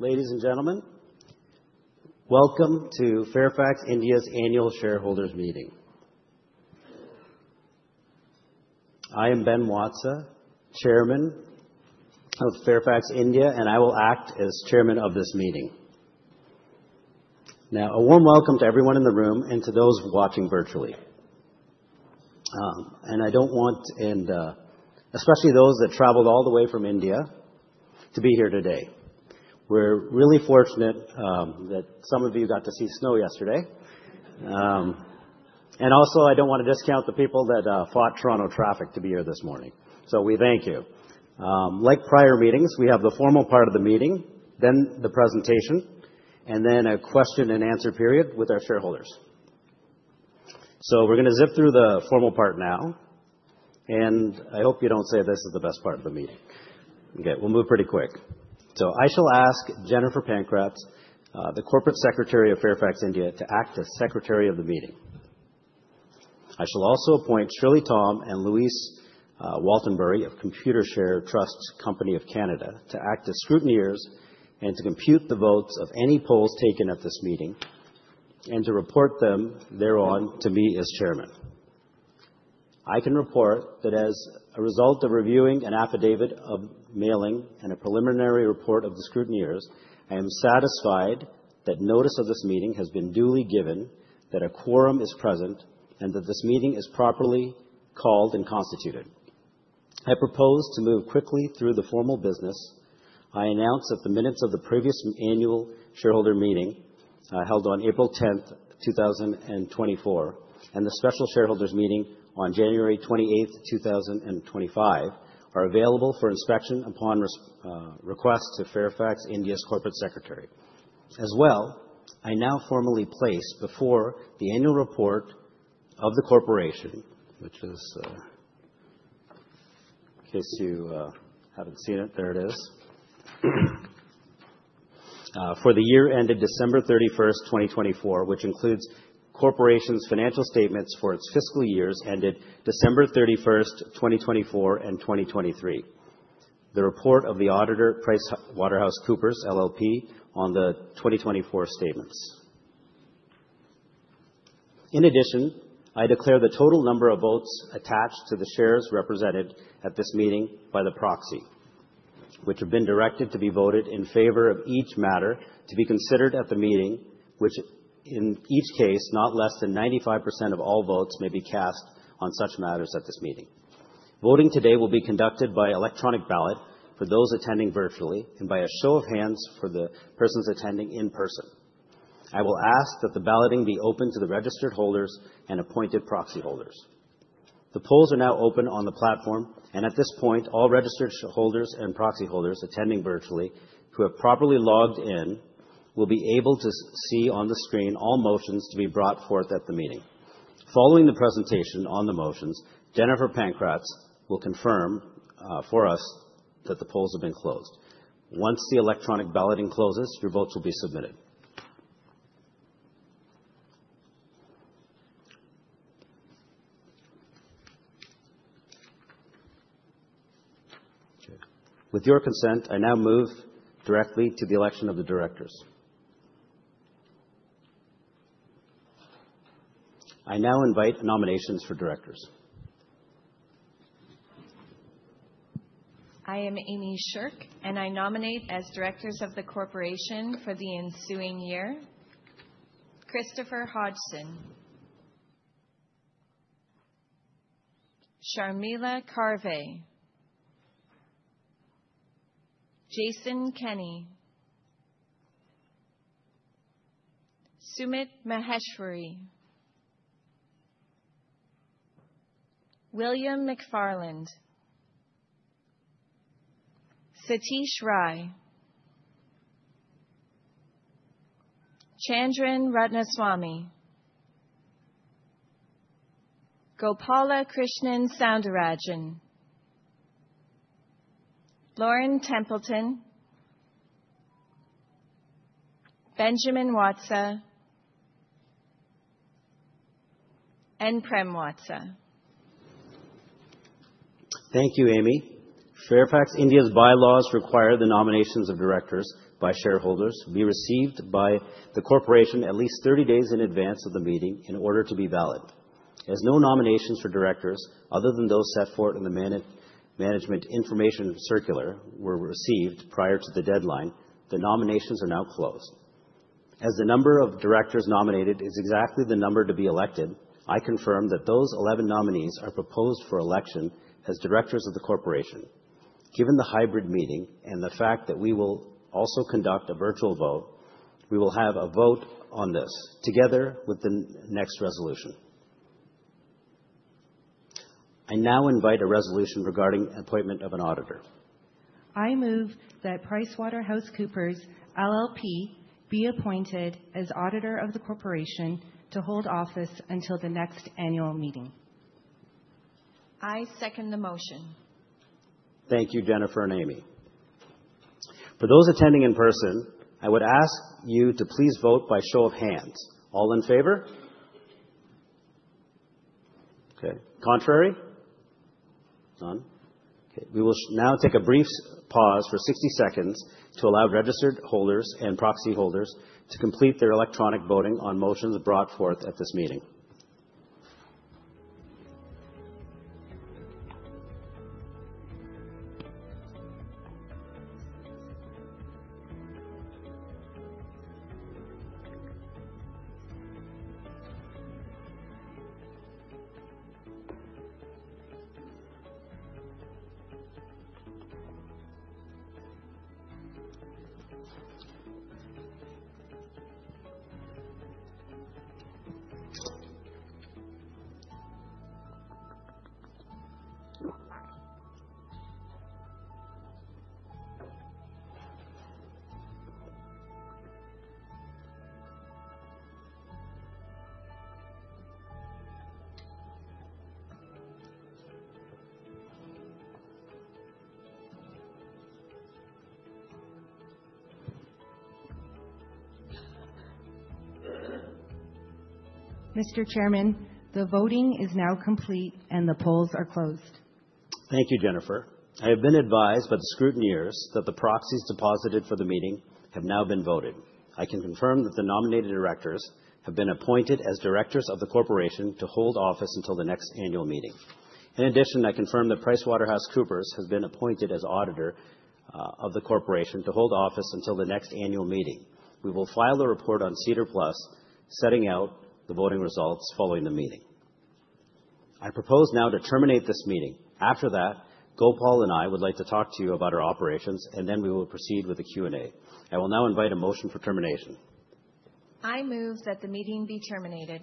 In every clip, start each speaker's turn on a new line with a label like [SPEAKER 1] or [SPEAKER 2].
[SPEAKER 1] Ladies and gentlemen, welcome to Fairfax India's Annual Shareholders Meeting. I am Ben Watsa, Chairman of Fairfax India, and I will act as Chairman of this meeting. A warm welcome to everyone in the room and to those watching virtually. I do not want, and especially those that traveled all the way from India, to be here today. We're really fortunate that some of you got to see snow yesterday. I also do not want to discount the people that fought Toronto traffic to be here this morning. We thank you. Like prior meetings, we have the formal part of the meeting, then the presentation, and then a question-and-answer period with our shareholders. We're going to zip through the formal part now, and I hope you do not say this is the best part of the meeting. Okay, we'll move pretty quick. I shall ask Jennifer Pankratz, the Corporate Secretary of Fairfax India, to act as Secretary of the meeting. I shall also appoint Shirley Tom and Louise Waltenbury of Computershare Trust Company of Canada to act as scrutineers and to compute the votes of any polls taken at this meeting and to report them thereon to me as Chairman. I can report that as a result of reviewing an affidavit of mailing and a preliminary report of the scrutineers, I am satisfied that notice of this meeting has been duly given, that a quorum is present, and that this meeting is properly called and constituted. I propose to move quickly through the formal business. I announce that the minutes of the previous annual shareholder meeting held on April 10, 2024, and the special shareholders meeting on January 28th, 2025, are available for inspection upon request to Fairfax India's Corporate Secretary. As well, I now formally place before the annual report of the corporation, which is, in case you haven't seen it, there it is, for the year ended December 31st, 2024, which includes the corporation's financial statements for its fiscal years ended December 31, 2024 and 2023, the report of the auditor PricewaterhouseCoopers LLP on the 2024 statements. In addition, I declare the total number of votes attached to the shares represented at this meeting by the proxy, which have been directed to be voted in favor of each matter to be considered at the meeting, which in each case not less than 95% of all votes may be cast on such matters at this meeting. Voting today will be conducted by electronic ballot for those attending virtually and by a show of hands for the persons attending in person. I will ask that the balloting be open to the registered holders and appointed proxy holders. The polls are now open on the platform, and at this point, all registered holders and proxy holders attending virtually who have properly logged in will be able to see on the screen all motions to be brought forth at the meeting. Following the presentation on the motions, Jennifer Pankratz will confirm for us that the polls have been closed. Once the electronic balloting closes, your votes will be submitted. With your consent, I now move directly to the election of the directors. I now invite nominations for directors.
[SPEAKER 2] I am Amy Sherk, and I nominate as directors of the corporation for the ensuing year: Christopher Hodgson, Sharmila Karve, Jason Kenney, Sumit Maheshwari, William McFarland, Satish Rai, Chandran Ratnaswami, Gopalakrishnan Soundarajan, Lauren Templeton, Benjamin Watsa, and Prem Watsa.
[SPEAKER 1] Thank you, Amy. Fairfax India's bylaws require the nominations of directors by shareholders to be received by the corporation at least 30 days in advance of the meeting in order to be valid. As no nominations for directors other than those set forth in the Management Information Circular were received prior to the deadline, the nominations are now closed. As the number of directors nominated is exactly the number to be elected, I confirm that those 11 nominees are proposed for election as directors of the corporation. Given the hybrid meeting and the fact that we will also conduct a virtual vote, we will have a vote on this together with the next resolution. I now invite a resolution regarding appointment of an auditor.
[SPEAKER 3] I move that PricewaterhouseCoopers LLP be appointed as auditor of the corporation to hold office until the next annual meeting.
[SPEAKER 2] I second the motion.
[SPEAKER 1] Thank you, Jennifer and Amy. For those attending in person, I would ask you to please vote by show of hands. All in favor? Okay. Contrary? None. Okay. We will now take a brief pause for 60 seconds to allow registered holders and proxy holders to complete their electronic voting on motions brought forth at this meeting.
[SPEAKER 3] Mr. Chairman, the voting is now complete and the polls are closed.
[SPEAKER 1] Thank you, Jennifer. I have been advised by the scrutineers that the proxies deposited for the meeting have now been voted. I can confirm that the nominated directors have been appointed as directors of the corporation to hold office until the next annual meeting. In addition, I confirm that PricewaterhouseCoopers has been appointed as auditor of the corporation to hold office until the next annual meeting. We will file a report on SEDAR+ setting out the voting results following the meeting. I propose now to terminate this meeting. After that, Gopal and I would like to talk to you about our operations, and then we will proceed with the Q&A. I will now invite a motion for termination.
[SPEAKER 2] I move that the meeting be terminated.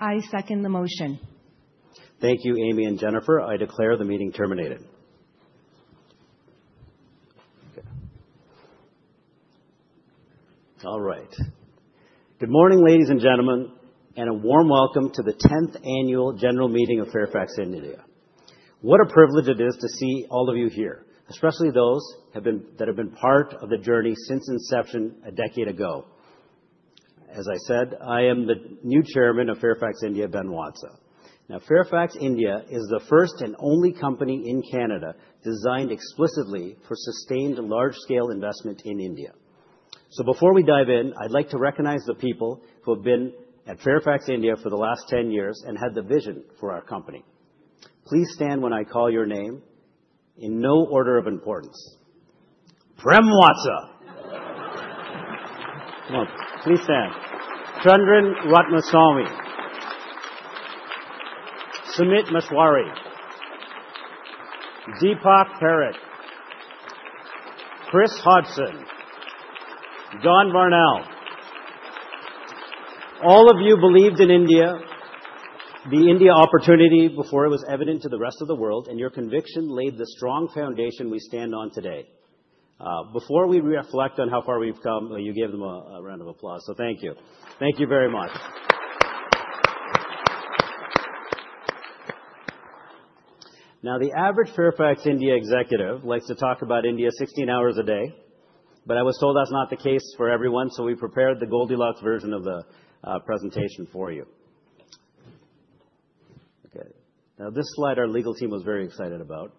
[SPEAKER 3] I second the motion.
[SPEAKER 1] Thank you, Amy and Jennifer. I declare the meeting terminated. All right. Good morning, ladies and gentlemen, and a warm welcome to the 10th Annual General Meeting of Fairfax India. What a privilege it is to see all of you here, especially those that have been part of the journey since inception a decade ago. As I said, I am the new Chairman of Fairfax India, Ben Watsa. Now, Fairfax India is the first and only company in Canada designed explicitly for sustained large-scale investment in India. Before we dive in, I'd like to recognize the people who have been at Fairfax India for the last 10 years and had the vision for our company. Please stand when I call your name in no order of importance. Prem Watsa. Come on, please stand. Chandran Ratnaswami, Sumit Maheshwari, Deepak Parekh, Chris Hodgson, John Varnell. All of you believed in India, the India opportunity before it was evident to the rest of the world, and your conviction laid the strong foundation we stand on today. Before we reflect on how far we've come, you gave them a round of applause. Thank you. Thank you very much. Now, the average Fairfax India executive likes to talk about India 16 hours a day, but I was told that's not the case for everyone, so we prepared the Goldilocks version of the presentation for you. Okay. Now, this slide our legal team was very excited about,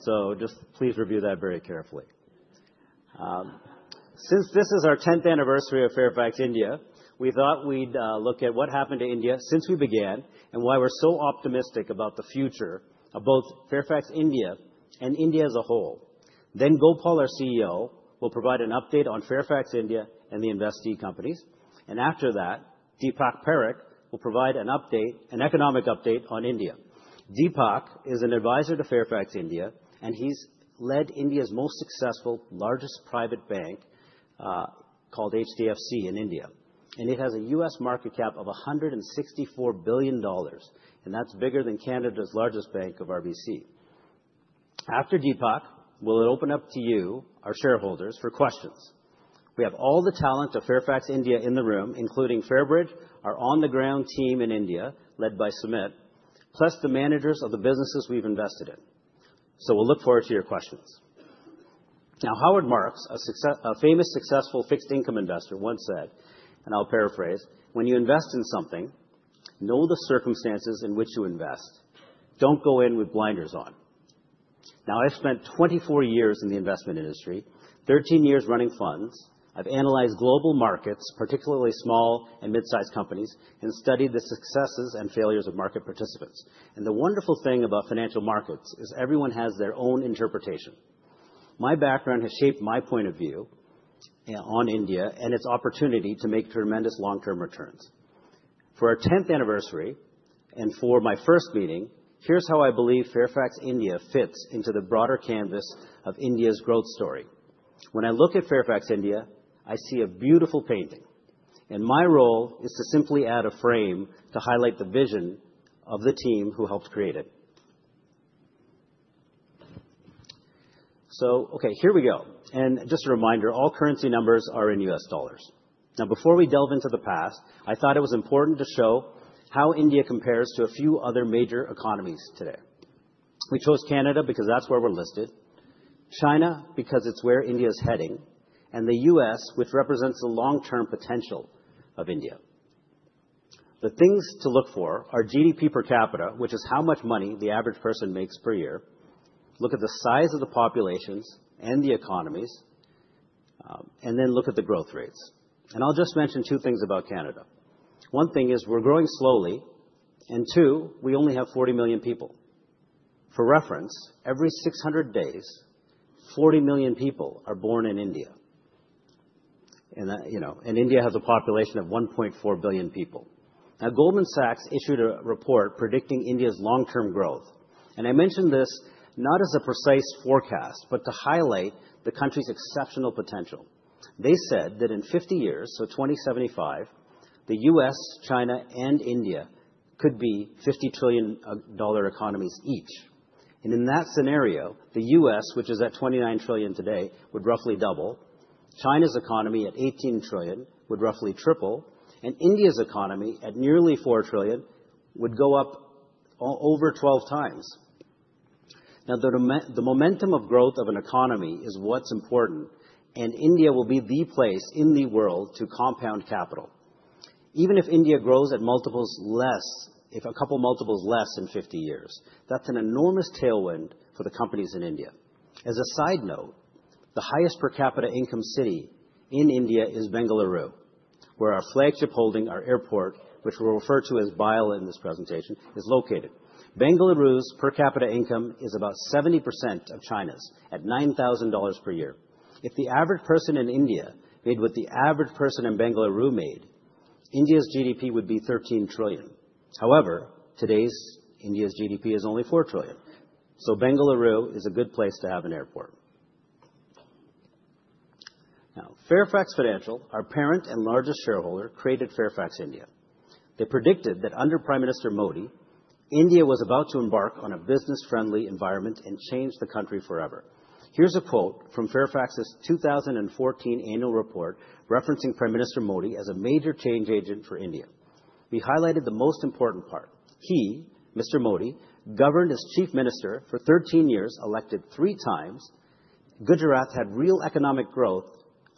[SPEAKER 1] so just please review that very carefully. Since this is our 10th anniversary of Fairfax India, we thought we'd look at what happened to India since we began and why we're so optimistic about the future of both Fairfax India and India as a whole. Gopal, our CEO, will provide an update on Fairfax India and the investee companies. After that, Deepak Parekh will provide an economic update on India. Deepak is an advisor to Fairfax India, and he has led India's most successful, largest private bank called HDFC in India. It has a U.S. market cap of $164 billion, and that's bigger than Canada's largest bank of RBC. After Deepak, we'll open up to you, our shareholders, for questions. We have all the talent of Fairfax India in the room, including Fairbridge, our on-the-ground team in India led by Sumit, plus the managers of the businesses we've invested in. We look forward to your questions. Howard Marks, a famous, successful fixed-income investor, once said, and I'll paraphrase, "When you invest in something, know the circumstances in which you invest. Don't go in with blinders on." I have spent 24 years in the investment industry, 13 years running funds. I have analyzed global markets, particularly small and mid-sized companies, and studied the successes and failures of market participants. The wonderful thing about financial markets is everyone has their own interpretation. My background has shaped my point of view on India and its opportunity to make tremendous long-term returns. For our 10th anniversary and for my first meeting, here is how I believe Fairfax India fits into the broader canvas of India's growth story. When I look at Fairfax India, I see a beautiful painting, and my role is to simply add a frame to highlight the vision of the team who helped create it. Here we go. Just a reminder, all currency numbers are in U.S. dollars. Now, before we delve into the past, I thought it was important to show how India compares to a few other major economies today. We chose Canada because that's where we're listed, China because it's where India is heading, and the U.S., which represents the long-term potential of India. The things to look for are GDP per capita, which is how much money the average person makes per year. Look at the size of the populations and the economies, and then look at the growth rates. I'll just mention two things about Canada. One thing is we're growing slowly, and two, we only have 40 million people. For reference, every 600 days, 40 million people are born in India. You know, India has a population of 1.4 billion people. Now, Goldman Sachs issued a report predicting India's long-term growth. I mentioned this not as a precise forecast, but to highlight the country's exceptional potential. They said that in 50 years, so 2075, the U.S., China, and India could be $50 trillion economies each. In that scenario, the U.S., which is at $29 trillion today, would roughly double. China's economy at $18 trillion would roughly triple, and India's economy at nearly $4 trillion would go up over 12 times. Now, the momentum of growth of an economy is what's important, and India will be the place in the world to compound capital. Even if India grows at multiples less, if a couple multiples less in 50 years, that's an enormous tailwind for the companies in India. As a side note, the highest per capita income city in India is Bengaluru, where our flagship holding, our airport, which we'll refer to as BIAL in this presentation, is located. Bengaluru's per capita income is about 70% of China's at $9,000 per year. If the average person in India made what the average person in Bengaluru made, India's GDP would be $13 trillion. However, today's India's GDP is only $4 trillion. So Bengaluru is a good place to have an airport. Now, Fairfax Financial, our parent and largest shareholder, created Fairfax India. They predicted that under Prime Minister Modi, India was about to embark on a business-friendly environment and change the country forever. Here's a quote from Fairfax's 2014 annual report referencing Prime Minister Modi as a major change agent for India. We highlighted the most important part. He, Mr. Modi, governed as Chief Minister for 13 years, elected three times. Gujarat had real economic growth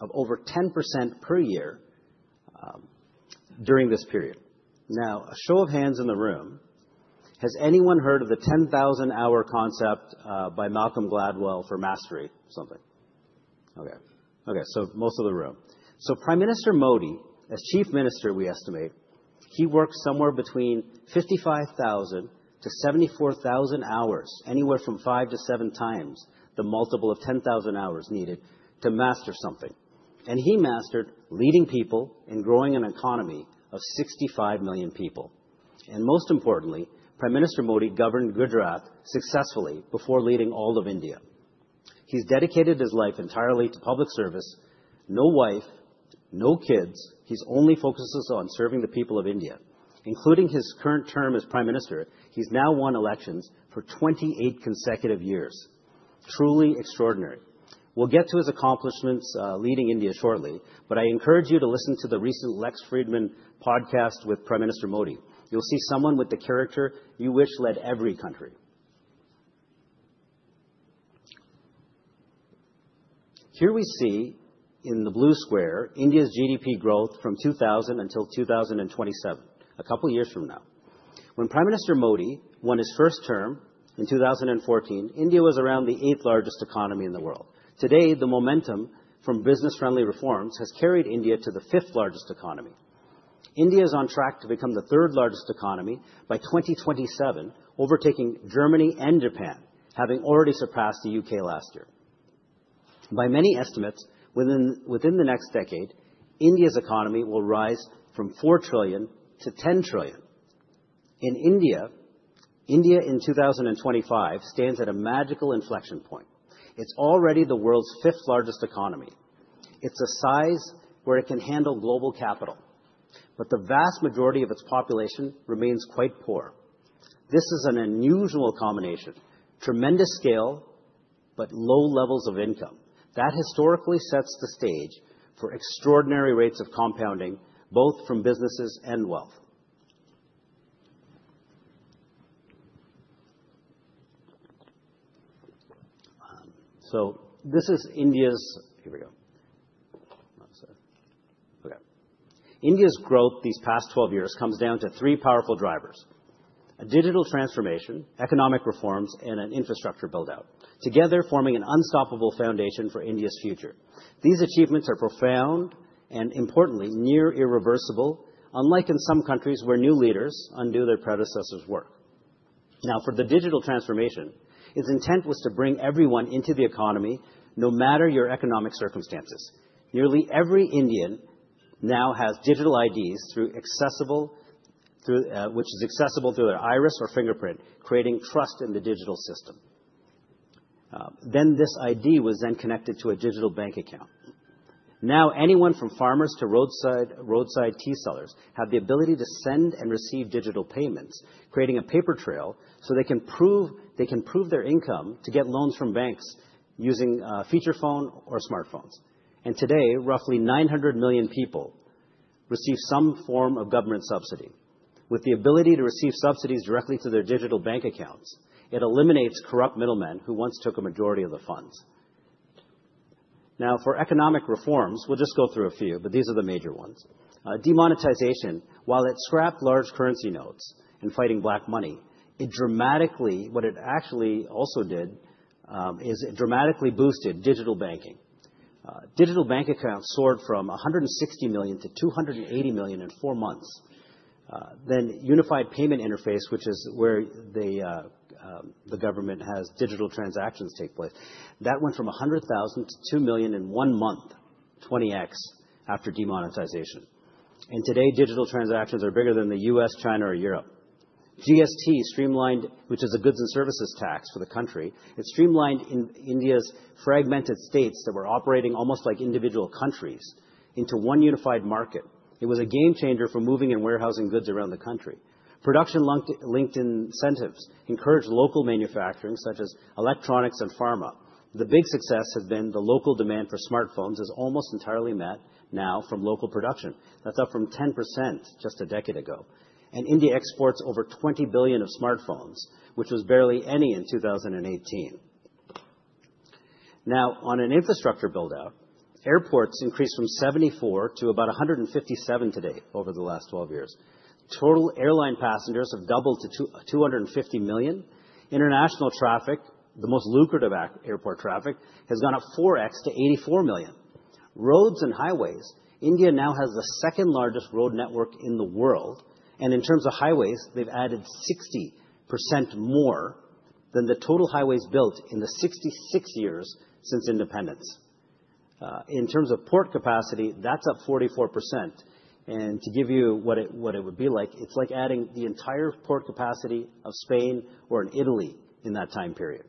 [SPEAKER 1] of over 10% per year during this period. Now, a show of hands in the room. Has anyone heard of the 10,000-hour concept by Malcolm Gladwell for mastery of something? Okay. Okay. So most of the room. Prime Minister Modi, as Chief Minister, we estimate he worked somewhere between 55,000 to 74,000 hours, anywhere from five to seven times the multiple of 10,000 hours needed to master something. He mastered leading people and growing an economy of 65 million people. Most importantly, Prime Minister Modi governed Gujarat successfully before leading all of India. He's dedicated his life entirely to public service. No wife, no kids. He's only focused on serving the people of India. Including his current term as Prime Minister, he's now won elections for 28 consecutive years. Truly extraordinary. We'll get to his accomplishments leading India shortly, but I encourage you to listen to the recent Lex Fridman podcast with Prime Minister Modi. You'll see someone with the character you wish led every country. Here we see in the blue square India's GDP growth from 2000 until 2027, a couple of years from now. When Prime Minister Modi won his first term in 2014, India was around the eighth largest economy in the world. Today, the momentum from business-friendly reforms has carried India to the fifth largest economy. India is on track to become the third largest economy by 2027, overtaking Germany and Japan, having already surpassed the U.K. last year. By many estimates, within the next decade, India's economy will rise from $4 trillion-$10 trillion. In India, India in 2025 stands at a magical inflection point. It's already the world's fifth largest economy. It's a size where it can handle global capital, but the vast majority of its population remains quite poor. This is an unusual combination: tremendous scale, but low levels of income. That historically sets the stage for extraordinary rates of compounding, both from businesses and wealth. This is India's—here we go. Okay. India's growth these past 12 years comes down to three powerful drivers: a digital transformation, economic reforms, and an infrastructure build-out, together forming an unstoppable foundation for India's future. These achievements are profound and, importantly, near irreversible, unlike in some countries where new leaders undo their predecessors' work. Now, for the digital transformation, its intent was to bring everyone into the economy, no matter your economic circumstances. Nearly every Indian now has digital IDs, which is accessible through their iris or fingerprint, creating trust in the digital system. This ID was then connected to a digital bank account. Now, anyone from farmers to roadside tea sellers had the ability to send and receive digital payments, creating a paper trail so they can prove their income to get loans from banks using a feature phone or smartphones. Today, roughly 900 million people receive some form of government subsidy. With the ability to receive subsidies directly to their digital bank accounts, it eliminates corrupt middlemen who once took a majority of the funds. Now, for economic reforms, we'll just go through a few, but these are the major ones. Demonetization, while it scrapped large currency notes and fighting black money, what it actually also did is it dramatically boosted digital banking. Digital bank accounts soared from 160 million to 280 million in four months. Unified Payments Interface, which is where the government has digital transactions take place, that went from 100,000 to 2 million in one month, 20x after demonetization. Today, digital transactions are bigger than the U.S., China, or Europe. GST, streamlined, which is a goods and services tax for the country, it streamlined India's fragmented states that were operating almost like individual countries into one unified market. It was a game changer for moving and warehousing goods around the country. Production-linked incentives encouraged local manufacturing, such as electronics and pharma. The big success has been the local demand for smartphones is almost entirely met now from local production. That is up from 10% just a decade ago. India exports over $20 billion of smartphones, which was barely any in 2018. On an infrastructure build-out, airports increased from 74 to about 157 today over the last 12 years. Total airline passengers have doubled to 250 million. International traffic, the most lucrative airport traffic, has gone up 4x to 84 million. Roads and highways: India now has the second largest road network in the world. In terms of highways, they've added 60% more than the total highways built in the 66 years since independence. In terms of port capacity, that's up 44%. To give you what it would be like, it's like adding the entire port capacity of Spain or Italy in that time period.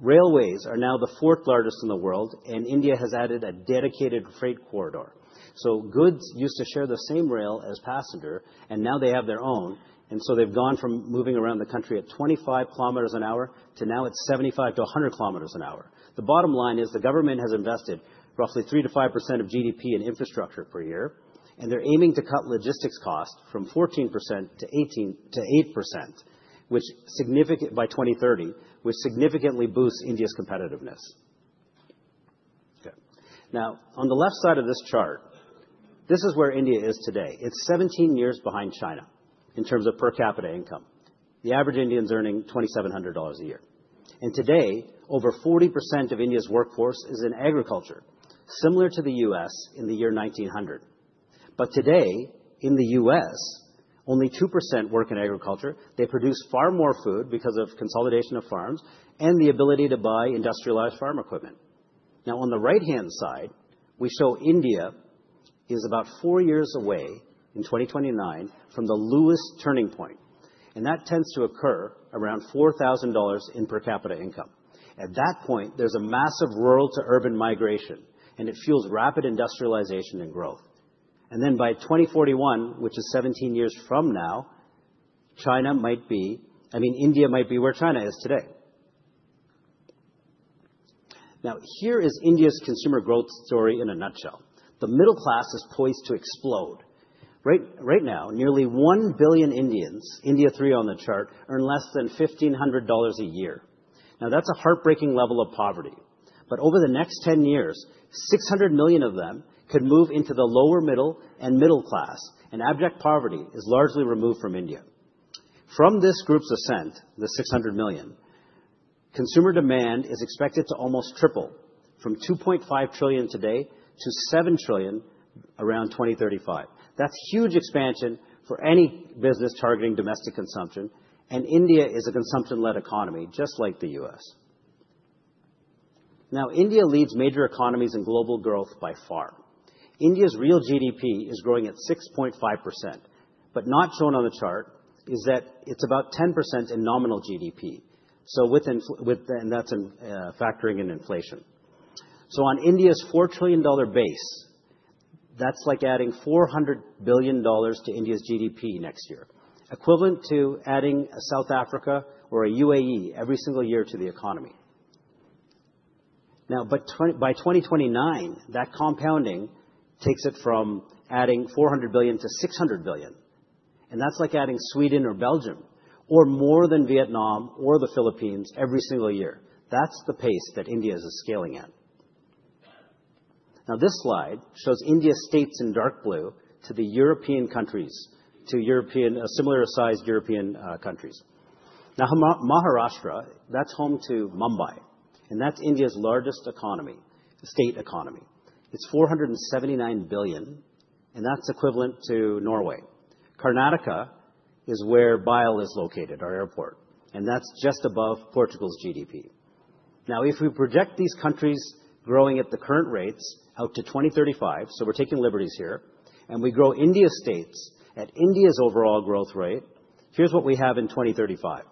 [SPEAKER 1] Railways are now the fourth largest in the world, and India has added a dedicated freight corridor. Goods used to share the same rail as passenger, and now they have their own. They have gone from moving around the country at 25 km an hour to now it's 75-100 km an hour. The bottom line is the government has invested roughly 3%-5% of GDP in infrastructure per year, and they're aiming to cut logistics costs from 14% to 8% by 2030, which significantly boosts India's competitiveness. Okay. Now, on the left side of this chart, this is where India is today. It's 17 years behind China in terms of per capita income. The average Indian's earning $2,700 a year. Today, over 40% of India's workforce is in agriculture, similar to the U.S. in the year 1900. Today, in the U.S., only 2% work in agriculture. They produce far more food because of consolidation of farms and the ability to buy industrialized farm equipment. Now, on the right-hand side, we show India is about four years away in 2029 from the lowest turning point. That tends to occur around $4,000 in per capita income. At that point, there's a massive rural to urban migration, and it fuels rapid industrialization and growth. Then by 2041, which is 17 years from now, India might be where China is today. Now, here is India's consumer growth story in a nutshell. The middle class is poised to explode. Right now, nearly 1 billion Indians—India 3 on the chart—earn less than $1,500 a year. Now, that's a heartbreaking level of poverty. Over the next 10 years, 600 million of them could move into the lower middle and middle class, and abject poverty is largely removed from India. From this group's ascent, the 600 million, consumer demand is expected to almost triple from $2.5 trillion today to $7 trillion around 2035. That's huge expansion for any business targeting domestic consumption. India is a consumption-led economy, just like the U.S. Now, India leads major economies in global growth by far. India's real GDP is growing at 6.5%, but not shown on the chart is that it's about 10% in nominal GDP. Within—and that's factoring in inflation. On India's $4 trillion base, that's like adding $400 billion to India's GDP next year, equivalent to adding a South Africa or a UAE every single year to the economy. By 2029, that compounding takes it from adding $400 billion to $600 billion. That's like adding Sweden or Belgium or more than Vietnam or the Philippines every single year. That's the pace that India is scaling at. This slide shows India's states in dark blue to the European countries, to European—similar sized European countries. Maharashtra, that's home to Mumbai, and that's India's largest economy, state economy. It's $479 billion, and that's equivalent to Norway. Karnataka is where BIAL is located, our airport, and that's just above Portugal's GDP. Now, if we project these countries growing at the current rates out to 2035, so we're taking liberties here, and we grow India's states at India's overall growth rate, here's what we have in 2035.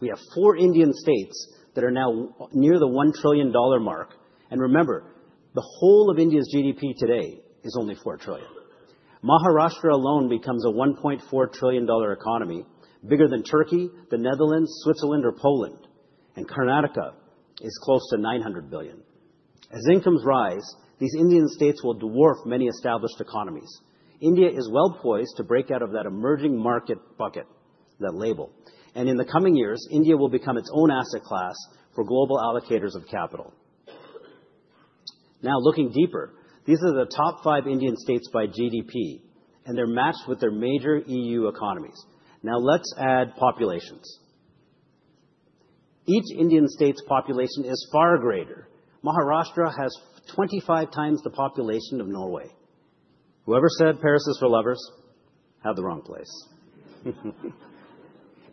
[SPEAKER 1] We have four Indian states that are now near the $1 trillion mark. Remember, the whole of India's GDP today is only $4 trillion. Maharashtra alone becomes a $1.4 trillion economy, bigger than Turkey, the Netherlands, Switzerland, or Poland. Karnataka is close to $900 billion. As incomes rise, these Indian states will dwarf many established economies. India is well poised to break out of that emerging market bucket, that label. In the coming years, India will become its own asset class for global allocators of capital. Now, looking deeper, these are the top five Indian states by GDP, and they're matched with their major EU economies. Now, let's add populations. Each Indian state's population is far greater. Maharashtra has 25 times the population of Norway. Whoever said Paris is for lovers had the wrong place.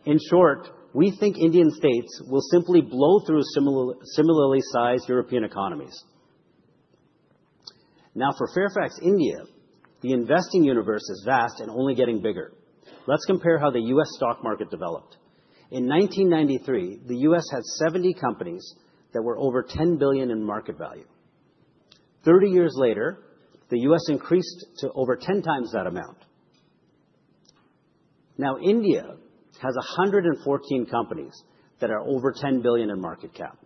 [SPEAKER 1] In short, we think Indian states will simply blow through similarly sized European economies. Now, for Fairfax India, the investing universe is vast and only getting bigger. Let's compare how the U.S. stock market developed. In 1993, the U.S. had 70 companies that were over $10 billion in market value. Thirty years later, the U.S. increased to over 10 times that amount. Now, India has 114 companies that are over $10 billion in market cap.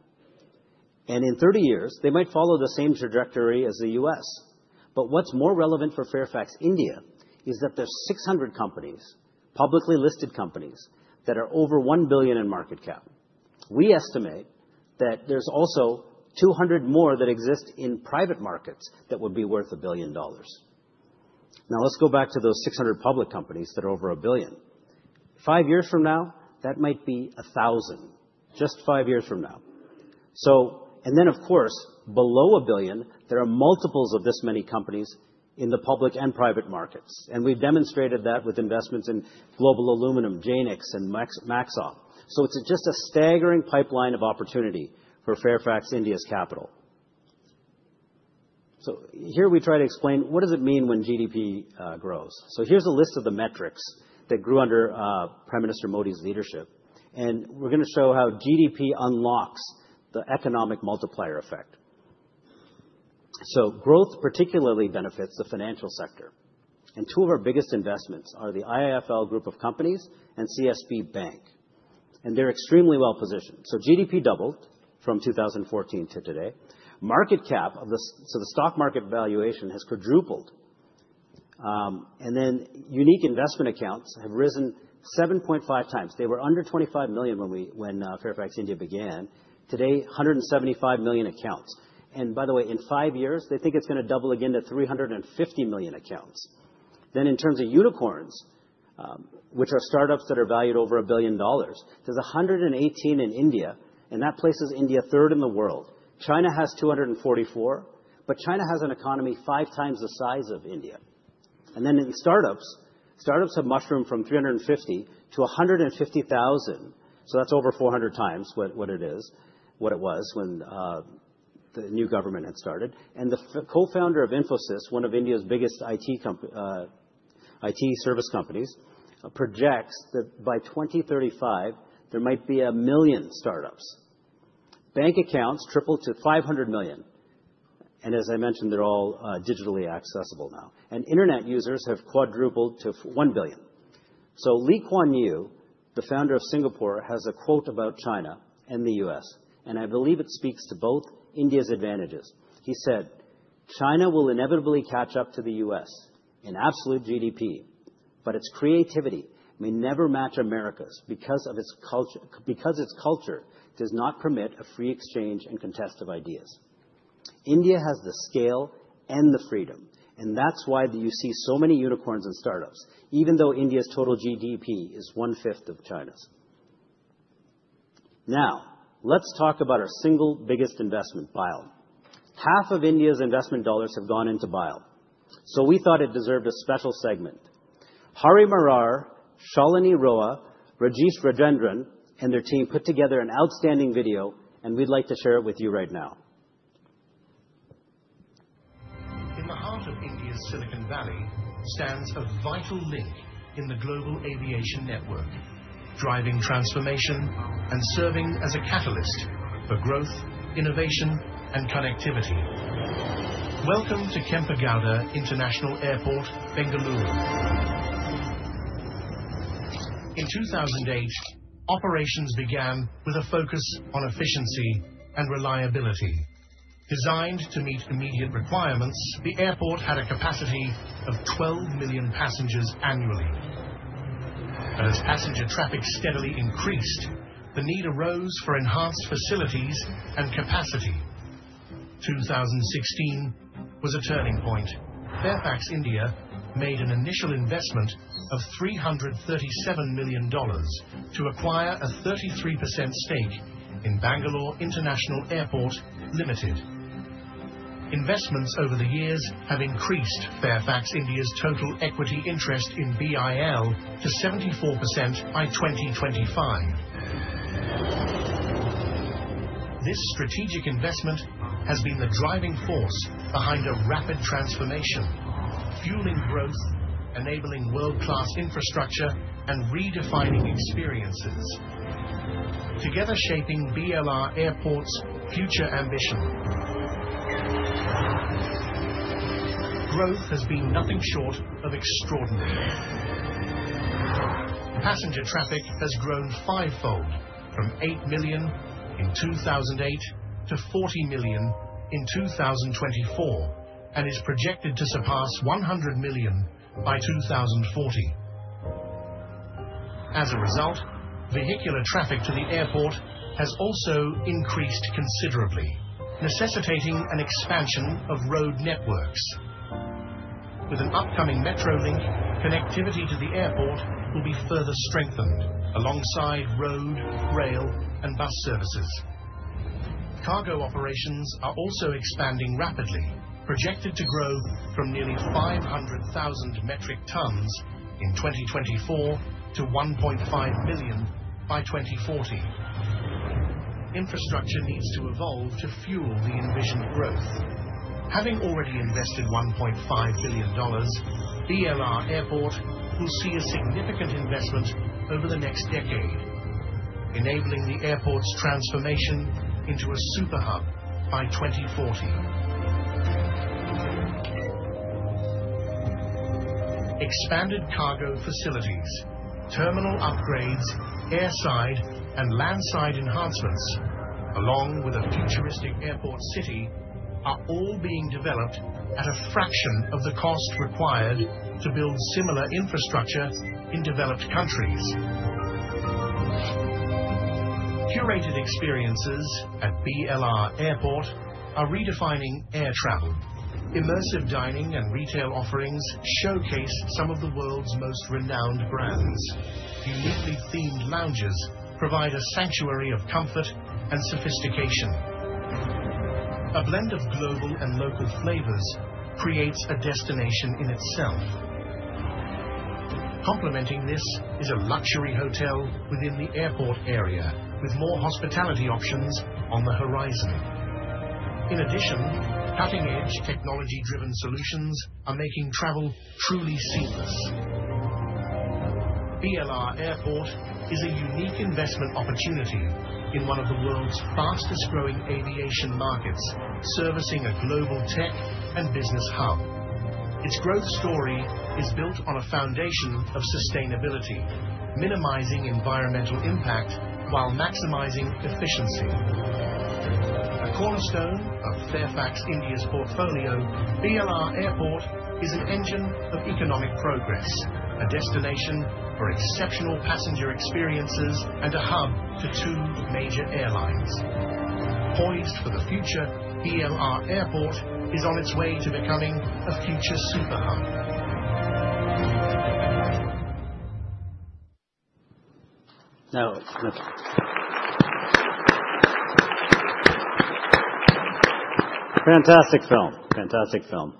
[SPEAKER 1] In 30 years, they might follow the same trajectory as the U.S. But what's more relevant for Fairfax India is that there's 600 companies, publicly listed companies, that are over $1 billion in market cap. We estimate that there's also 200 more that exist in private markets that would be worth a billion dollars. Now, let's go back to those 600 public companies that are over a billion. Five years from now, that might be 1,000, just five years from now. Of course, below a billion, there are multiples of this many companies in the public and private markets. We've demonstrated that with investments in Global Aluminum, Jaynix, and Maxop Engineering. It is just a staggering pipeline of opportunity for Fairfax India's capital. Here we try to explain what does it mean when GDP grows. Here is a list of the metrics that grew under Prime Minister Modi's leadership. We're going to show how GDP unlocks the economic multiplier effect. Growth particularly benefits the financial sector. Two of our biggest investments are the IIFL Group of Companies and CSB Bank. They're extremely well positioned. GDP doubled from 2014 to today. Market cap of the—so the stock market valuation has quadrupled. Unique investment accounts have risen 7.5 times. They were under 25 million when Fairfax India began. Today, 175 million accounts. By the way, in five years, they think it's going to double again to 350 million accounts. In terms of unicorns, which are startups that are valued over $1 billion, there's 118 in India, and that places India third in the world. China has 244, but China has an economy five times the size of India. In startups, startups have mushroomed from 350 to 150,000. That is over 400 times what it is, what it was when the new government had started. The co-founder of Infosys, one of India's biggest IT service companies, projects that by 2035, there might be a million startups. Bank accounts tripled to 500 million. As I mentioned, they are all digitally accessible now. Internet users have quadrupled to 1 billion. Lee Kuan Yew, the founder of Singapore, has a quote about China and the U.S. I believe it speaks to both India's advantages. He said, "China will inevitably catch up to the U.S. in absolute GDP, but its creativity may never match America's because its culture does not permit a free exchange and contest of ideas." India has the scale and the freedom, and that is why you see so many unicorns and startups, even though India's total GDP is 1/5 of China's. Now, let's talk about our single biggest investment, BIAL. Half of India's investment dollars have gone into BIAL. We thought it deserved a special segment. Hari Marar, Shalini Rao, Rajesh Rajendran, and their team put together an outstanding video, and we'd like to share it with you right now. In the heart of India's Silicon Valley stands a vital link in the global aviation network, driving transformation and serving as a catalyst for growth, innovation, and connectivity. Welcome to Kempegowda International Airport, Bengaluru. In 2008, operations began with a focus on efficiency and reliability. Designed to meet immediate requirements, the airport had a capacity of 12 million passengers annually. As passenger traffic steadily increased, the need arose for enhanced facilities and capacity. 2016 was a turning point. Fairfax India made an initial investment of $337 million to acquire a 33% stake in Bangalore International Airport Limited. Investments over the years have increased Fairfax India's total equity interest in BIAL to 74% by 2025. This strategic investment has been the driving force behind a rapid transformation, fueling growth, enabling world-class infrastructure, and redefining experiences, together shaping BLR Airport's future ambition. Growth has been nothing short of extraordinary. Passenger traffic has grown fivefold from 8 million in 2008 to 40 million in 2024 and is projected to surpass 100 million by 2040. As a result, vehicular traffic to the airport has also increased considerably, necessitating an expansion of road networks. With an upcoming metro link, connectivity to the airport will be further strengthened alongside road, rail, and bus services. Cargo operations are also expanding rapidly, projected to grow from nearly 500,000 metric tons in 2024 to 1.5 million by 2040. Infrastructure needs to evolve to fuel the envisioned growth. Having already invested $1.5 billion, BLR Airport will see a significant investment over the next decade, enabling the airport's transformation into a superhub by 2040. Expanded cargo facilities, terminal upgrades, airside and landside enhancements, along with a futuristic airport city, are all being developed at a fraction of the cost required to build similar infrastructure in developed countries. Curated experiences at BLR Airport are redefining air travel. Immersive dining and retail offerings showcase some of the world's most renowned brands. Uniquely themed lounges provide a sanctuary of comfort and sophistication. A blend of global and local flavors creates a destination in itself. Complementing this is a luxury hotel within the airport area, with more hospitality options on the horizon. In addition, cutting-edge technology-driven solutions are making travel truly seamless. BLR Airport is a unique investment opportunity in one of the world's fastest-growing aviation markets, servicing a global tech and business hub. Its growth story is built on a foundation of sustainability, minimizing environmental impact while maximizing efficiency. A cornerstone of Fairfax India's portfolio, BLR Airport is an engine of economic progress, a destination for exceptional passenger experiences, and a hub to two major airlines. Poised for the future, BLR Airport is on its way to becoming a future superhub. Fantastic film, fantastic film.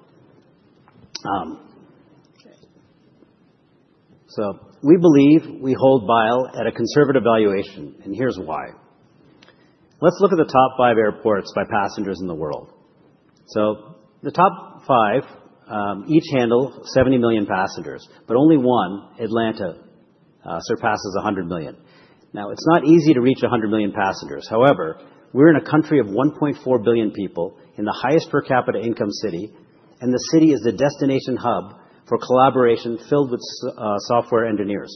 [SPEAKER 1] We believe we hold BIAL at a conservative valuation, and here's why. Let's look at the top five airports by passengers in the world. The top five each handle 70 million passengers, but only one, Atlanta, surpasses 100 million. It is not easy to reach 100 million passengers. However, we're in a country of 1.4 billion people in the highest per capita income city, and the city is the destination hub for collaboration filled with software engineers.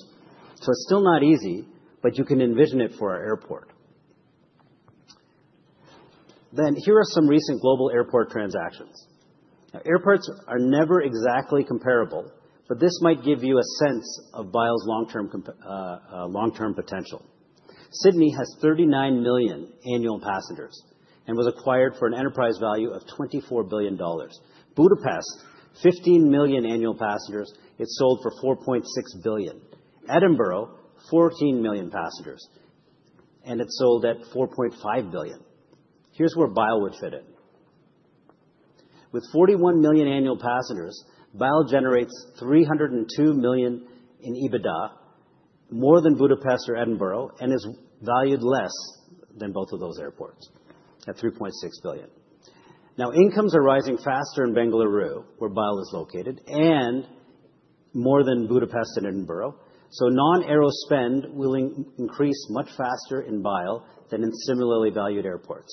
[SPEAKER 1] It's still not easy, but you can envision it for our airport. Here are some recent global airport transactions. Airports are never exactly comparable, but this might give you a sense of BIAL's long-term potential. Sydney has 39 million annual passengers and was acquired for an enterprise value of $24 billion. Budapest, 15 million annual passengers. It sold for $4.6 billion. Edinburgh, 14 million passengers, and it sold at $4.5 billion. Here's where BIAL would fit in. With 41 million annual passengers, BIAL generates $302 million in EBITDA, more than Budapest or Edinburgh, and is valued less than both of those airports at $3.6 billion. Now, incomes are rising faster in Bengaluru, where BIAL is located, and more than Budapest and Edinburgh. Non-aero spend will increase much faster in BIAL than in similarly valued airports.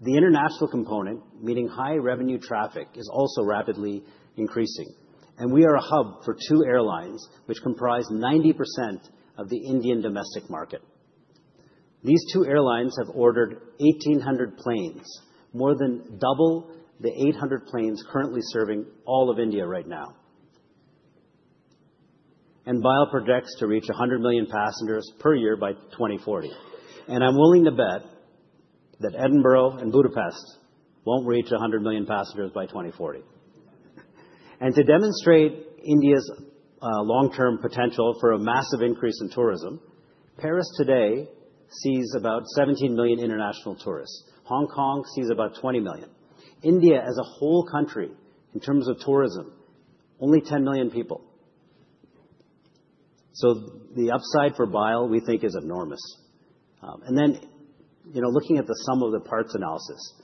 [SPEAKER 1] The international component, meaning high-revenue traffic, is also rapidly increasing. We are a hub for two airlines, which comprise 90% of the Indian domestic market. These two airlines have ordered 1,800 planes, more than double the 800 planes currently serving all of India right now. BIAL projects to reach 100 million passengers per year by 2040. I'm willing to bet that Edinburgh and Budapest won't reach 100 million passengers by 2040. To demonstrate India's long-term potential for a massive increase in tourism, Paris today sees about 17 million international tourists. Hong Kong sees about 20 million. India, as a whole country, in terms of tourism, only 10 million people. The upside for BIAL, we think, is enormous. And then, you know, looking at the sum of the parts analysis,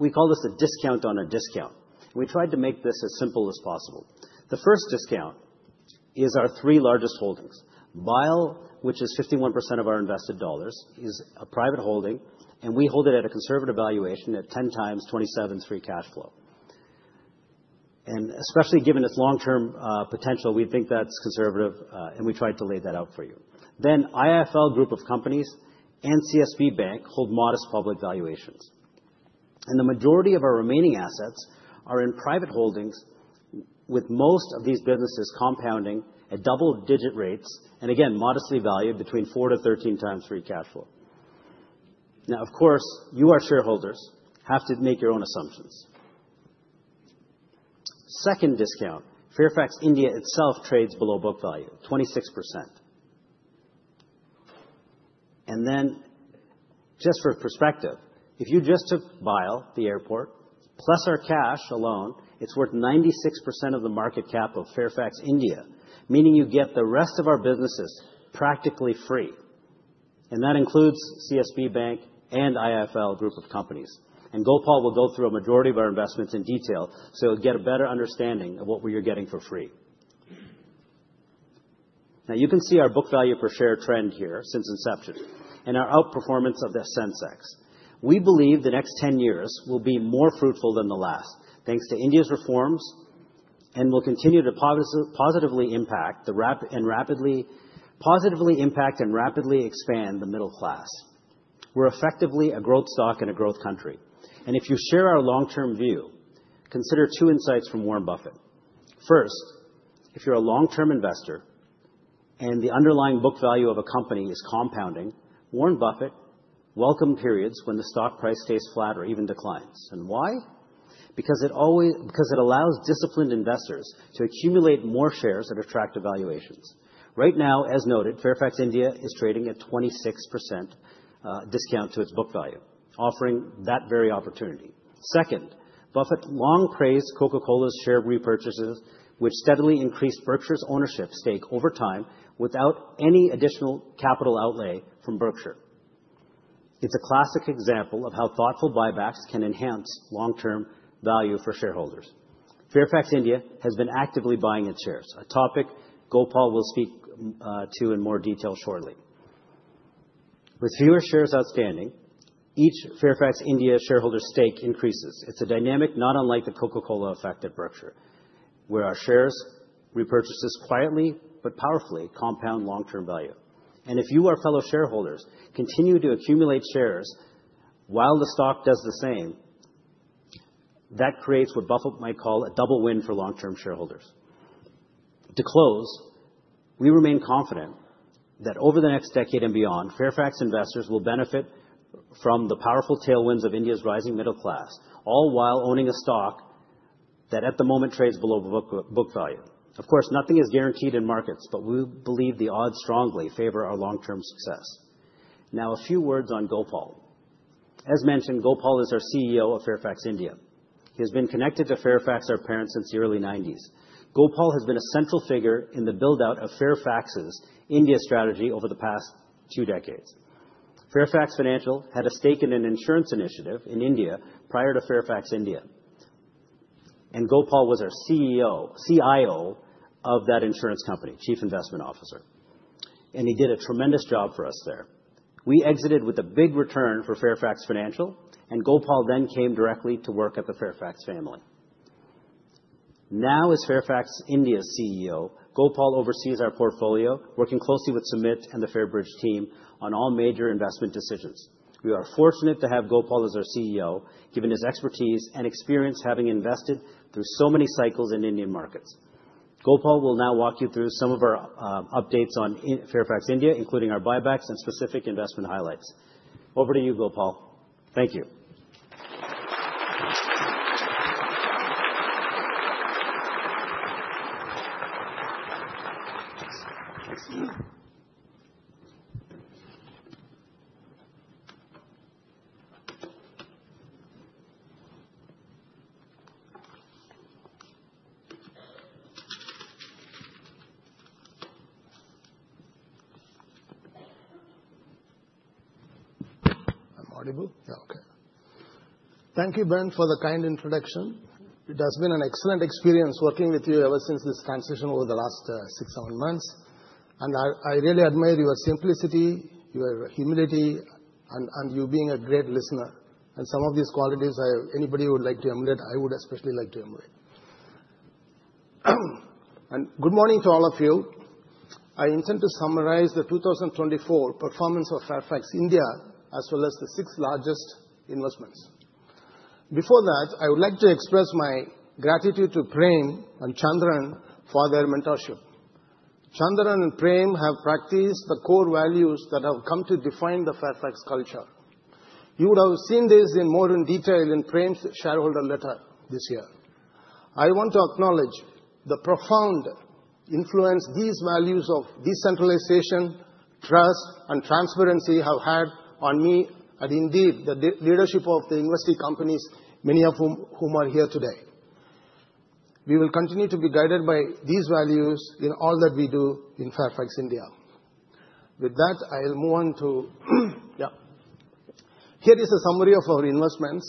[SPEAKER 1] we call this a discount on a discount. We tried to make this as simple as possible. The first discount is our three largest holdings. BIAL, which is 51% of our invested dollars, is a private holding, and we hold it at a conservative valuation at 10 times 2027 free cash flow. And especially given its long-term potential, we think that's conservative, and we tried to lay that out for you. Then IIFL Group of Companies and CSB Bank hold modest public valuations. And the majority of our remaining assets are in private holdings, with most of these businesses compounding at double-digit rates, and again, modestly valued between 4-13 times free cash flow. Now, of course, you, our shareholders, have to make your own assumptions. Second discount, Fairfax India itself trades below book value, 26%. Just for perspective, if you just took BIAL, the airport, plus our cash alone, it is worth 96% of the market cap of Fairfax India, meaning you get the rest of our businesses practically free. That includes CSB Bank and IIFL Group of Companies. Gopal will go through a majority of our investments in detail so you will get a better understanding of what you are getting for free. Now, you can see our book value per share trend here since inception and our outperformance of the Sensex. We believe the next 10 years will be more fruitful than the last, thanks to India's reforms, and will continue to positively impact and rapidly expand the middle class. We are effectively a growth stock and a growth country. If you share our long-term view, consider two insights from Warren Buffett. First, if you're a long-term investor and the underlying book value of a company is compounding, Warren Buffett welcomed periods when the stock price stays flat or even declines. Why? Because it allows disciplined investors to accumulate more shares at attractive valuations. Right now, as noted, Fairfax India is trading at 26% discount to its book value, offering that very opportunity. Second, Buffett long praised Coca-Cola's share repurchases, which steadily increased Berkshire's ownership stake over time without any additional capital outlay from Berkshire. It's a classic example of how thoughtful buybacks can enhance long-term value for shareholders. Fairfax India has been actively buying its shares, a topic Gopal will speak to in more detail shortly. With fewer shares outstanding, each Fairfax India shareholder's stake increases. It's a dynamic not unlike the Coca-Cola effect at Berkshire, where our share repurchases quietly but powerfully compound long-term value. If you, our fellow shareholders, continue to accumulate shares while the stock does the same, that creates what Buffett might call a double win for long-term shareholders. To close, we remain confident that over the next decade and beyond, Fairfax investors will benefit from the powerful tailwinds of India's rising middle class, all while owning a stock that at the moment trades below book value. Of course, nothing is guaranteed in markets, but we believe the odds strongly favor our long-term success. Now, a few words on Gopal. As mentioned, Gopal is our CEO of Fairfax India. He has been connected to Fairfax, our parent, since the early 1990s. Gopal has been a central figure in the build-out of Fairfax's India strategy over the past two decades. Fairfax Financial had a stake in an insurance initiative in India prior to Fairfax India. Gopal was our CIO of that insurance company, Chief Investment Officer. He did a tremendous job for us there. We exited with a big return for Fairfax Financial, and Gopal then came directly to work at the Fairfax family. Now, as Fairfax India's CEO, Gopal oversees our portfolio, working closely with Sumit and the Fairbridge team on all major investment decisions. We are fortunate to have Gopal as our CEO, given his expertise and experience having invested through so many cycles in Indian markets. Gopal will now walk you through some of our updates on Fairfax India, including our buybacks and specific investment highlights. Over to you, Gopal. Thank you.
[SPEAKER 4] Thank you, Ben, for the kind introduction. It has been an excellent experience working with you ever since this transition over the last six or seven months. I really admire your simplicity, your humility, and you being a great listener. Some of these qualities anybody would like to emulate, I would especially like to emulate. Good morning to all of you. I intend to summarize the 2024 performance of Fairfax India, as well as the six largest investments. Before that, I would like to express my gratitude to Prem and Chandran for their mentorship. Chandran and Prem have practiced the core values that have come to define the Fairfax culture. You would have seen this in more detail in Prem's shareholder letter this year. I want to acknowledge the profound influence these values of decentralization, trust, and transparency have had on me and indeed the leadership of the investing companies, many of whom are here today. We will continue to be guided by these values in all that we do in Fairfax India. With that, I'll move on to, yeah. Here is a summary of our investments.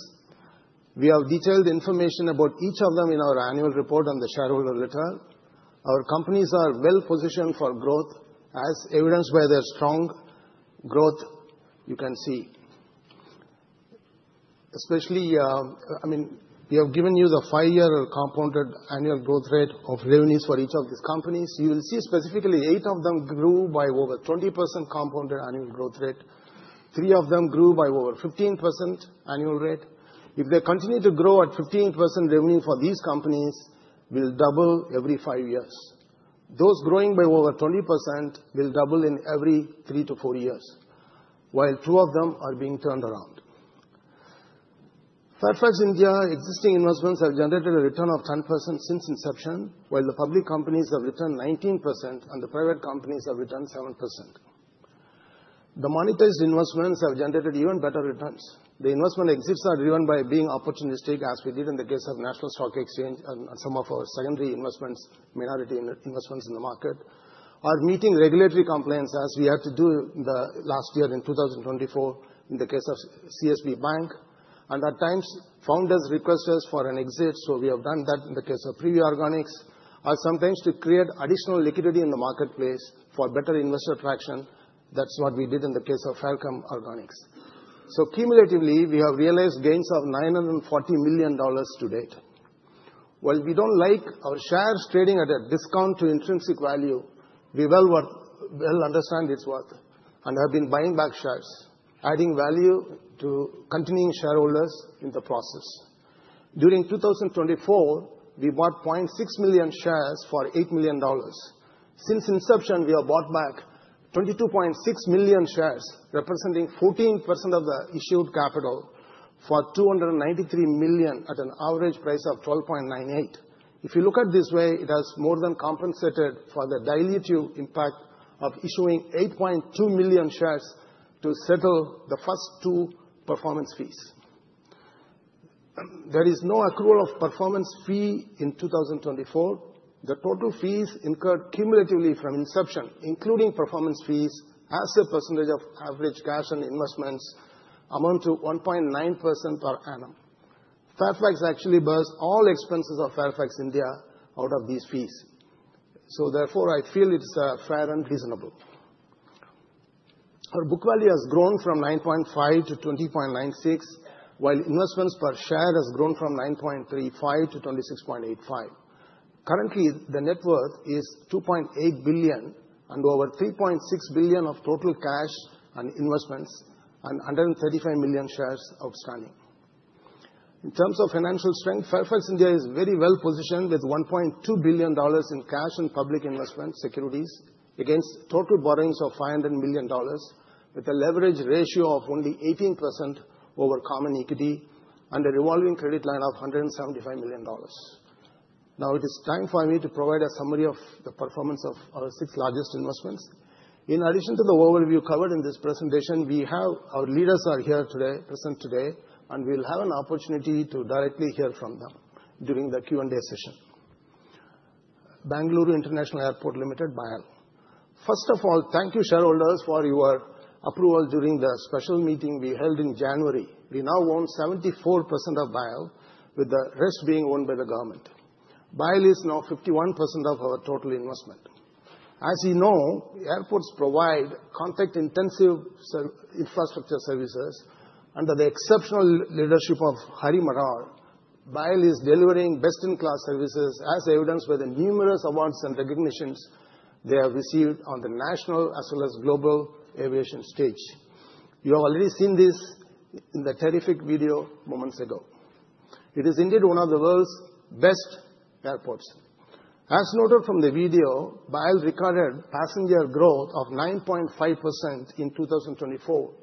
[SPEAKER 4] We have detailed information about each of them in our annual report on the shareholder letter. Our companies are well-positioned for growth, as evidenced by their strong growth. You can see, especially, I mean, we have given you the five-year compounded annual growth rate of revenues for each of these companies. You will see specifically eight of them grew by over 20% compounded annual growth rate. Three of them grew by over 15% annual rate. If they continue to grow at 15% revenue for these companies, they will double every five years. Those growing by over 20% will double in every three to four years, while two of them are being turned around. Fairfax India's existing investments have generated a return of 10% since inception, while the public companies have returned 19% and the private companies have returned 7%. The monetized investments have generated even better returns. The investment exits are driven by being opportunistic, as we did in the case of National Stock Exchange, and some of our secondary investments, minority investments in the market, are meeting regulatory compliance, as we had to do last year in 2024 in the case of CSB Bank. At times, founders request us for an exit, so we have done that in the case of Fairchem Organics, or sometimes to create additional liquidity in the marketplace for better investor traction. That is what we did in the case of Fairchem Organics. Cumulatively, we have realized gains of $940 million to date. While we do not like our shares trading at a discount to intrinsic value, we well understand its worth and have been buying back shares, adding value to continuing shareholders in the process. During 2024, we bought 0.6 million shares for $8 million. Since inception, we have bought back 22.6 million shares, representing 14% of the issued capital for $293 million at an average price of $12.98. If you look at it this way, it has more than compensated for the dilute impact of issuing 8.2 million shares to settle the first two performance fees. There is no accrual of performance fee in 2024. The total fees incurred cumulatively from inception, including performance fees, as a percentage of average cash and investments, amount to 1.9% per annum. Fairfax actually bursts all expenses of Fairfax India out of these fees. Therefore, I feel it's fair and reasonable. Our book value has grown from $9.5 to $20.96, while investments per share have grown from $9.35 to $26.85. Currently, the net worth is $2.8 billion and over $3.6 billion of total cash and investments and 135 million shares outstanding. In terms of financial strength, Fairfax India is very well positioned with $1.2 billion in cash and public investment securities against total borrowings of $500 million, with a leverage ratio of only 18% over common equity and a revolving credit line of $175 million. Now, it is time for me to provide a summary of the performance of our six largest investments. In addition to the overview covered in this presentation, we have our leaders here today, present today, and we'll have an opportunity to directly hear from them during the Q&A session. Bangalore International Airport Limited, BIAL. First of all, thank you, shareholders, for your approval during the special meeting we held in January. We now own 74% of BIAL, with the rest being owned by the government. BIAL is now 51% of our total investment. As you know, airports provide contact-intensive infrastructure services. Under the exceptional leadership of Hari Marar, BIAL is delivering best-in-class services, as evidenced by the numerous awards and recognitions they have received on the national as well as global aviation stage. You have already seen this in the terrific video moments ago. It is indeed one of the world's best airports. As noted from the video, BIAL recorded passenger growth of 9.5% in 2024.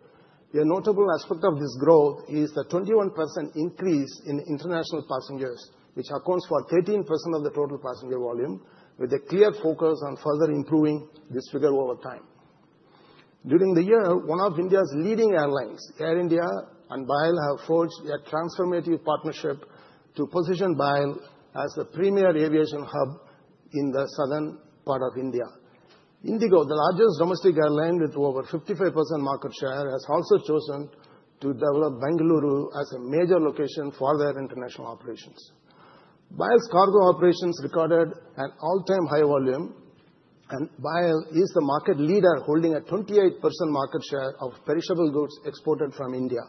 [SPEAKER 4] A notable aspect of this growth is the 21% increase in international passengers, which accounts for 13% of the total passenger volume, with a clear focus on further improving this figure over time. During the year, one of India's leading airlines, Air India, and BIAL have forged a transformative partnership to position BIAL as a premier aviation hub in the southern part of India. IndiGo, the largest domestic airline with over 55% market share, has also chosen to develop Bengaluru as a major location for their international operations. BIAL's cargo operations recorded an all-time high volume, and BIAL is the market leader holding a 28% market share of perishable goods exported from India.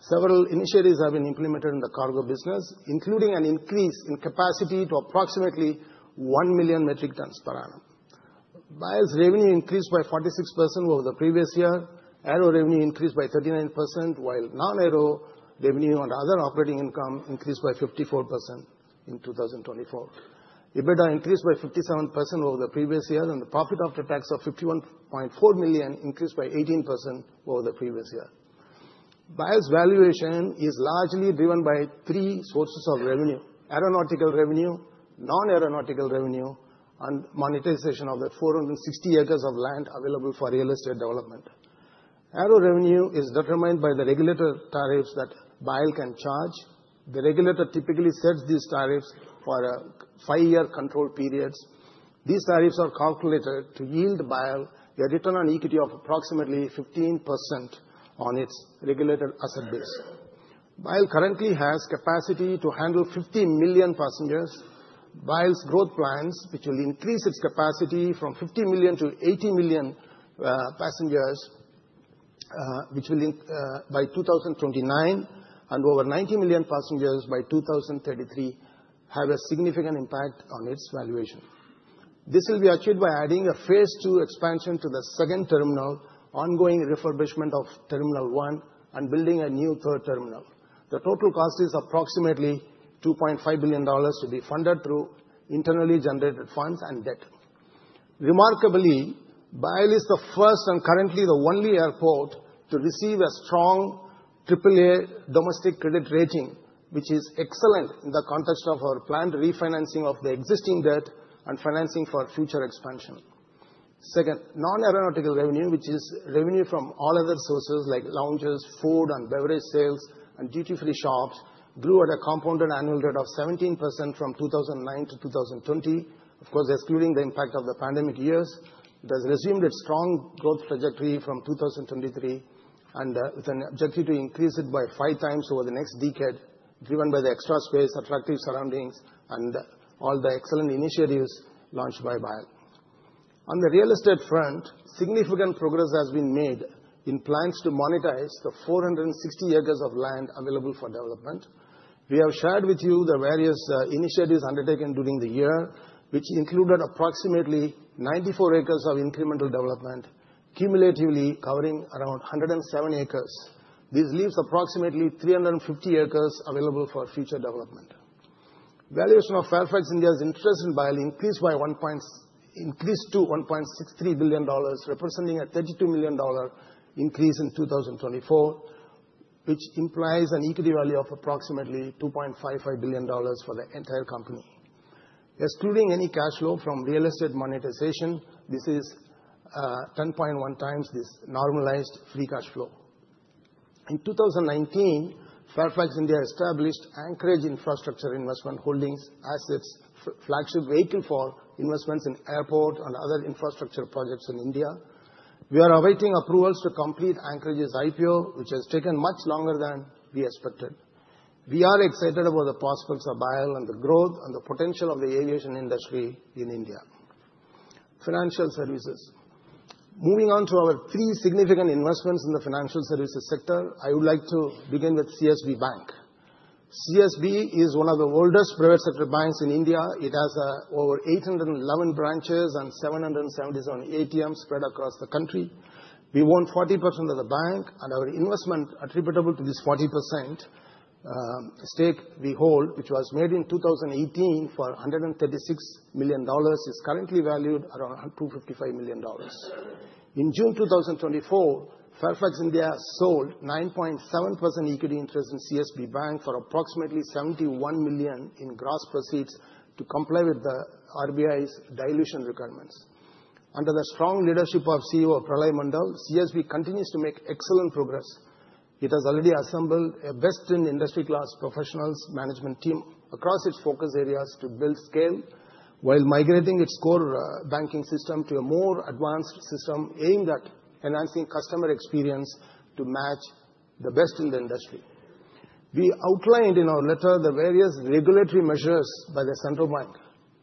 [SPEAKER 4] Several initiatives have been implemented in the cargo business, including an increase in capacity to approximately 1 million metric tons per annum. BIAL's revenue increased by 46% over the previous year. Aero revenue increased by 39%, while non-aero revenue and other operating income increased by 54% in 2024. EBITDA increased by 57% over the previous year, and the profit after tax of $51.4 million increased by 18% over the previous year. BIAL's valuation is largely driven by three sources of revenue: aeronautical revenue, non-aeronautical revenue, and monetization of the 460 acres of land available for real estate development. Aero revenue is determined by the regulator tariffs that BIAL can charge. The regulator typically sets these tariffs for five-year control periods. These tariffs are calculated to yield BIAL a return on equity of approximately 15% on its regulated asset base. BIAL currently has capacity to handle 50 million passengers. BIAL's growth plans, which will increase its capacity from 50 million to 80 million passengers by 2029, and over 90 million passengers by 2033, have a significant impact on its valuation. This will be achieved by adding a phase two expansion to the second terminal, ongoing refurbishment of terminal one, and building a new third terminal. The total cost is approximately $2.5 billion to be funded through internally generated funds and debt. Remarkably, BIAL is the first and currently the only airport to receive a strong AAA domestic credit rating, which is excellent in the context of our planned refinancing of the existing debt and financing for future expansion. Second, non-aeronautical revenue, which is revenue from all other sources like lounges, food and beverage sales, and duty-free shops, grew at a compounded annual rate of 17% from 2009 to 2020. Of course, excluding the impact of the pandemic years, it has resumed its strong growth trajectory from 2023, and it's an objective to increase it by five times over the next decade, driven by the extra space, attractive surroundings, and all the excellent initiatives launched by BIAL. On the real estate front, significant progress has been made in plans to monetize the 460 acres of land available for development. We have shared with you the various initiatives undertaken during the year, which included approximately 94 acres of incremental development, cumulatively covering around 107 acres. This leaves approximately 350 acres available for future development. Valuation of Fairfax India's interest in BIAL increased to $1.63 billion, representing a $32 million increase in 2024, which implies an equity value of approximately $2.55 billion for the entire company. Excluding any cash flow from real estate monetization, this is 10.1 times this normalized free cash flow. In 2019, Fairfax India established Anchorage Infrastructure Investment Holdings Assets, a flagship vehicle for investments in airport and other infrastructure projects in India. We are awaiting approvals to complete Anchorage's IPO, which has taken much longer than we expected. We are excited about the prospects of BIAL and the growth and the potential of the aviation industry in India. Financial services. Moving on to our three significant investments in the financial services sector, I would like to begin with CSB Bank. CSB is one of the oldest private sector banks in India. It has over 811 branches and 777 ATMs spread across the country. We own 40% of the bank, and our investment attributable to this 40% stake we hold, which was made in 2018 for $136 million, is currently valued around $255 million. In June 2024, Fairfax India sold 9.7% equity interest in CSB Bank for approximately $71 million in gross proceeds to comply with the RBI's dilution requirements. Under the strong leadership of CEO Pralay Mondal, CSB continues to make excellent progress. It has already assembled a best-in-industry-class professionals management team across its focus areas to build scale, while migrating its core banking system to a more advanced system, aimed at enhancing customer experience to match the best in the industry. We outlined in our letter the various regulatory measures by the central bank.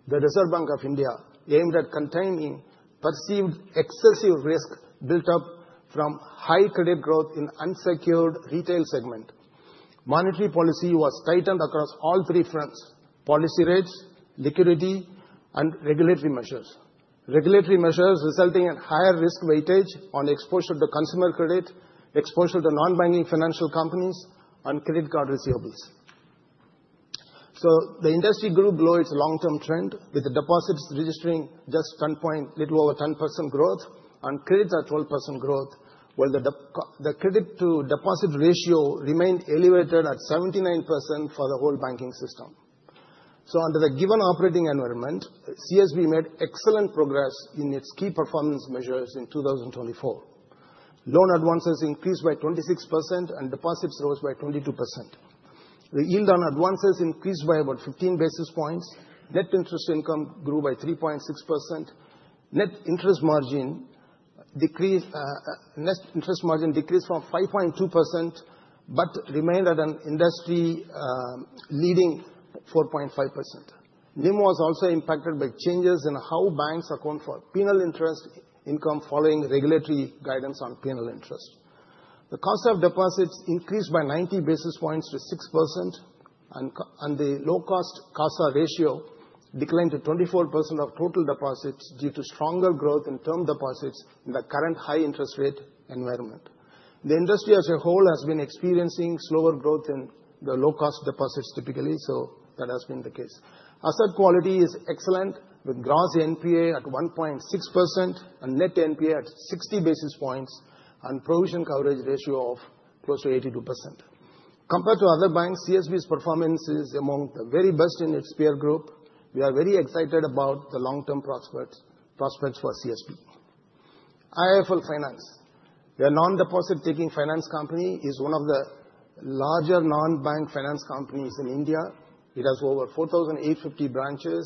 [SPEAKER 4] The Reserve Bank of India aimed at containing perceived excessive risk built up from high credit growth in the unsecured retail segment. Monetary policy was tightened across all three fronts: policy rates, liquidity, and regulatory measures. Regulatory measures resulting in higher risk weightage on exposure to consumer credit, exposure to non-banking financial companies, and credit card receivables. The industry grew below its long-term trend, with deposits registering just a little over 10% growth and credits at 12% growth, while the credit-to-deposit ratio remained elevated at 79% for the whole banking system. Under the given operating environment, CSB made excellent progress in its key performance measures in 2024. Loan advances increased by 26%, and deposits rose by 22%. The yield on advances increased by about 15 basis points. Net interest income grew by 3.6%. Net interest margin decreased from 5.2% but remained at an industry-leading 4.5%. NIM was also impacted by changes in how banks account for penal interest income following regulatory guidance on penal interest. The cost of deposits increased by 90 basis points to 6%, and the low-cost cost ratio declined to 24% of total deposits due to stronger growth in term deposits in the current high-interest rate environment. The industry as a whole has been experiencing slower growth in the low-cost deposits typically, so that has been the case. Asset quality is excellent, with gross NPA at 1.6% and net NPA at 60 basis points and provision coverage ratio of close to 82%. Compared to other banks, CSB's performance is among the very best in its peer group. We are very excited about the long-term prospects for CSB. IIFL Finance, a non-deposit-taking finance company, is one of the larger non-bank finance companies in India. It has over 4,850 branches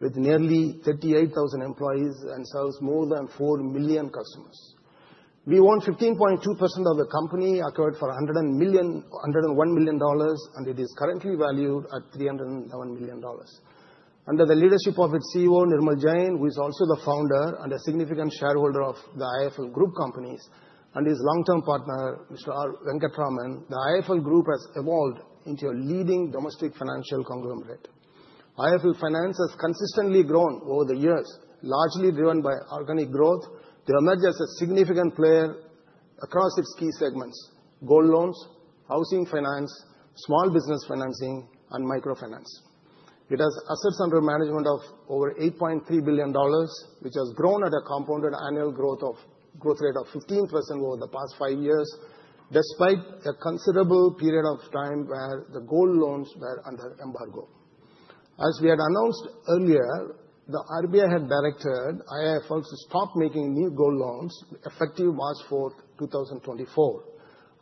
[SPEAKER 4] with nearly 38,000 employees and serves more than 4 million customers. We own 15.2% of the company, acquired for $101 million, and it is currently valued at $311 million. Under the leadership of its CEO, Nirmal Jain, who is also the founder and a significant shareholder of the IIFL Group companies, and his long-term partner, Mr. Venkat Raman, the IIFL Group has evolved into a leading domestic financial conglomerate. IIFL Finance has consistently grown over the years, largely driven by organic growth. To emerge as a significant player across its key segments: gold loans, housing finance, small business financing, and microfinance. It has assets under management of over $8.3 billion, which has grown at a compounded annual growth rate of 15% over the past five years, despite a considerable period of time where the gold loans were under embargo. As we had announced earlier, the RBI had directed IIFL to stop making new gold loans effective March 4, 2024,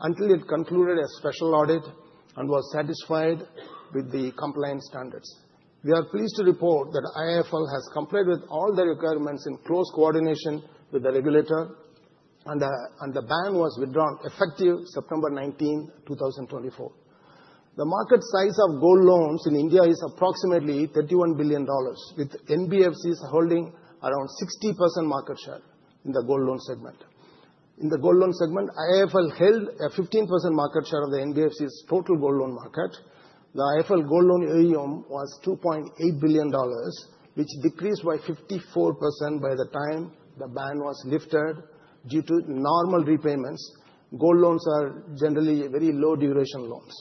[SPEAKER 4] until it concluded a special audit and was satisfied with the compliance standards. We are pleased to report that IIFL has complied with all the requirements in close coordination with the regulator, and the ban was withdrawn effective September 19th, 2024. The market size of gold loans in India is approximately $31 billion, with NBFCs holding around 60% market share in the gold loan segment. In the gold loan segment, IIFL held a 15% market share of the NBFCs' total gold loan market. The IIFL gold loan AUM was $2.8 billion, which decreased by 54% by the time the ban was lifted due to normal repayments. Gold loans are generally very low-duration loans.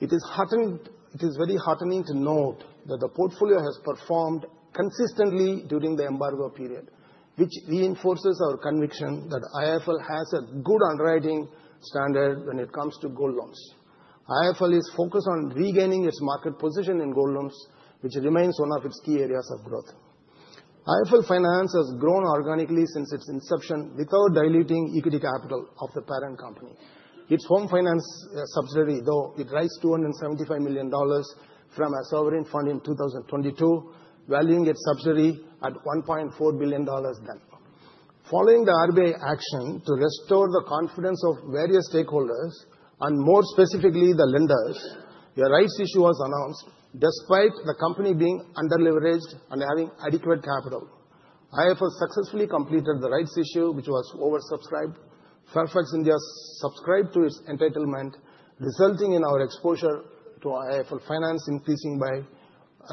[SPEAKER 4] It is very heartening to note that the portfolio has performed consistently during the embargo period, which reinforces our conviction that IIFL has a good underwriting standard when it comes to gold loans. IIFL is focused on regaining its market position in gold loans, which remains one of its key areas of growth. IIFL Finance has grown organically since its inception without diluting equity capital of the parent company. Its home finance subsidiary, though, it raised $275 million from a sovereign fund in 2022, valuing its subsidiary at $1.4 billion then. Following the RBI action to restore the confidence of various stakeholders, and more specifically the lenders, a rights issue was announced. Despite the company being underleveraged and having adequate capital, IIFL successfully completed the rights issue, which was oversubscribed. Fairfax India subscribed to its entitlement, resulting in our exposure to IIFL Finance increasing by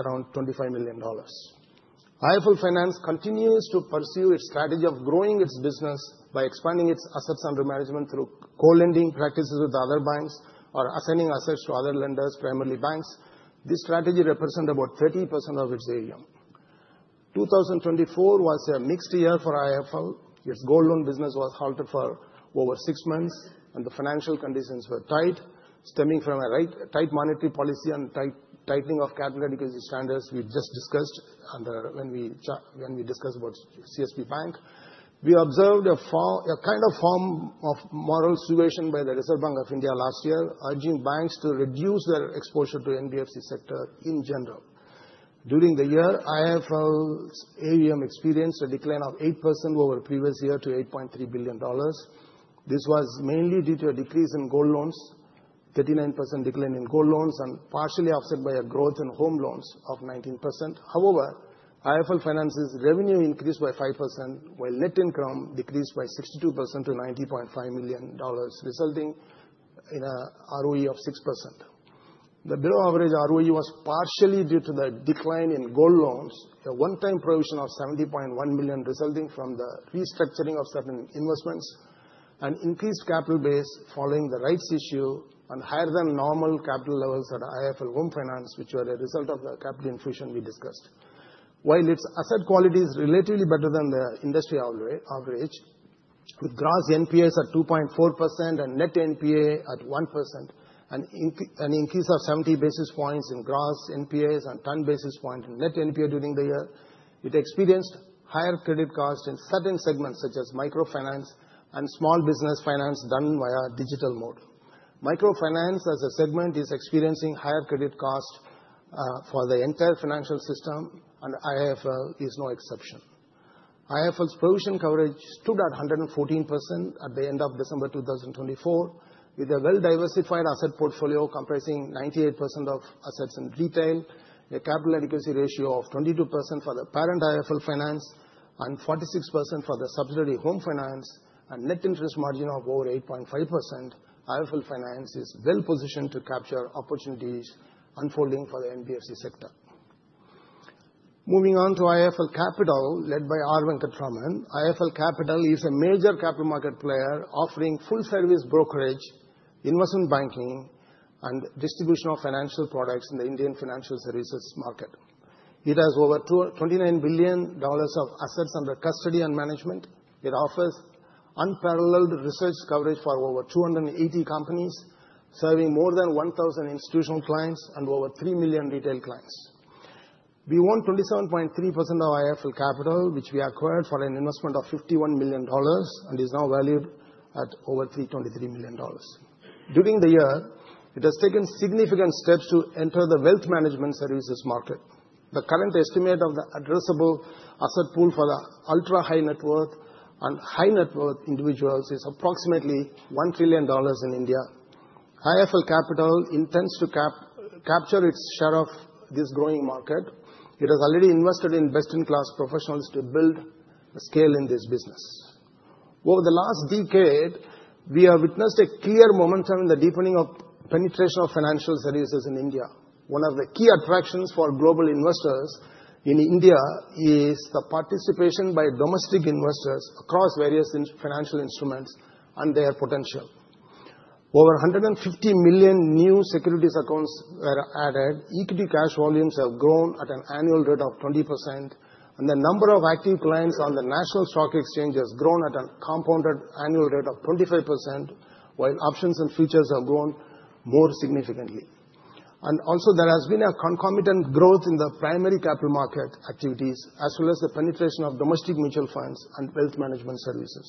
[SPEAKER 4] around $25 million. IIFL Finance continues to pursue its strategy of growing its business by expanding its assets under management through co-lending practices with other banks or assigning assets to other lenders, primarily banks. This strategy represents about 30% of its AUM. 2024 was a mixed year for IIFL. Its gold loan business was halted for over six months, and the financial conditions were tight, stemming from a tight monetary policy and tightening of capital adequacy standards we just discussed when we discussed about CSB Bank. We observed a kind of form of moral subversion by the Reserve Bank of India last year, urging banks to reduce their exposure to the NBFC sector in general. During the year, IIFL's AUM experienced a decline of 8% over the previous year to $8.3 billion. This was mainly due to a decrease in gold loans, a 39% decline in gold loans, and partially offset by a growth in home loans of 19%. However, IIFL Finance's revenue increased by 5%, while net income decreased by 62% to $90.5 million, resulting in an ROE of 6%. The below-average ROE was partially due to the decline in gold loans, a one-time provision of $70.1 million, resulting from the restructuring of certain investments, an increased capital base following the rights issue, and higher-than-normal capital levels at IIFL Home Finance, which were a result of the capital inflation we discussed. While its asset quality is relatively better than the industry average, with gross NPAs at 2.4% and net NPA at 1%, an increase of 70 basis points in gross NPAs and 10 basis points in net NPA during the year, it experienced higher credit costs in certain segments such as microfinance and small business finance done via digital mode. Microfinance as a segment is experiencing higher credit costs for the entire financial system, and IIFL is no exception. IIFL's provision coverage stood at 114% at the end of December 2024, with a well-diversified asset portfolio comprising 98% of assets in retail, a capital adequacy ratio of 22% for the parent IIFL Finance and 46% for the subsidiary Home Finance, and a net interest margin of over 8.5%. IIFL Finance is well-positioned to capture opportunities unfolding for the NBFC sector. Moving on to IIFL Capital, led by R. Venkataraman, IIFL Capital is a major capital market player offering full-service brokerage, investment banking, and distribution of financial products in the Indian financial services market. It has over $29 billion of assets under custody and management. It offers unparalleled research coverage for over 280 companies, serving more than 1,000 institutional clients and over 3 million retail clients. We own 27.3% of IIFL Capital, which we acquired for an investment of $51 million and is now valued at over $323 million. During the year, it has taken significant steps to enter the wealth management services market. The current estimate of the addressable asset pool for the ultra-high net worth and high net worth individuals is approximately $1 trillion in India. IIFL Capital intends to capture its share of this growing market. It has already invested in best-in-class professionals to build a scale in this business. Over the last decade, we have witnessed a clear momentum in the deepening of penetration of financial services in India. One of the key attractions for global investors in India is the participation by domestic investors across various financial instruments and their potential. Over 150 million new securities accounts were added. Equity cash volumes have grown at an annual rate of 20%, and the number of active clients on the National Stock Exchange has grown at a compounded annual rate of 25%, while options and futures have grown more significantly. There has also been a concomitant growth in the primary capital market activities, as well as the penetration of domestic mutual funds and wealth management services.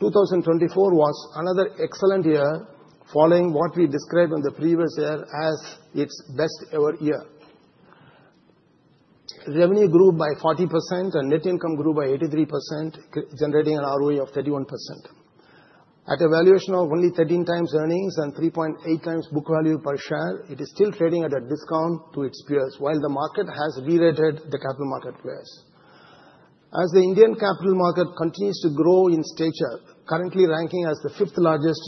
[SPEAKER 4] 2024 was another excellent year, following what we described in the previous year as its best-ever year. Revenue grew by 40% and net income grew by 83%, generating an ROE of 31%. At a valuation of only 13 times earnings and 3.8 times book value per share, it is still trading at a discount to its peers, while the market has re-rated the capital market players. As the Indian capital market continues to grow in stature, currently ranking as the fifth largest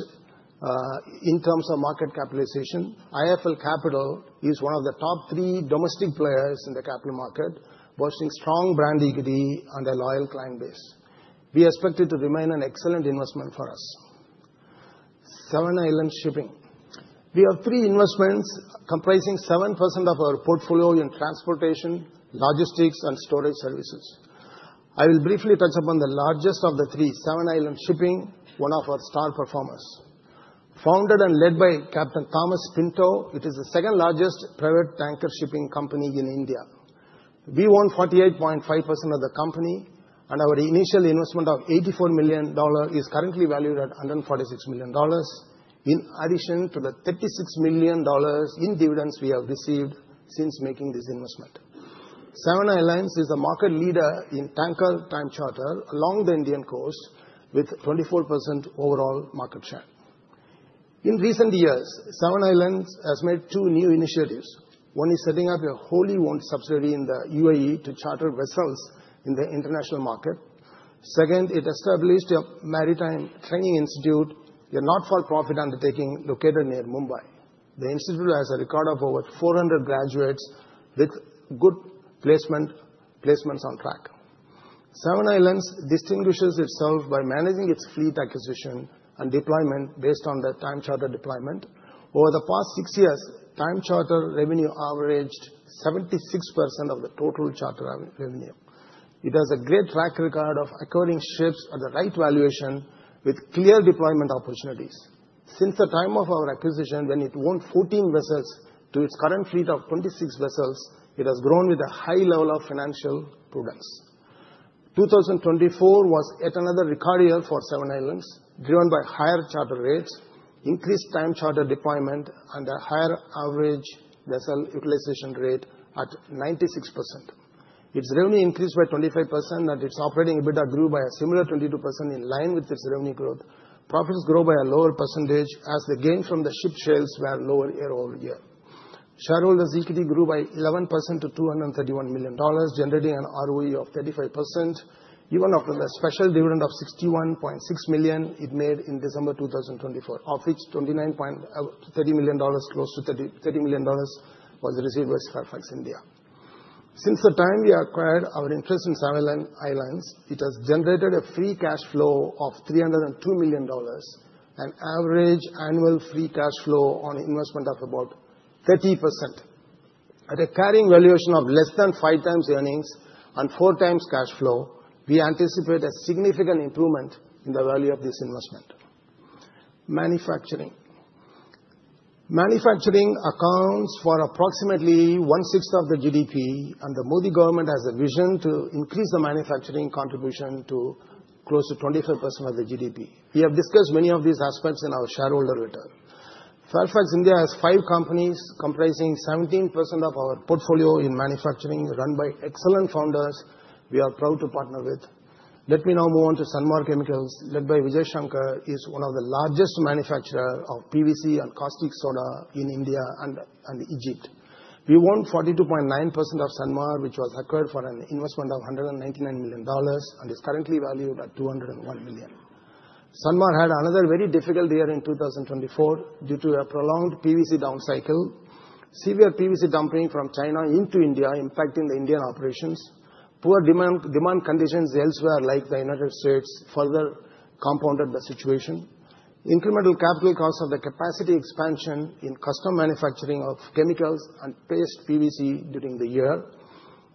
[SPEAKER 4] in terms of market capitalization, IIFL Capital is one of the top three domestic players in the capital market, boasting strong brand equity and a loyal client base. We expect it to remain an excellent investment for us. Seven Islands Shipping. We have three investments comprising 7% of our portfolio in transportation, logistics, and storage services. I will briefly touch upon the largest of the three, Seven Islands Shipping, one of our star performers. Founded and led by Captain Thomas Pinto, it is the second-largest private tanker shipping company in India. We own 48.5% of the company, and our initial investment of $84 million is currently valued at $146 million, in addition to the $36 million in dividends we have received since making this investment. Seven Islands is a market leader in tanker-time charter along the Indian coast, with 24% overall market share. In recent years, Seven Islands has made two new initiatives. One is setting up a wholly owned subsidiary in the UAE to charter vessels in the international market. Second, it established a maritime training institute, a not-for-profit undertaking located near Mumbai. The institute has a record of over 400 graduates with good placements on track. Seven Islands distinguishes itself by managing its fleet acquisition and deployment based on the time charter deployment. Over the past six years, time charter revenue averaged 76% of the total charter revenue. It has a great track record of acquiring ships at the right valuation, with clear deployment opportunities. Since the time of our acquisition, when it owned 14 vessels to its current fleet of 26 vessels, it has grown with a high level of financial prudence. 2024 was yet another record year for Seven Islands, driven by higher charter rates, increased time charter deployment, and a higher average vessel utilization rate at 96%. Its revenue increased by 25%, and its operating EBITDA grew by a similar 22% in line with its revenue growth. Profits grew by a lower percentage as the gain from the ship sales were lower year-over-year. Shareholders' equity grew by 11% to $231 million, generating an ROE of 35%, even after the special dividend of $61.6 million it made in December 2024, of which $29.30 million close to $30 million was received by Fairfax India. Since the time we acquired our interest in Seven Islands, it has generated a free cash flow of $302 million, an average annual free cash flow on investment of about 30%. At a carrying valuation of less than five times earnings and four times cash flow, we anticipate a significant improvement in the value of this investment. Manufacturing accounts for approximately 1/6 of the GDP, and the Modi government has a vision to increase the manufacturing contribution to close to 25% of the GDP. We have discussed many of these aspects in our shareholder letter. Fairfax India has five companies comprising 17% of our portfolio in manufacturing, run by excellent founders we are proud to partner with. Let me now move on to Sanmar Chemicals, led by Vijay Sankar, which is one of the largest manufacturers of PVC and caustic soda in India and Egypt. We own 42.9% of Sanmar, which was acquired for an investment of $199 million and is currently valued at $201 million. Sanmar had another very difficult year in 2024 due to a prolonged PVC down cycle, severe PVC dumping from China into India impacting the Indian operations. Poor demand conditions elsewhere, like the United States, further compounded the situation. Incremental capital costs of the capacity expansion in custom manufacturing of chemicals and paste PVC during the year.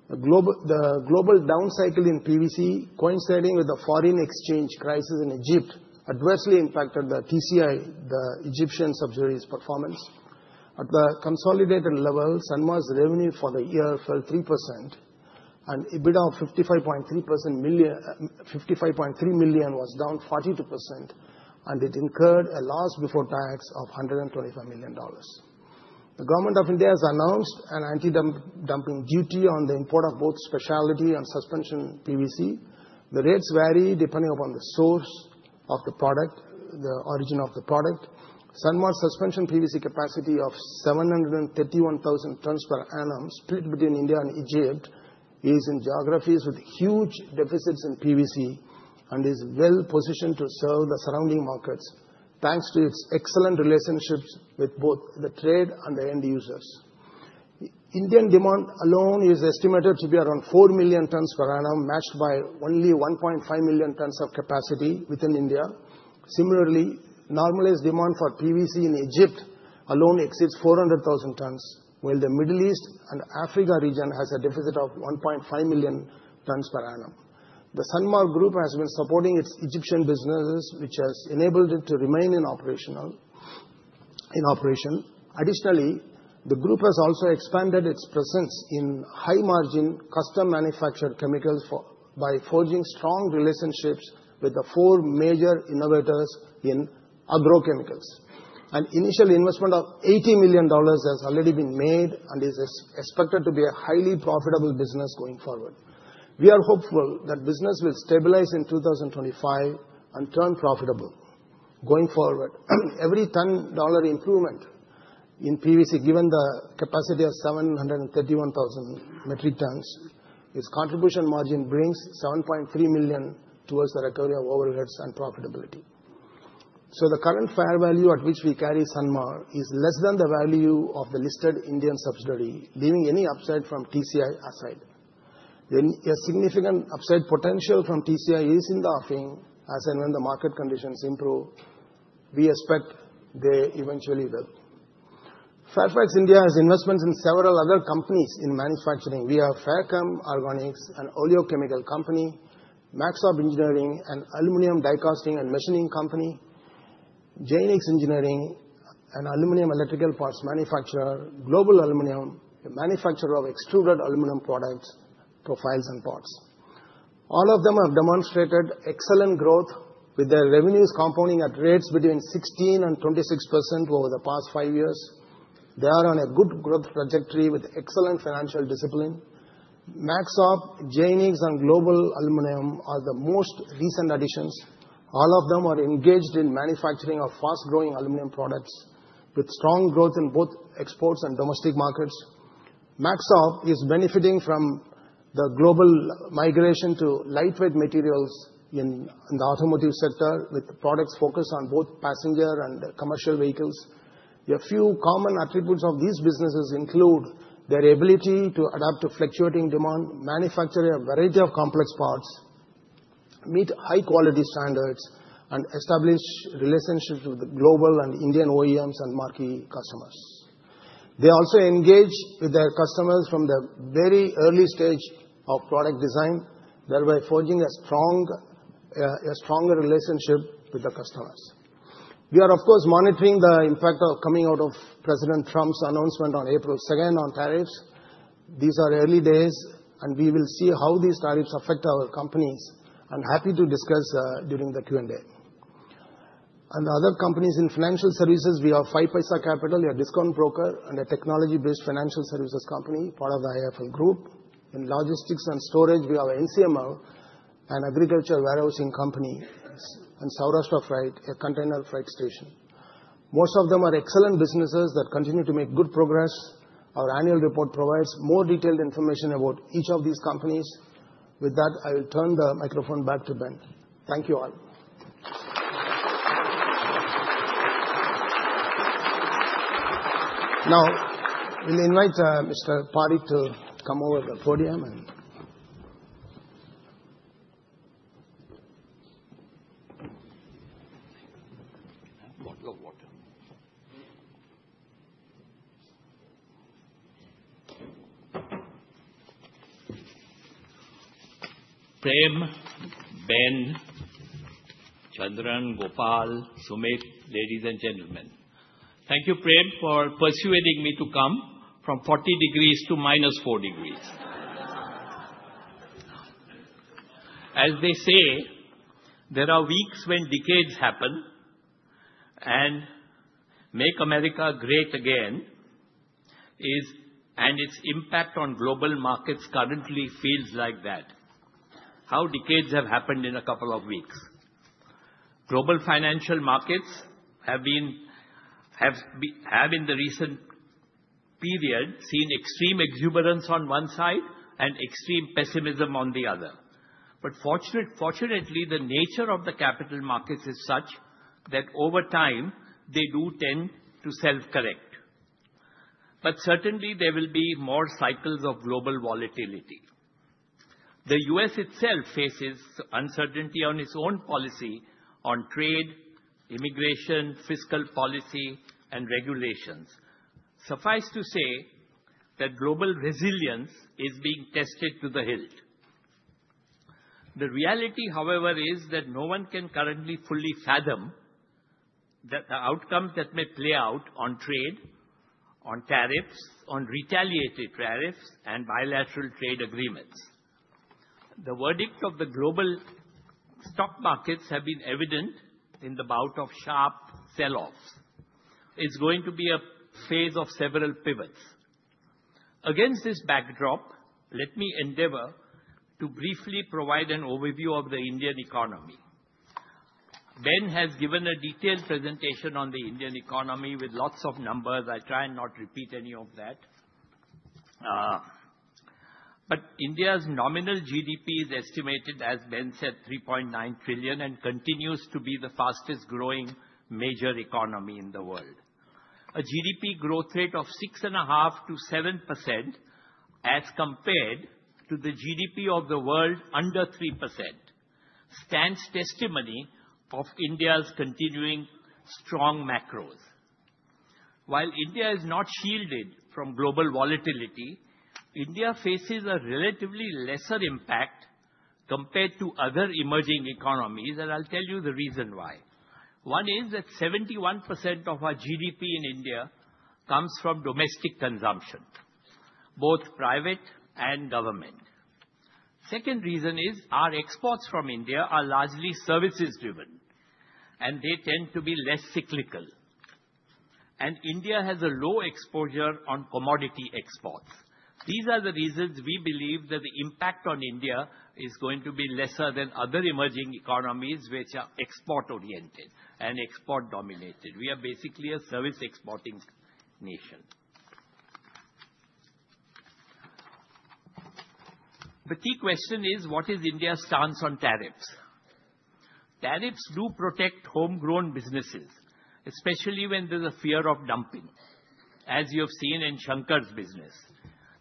[SPEAKER 4] The global down cycle in PVC, coinciding with the foreign exchange crisis in Egypt, adversely impacted the TCI, the Egyptian subsidiary's performance. At the consolidated level, Sanmar's revenue for the year fell 3%, and EBITDA of $55.3 million was down 42%, and it incurred a loss before tax of $125 million. The government of India has announced an anti-dumping duty on the import of both specialty and suspension PVC. The rates vary depending upon the source of the product, the origin of the product. Sanmar's suspension PVC capacity of 731,000 tons per annum, split between India and Egypt, is in geographies with huge deficits in PVC and is well-positioned to serve the surrounding markets, thanks to its excellent relationships with both the trade and the end users. Indian demand alone is estimated to be around 4 million tons per annum, matched by only 1.5 million tons of capacity within India. Similarly, normalized demand for PVC in Egypt alone exceeds 400,000 tons, while the Middle East and Africa region has a deficit of 1.5 million tons per annum. The Sanmar Group has been supporting its Egyptian businesses, which has enabled it to remain in operation. Additionally, the group has also expanded its presence in high-margin custom manufactured chemicals by forging strong relationships with the four major innovators in agrochemicals. An initial investment of $80 million has already been made and is expected to be a highly profitable business going forward. We are hopeful that business will stabilize in 2025 and turn profitable. Going forward, every $10 improvement in PVC, given the capacity of 731,000 metric tons, its contribution margin brings $7.3 million towards the recovery of overheads and profitability. The current fair value at which we carry Sanmar is less than the value of the listed Indian subsidiary, leaving any upside from TCI aside. A significant upside potential from TCI is in the offing, as and when the market conditions improve, we expect they eventually will. Fairfax India has investments in several other companies in manufacturing. We have Fairchem Organics, an oleochemical company, Maxop Engineering, an aluminum die-casting and machining company, Jaynix Engineering, an aluminum electrical parts manufacturer, Global Aluminum, a manufacturer of extruded aluminum products, profiles, and parts. All of them have demonstrated excellent growth, with their revenues compounding at rates between 16%-26% over the past five years. They are on a good growth trajectory with excellent financial discipline. Maxop, Jaynix, and Global Aluminum are the most recent additions. All of them are engaged in manufacturing of fast-growing aluminum products, with strong growth in both exports and domestic markets. Maxop is benefiting from the global migration to lightweight materials in the automotive sector, with products focused on both passenger and commercial vehicles. A few common attributes of these businesses include their ability to adapt to fluctuating demand, manufacture a variety of complex parts, meet high-quality standards, and establish relationships with the global and Indian OEMs and marquee customers. They also engage with their customers from the very early stage of product design, thereby forging a stronger relationship with the customers. We are, of course, monitoring the impact of coming out of President Trump's announcement on April 2nd on tariffs. These are early days, and we will see how these tariffs affect our companies. I'm happy to discuss during the Q&A. In other companies in financial services, we have 5Paisa Capital, a discount broker, and a technology-based financial services company part of the IIFL Group. In logistics and storage, we have NCML, an agriculture warehousing company, and Saurashtra Freight, a container freight station. Most of them are excellent businesses that continue to make good progress. Our annual report provides more detailed information about each of these companies. With that, I will turn the microphone back to Ben. Thank you all. Now, we'll invite Mr. Parekh to come over the podium.
[SPEAKER 5] Prabha, Ben, Chandran, Gopal, Sumit, ladies and gentlemen, thank you, Prabha, for persuading me to come from 40 degrees to -4 degrees. As they say, there are weeks when decades happen, and "Make America Great Again" is, and its impact on global markets currently feels like that, how decades have happened in a couple of weeks. Global financial markets have in the recent period seen extreme exuberance on one side and extreme pessimism on the other. Fortunately, the nature of the capital markets is such that over time, they do tend to self-correct. But certainly, there will be more cycles of global volatility. The U.S. itself faces uncertainty on its own policy on trade, immigration, fiscal policy, and regulations. Suffice to say that global resilience is being tested to the hilt. The reality, however, is that no one can currently fully fathom the outcomes that may play out on trade, on tariffs, on retaliatory tariffs, and bilateral trade agreements. The verdict of the global stock markets has been evident in the bout of sharp selloffs. It's going to be a phase of several pivots. Against this backdrop, let me endeavor to briefly provide an overview of the Indian economy. Ben has given a detailed presentation on the Indian economy with lots of numbers. I try and not repeat any of that. But India's nominal GDP is estimated, as Ben said, $3.9 trillion and continues to be the fastest-growing major economy in the world. A GDP growth rate of 6.5%-7%, as compared to the GDP of the world under 3%, stands testimony of India's continuing strong macros. While India is not shielded from global volatility, India faces a relatively lesser impact compared to other emerging economies, and I'll tell you the reason why. One is that 71% of our GDP in India comes from domestic consumption, both private and government. The second reason is our exports from India are largely services-driven, and they tend to be less cyclical. India has a low exposure on commodity exports. These are the reasons we believe that the impact on India is going to be lesser than other emerging economies, which are export-oriented and export-dominated. We are basically a service-exporting nation. The question is, what is India's stance on tariffs? Tariffs do protect homegrown businesses, especially when there's a fear of dumping, as you have seen in Sankar's business,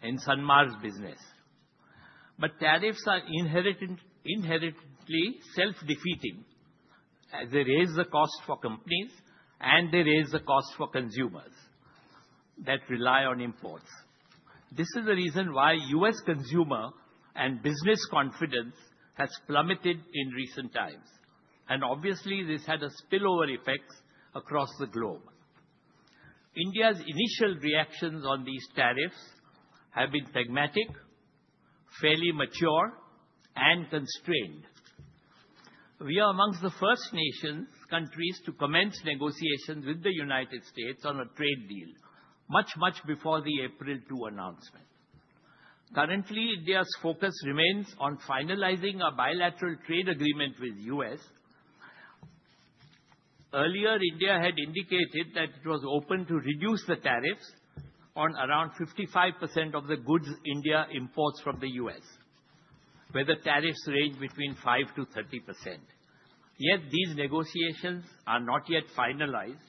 [SPEAKER 5] in Sanmar's business. Tariffs are inherently self-defeating, as they raise the cost for companies and they raise the cost for consumers that rely on imports. This is the reason why U.S. consumer and business confidence has plummeted in recent times. Obviously, this had spillover effects across the globe. India's initial reactions on these tariffs have been pragmatic, fairly mature, and constrained. We are amongst the first nations, countries to commence negotiations with the U.S. on a trade deal, much, much before the April 2nd announcement. Currently, India's focus remains on finalizing a bilateral trade agreement with the U.S. Earlier, India had indicated that it was open to reduce the tariffs on around 55% of the goods India imports from the U.S., where the tariffs range between 5%-30%. Yet these negotiations are not yet finalized.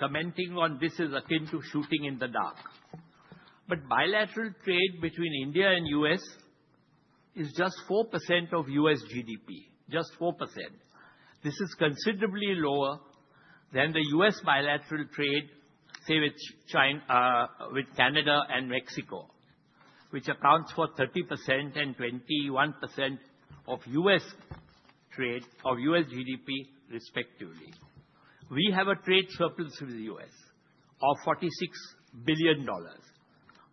[SPEAKER 5] Commenting on this is akin to shooting in the dark. Bilateral trade between India and the U.S. is just 4% of U.S. GDP, just 4%. This is considerably lower than the U.S. bilateral trade with Canada and Mexico, which accounts for 30% and 21% of U.S. GDP, respectively. We have a trade surplus with the U.S. of $46 billion,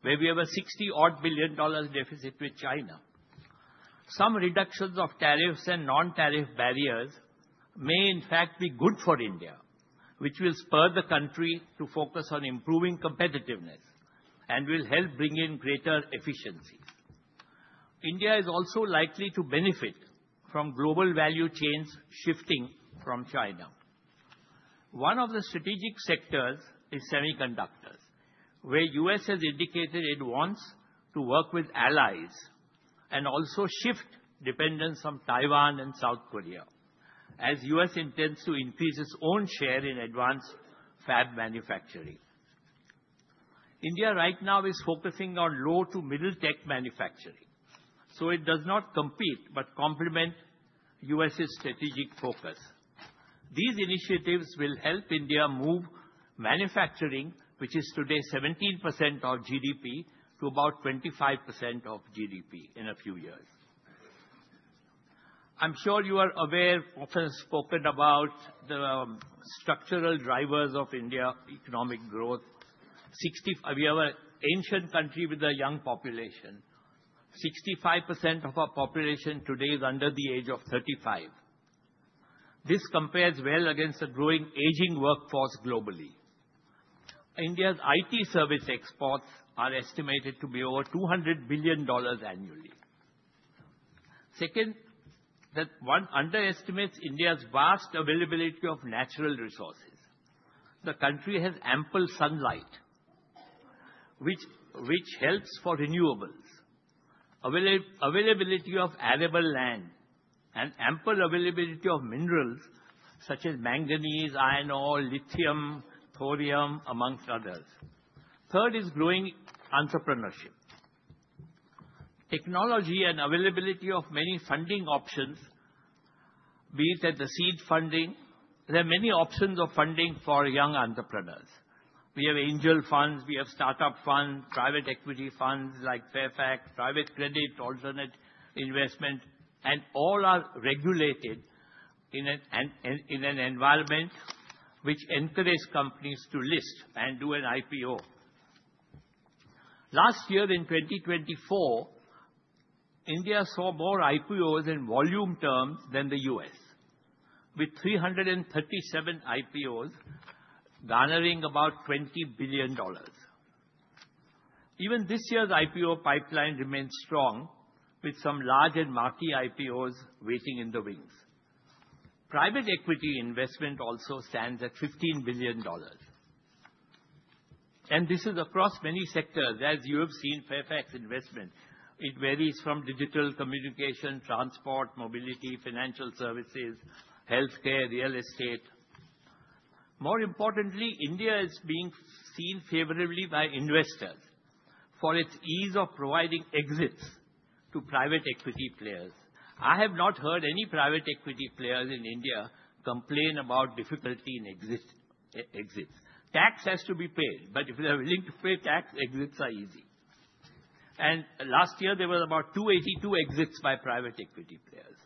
[SPEAKER 5] where we have a $60-odd billion deficit with China. Some reductions of tariffs and non-tariff barriers may, in fact, be good for India, which will spur the country to focus on improving competitiveness and will help bring in greater efficiencies. India is also likely to benefit from global value chains shifting from China. One of the strategic sectors is semiconductors, where the U.S. has indicated it wants to work with allies and also shift dependence on Taiwan and South Korea, as the U.S. intends to increase its own share in advanced fab manufacturing. India right now is focusing on low to middle-tech manufacturing, so it does not compete but complement the U.S.'s strategic focus. These initiatives will help India move manufacturing, which is today 17% of GDP, to about 25% of GDP in a few years. I'm sure you are aware, often spoken about the structural drivers of India's economic growth. We are an ancient country with a young population. 65% of our population today is under the age of 35. This compares well against the growing aging workforce globally. India's IT service exports are estimated to be over $200 billion annually. Second, one underestimates India's vast availability of natural resources. The country has ample sunlight, which helps for renewables, availability of arable land, and ample availability of minerals such as manganese, iron ore, lithium, thorium, amongst others. Third is growing entrepreneurship, technology, and availability of many funding options, be it at the seed funding. There are many options of funding for young entrepreneurs. We have angel funds. We have startup funds, private equity funds like Fairfax, private credit alternate investment, and all are regulated in an environment which encourages companies to list and do an IPO. Last year, in 2024, India saw more IPOs in volume terms than the U.S., with 337 IPOs garnering about $20 billion. Even this year's IPO pipeline remains strong, with some large and marquee IPOs waiting in the wings. Private equity investment also stands at $15 billion. This is across many sectors, as you have seen Fairfax investment. It varies from digital communication, transport, mobility, financial services, healthcare, real estate. More importantly, India is being seen favorably by investors for its ease of providing exits to private equity players. I have not heard any private equity players in India complain about difficulty in exits. Tax has to be paid. If they are willing to pay tax, exits are easy. Last year, there were about 282 exits by private equity players,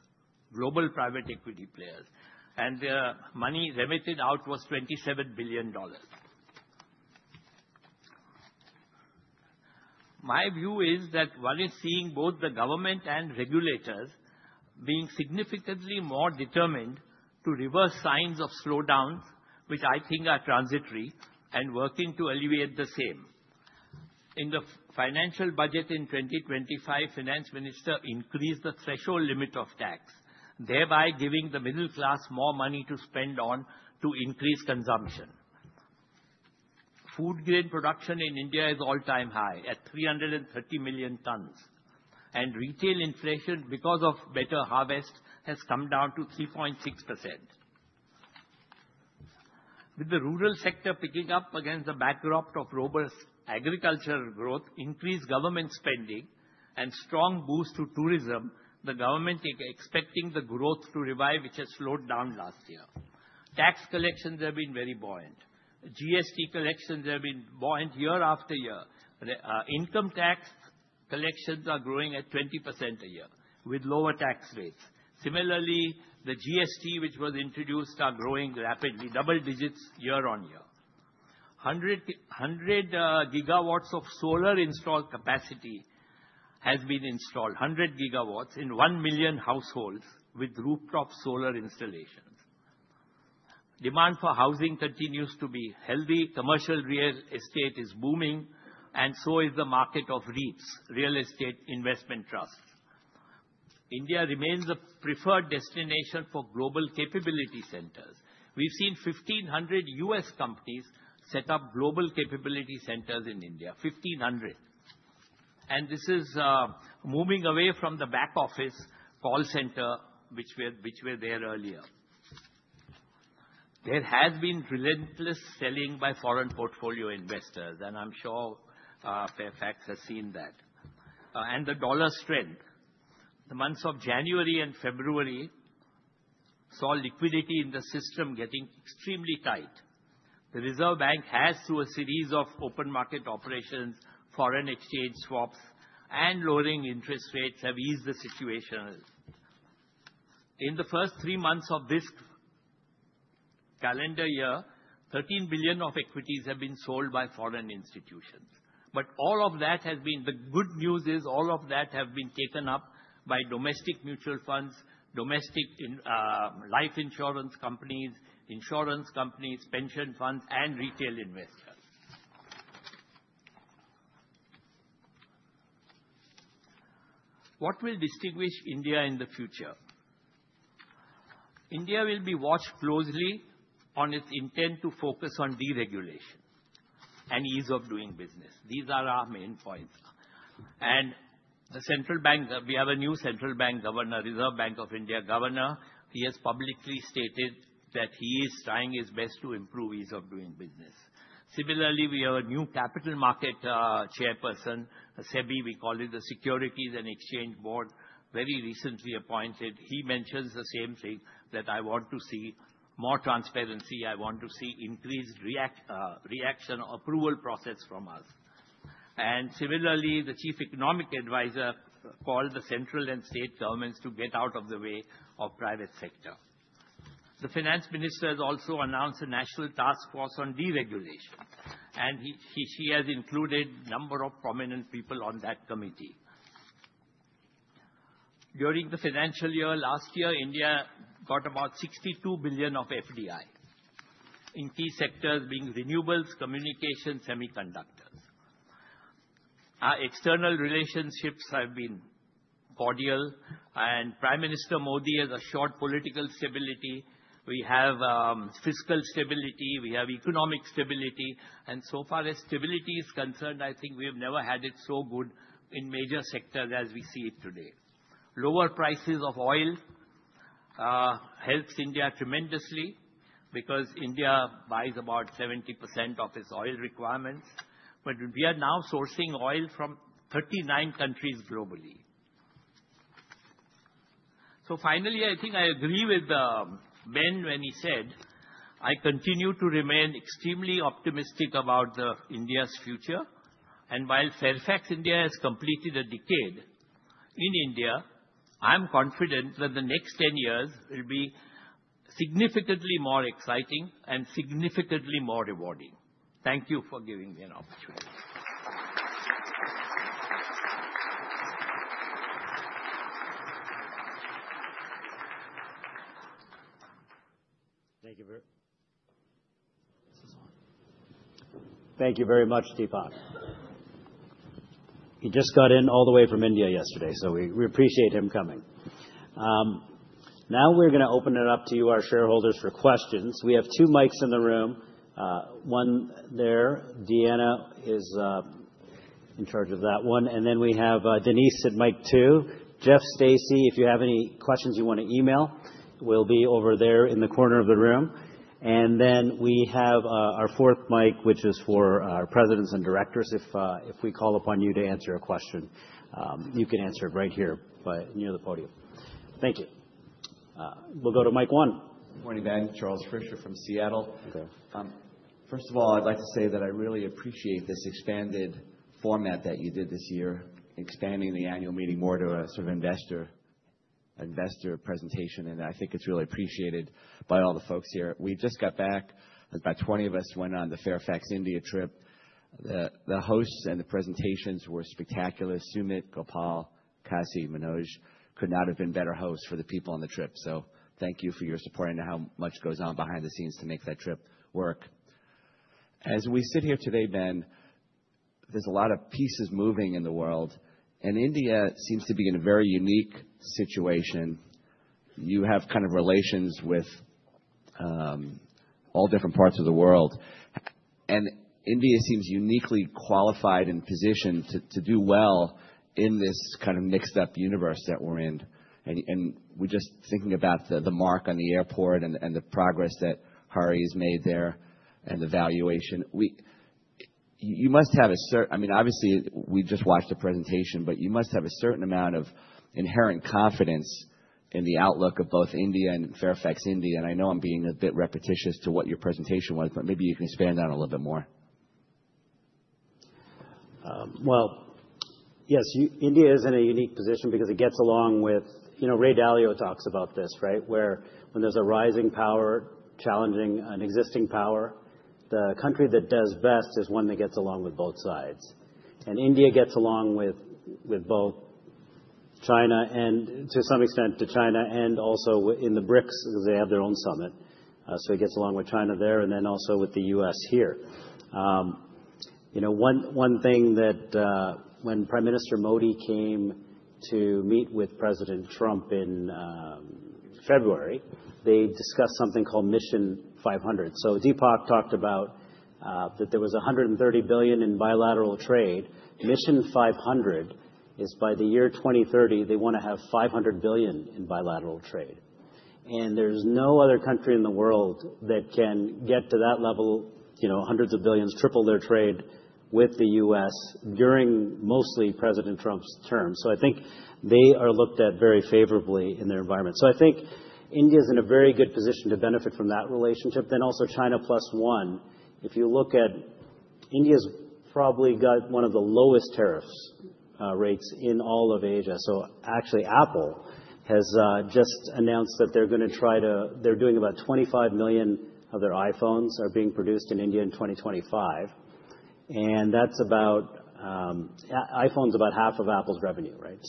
[SPEAKER 5] global private equity players. The money remitted out was $27 billion. My view is that one is seeing both the government and regulators being significantly more determined to reverse signs of slowdowns, which I think are transitory, and working to alleviate the same. In the financial budget in 2025, the Finance Minister increased the threshold limit of tax, thereby giving the middle class more money to spend on to increase consumption. Food grain production in India is all-time high at 330 million tons. Retail inflation, because of better harvest, has come down to 3.6%. With the rural sector picking up against the backdrop of robust agricultural growth, increased government spending, and strong boost to tourism, the government is expecting the growth to revive, which has slowed down last year. Tax collections have been very buoyant. GST collections have been buoyant year after year. Income tax collections are growing at 20% a year with lower tax rates. Similarly, the GST, which was introduced, is growing rapidly, double digits year-on-year. 100 gigawatts of solar install capacity has been installed, 100 GW in 1 million households with rooftop solar installations. Demand for housing continues to be healthy. Commercial real estate is booming, and so is the market of REITs, Real Estate Investment Trusts. India remains a preferred destination for global capability centers. We've seen 1,500 U.S. companies set up global capability centers in India, 1,500. This is moving away from the back office call center, which were there earlier. There has been relentless selling by foreign portfolio investors, and I'm sure Fairfax has seen that. The dollar strength. The months of January and February saw liquidity in the system getting extremely tight. The Reserve Bank has, through a series of open market operations, foreign exchange swaps, and lowering interest rates, eased the situation. In the first three months of this calendar year, $13 billion of equities have been sold by foreign institutions. All of that has been taken up by domestic mutual funds, domestic life insurance companies, insurance companies, pension funds, and retail investors. What will distinguish India in the future? India will be watched closely on its intent to focus on deregulation and ease of doing business. These are our main points. The central bank, we have a new central bank governor, Reserve Bank of India governor. He has publicly stated that he is trying his best to improve ease of doing business. Similarly, we have a new capital market chairperson, SEBI, we call it the Securities and Exchange Board, very recently appointed. He mentions the same thing, that I want to see more transparency. I want to see increased reaction approval process from us. Similarly, the Chief Economic Advisor called the central and state governments to get out of the way of private sector. The Finance Minister has also announced a national task force on deregulation. She has included a number of prominent people on that committee. During the financial year last year, India got about $62 billion of FDI in key sectors being renewables, communications, semiconductors. External relationships have been cordial. Prime Minister Modi has assured political stability. We have fiscal stability. We have economic stability. So far, as stability is concerned, I think we have never had it so good in major sectors as we see it today. Lower prices of oil helps India tremendously because India buys about 70% of its oil requirements. We are now sourcing oil from 39 countries globally. Finally, I think I agree with Ben when he said, "I continue to remain extremely optimistic about India's future." While Fairfax India has completed a decade in India, I'm confident that the next 10 years will be significantly more exciting and significantly more rewarding. Thank you for giving me an opportunity.
[SPEAKER 1] Thank you very much, Deepak. He just got in all the way from India yesterday, so we appreciate him coming. Now we're going to open it up to you, our shareholders, for questions. We have two mics in the room. One there, Deanna is in charge of that one. We have Denise at mic two. Jeff, Stacy, if you have any questions you want to email, we'll be over there in the corner of the room. We have our fourth mic, which is for our presidents and directors. If we call upon you to answer a question, you can answer it right here near the podium. Thank you. We'll go to mic one. Good morning, Ben. Charles Fischer from Seattle. First of all, I'd like to say that I really appreciate this expanded format that you did this year, expanding the annual meeting more to a sort of investor presentation. I think it's really appreciated by all the folks here. We just got back. About 20 of us went on the Fairfax India trip. The hosts and the presentations were spectacular. Sumit, Gopal, Kassi, Manoj could not have been better hosts for the people on the trip. Thank you for your support and how much goes on behind the scenes to make that trip work. As we sit here today, Ben, there's a lot of pieces moving in the world. India seems to be in a very unique situation. You have kind of relations with all different parts of the world. India seems uniquely qualified and positioned to do well in this kind of mixed-up universe that we're in. We're just thinking about the mark on the airport and the progress that Hari has made there and the valuation. You must have a certain—I mean, obviously, we just watched a presentation. You must have a certain amount of inherent confidence in the outlook of both India and Fairfax India. I know I'm being a bit repetitious to what your presentation was, but maybe you can expand on it a little bit more. Yes, India is in a unique position because it gets along with Ray Dalio talks about this, right? Where when there's a rising power challenging an existing power, the country that does best is one that gets along with both sides. India gets along with both China and, to some extent, to China and also in the BRICS, because they have their own summit. It gets along with China there and then also with the U.S. here. One thing that when Prime Minister Modi came to meet with President Trump in February, they discussed something called Mission 500. Deepak talked about that there was $130 billion in bilateral trade. Mission 500 is by the year 2030, they want to have $500 billion in bilateral trade. There is no other country in the world that can get to that level, hundreds of billions, triple their trade with the U.S. during mostly President Trump's term. I think they are looked at very favorably in their environment. I think India is in a very good position to benefit from that relationship. Also, China plus one. If you look at it, India has probably got one of the lowest tariff rates in all of Asia. Actually, Apple has just announced that they're going to try to—they're doing about 25 million of their iPhones being produced in India in 2025. That's about—iPhone is about half of Apple's revenue, right?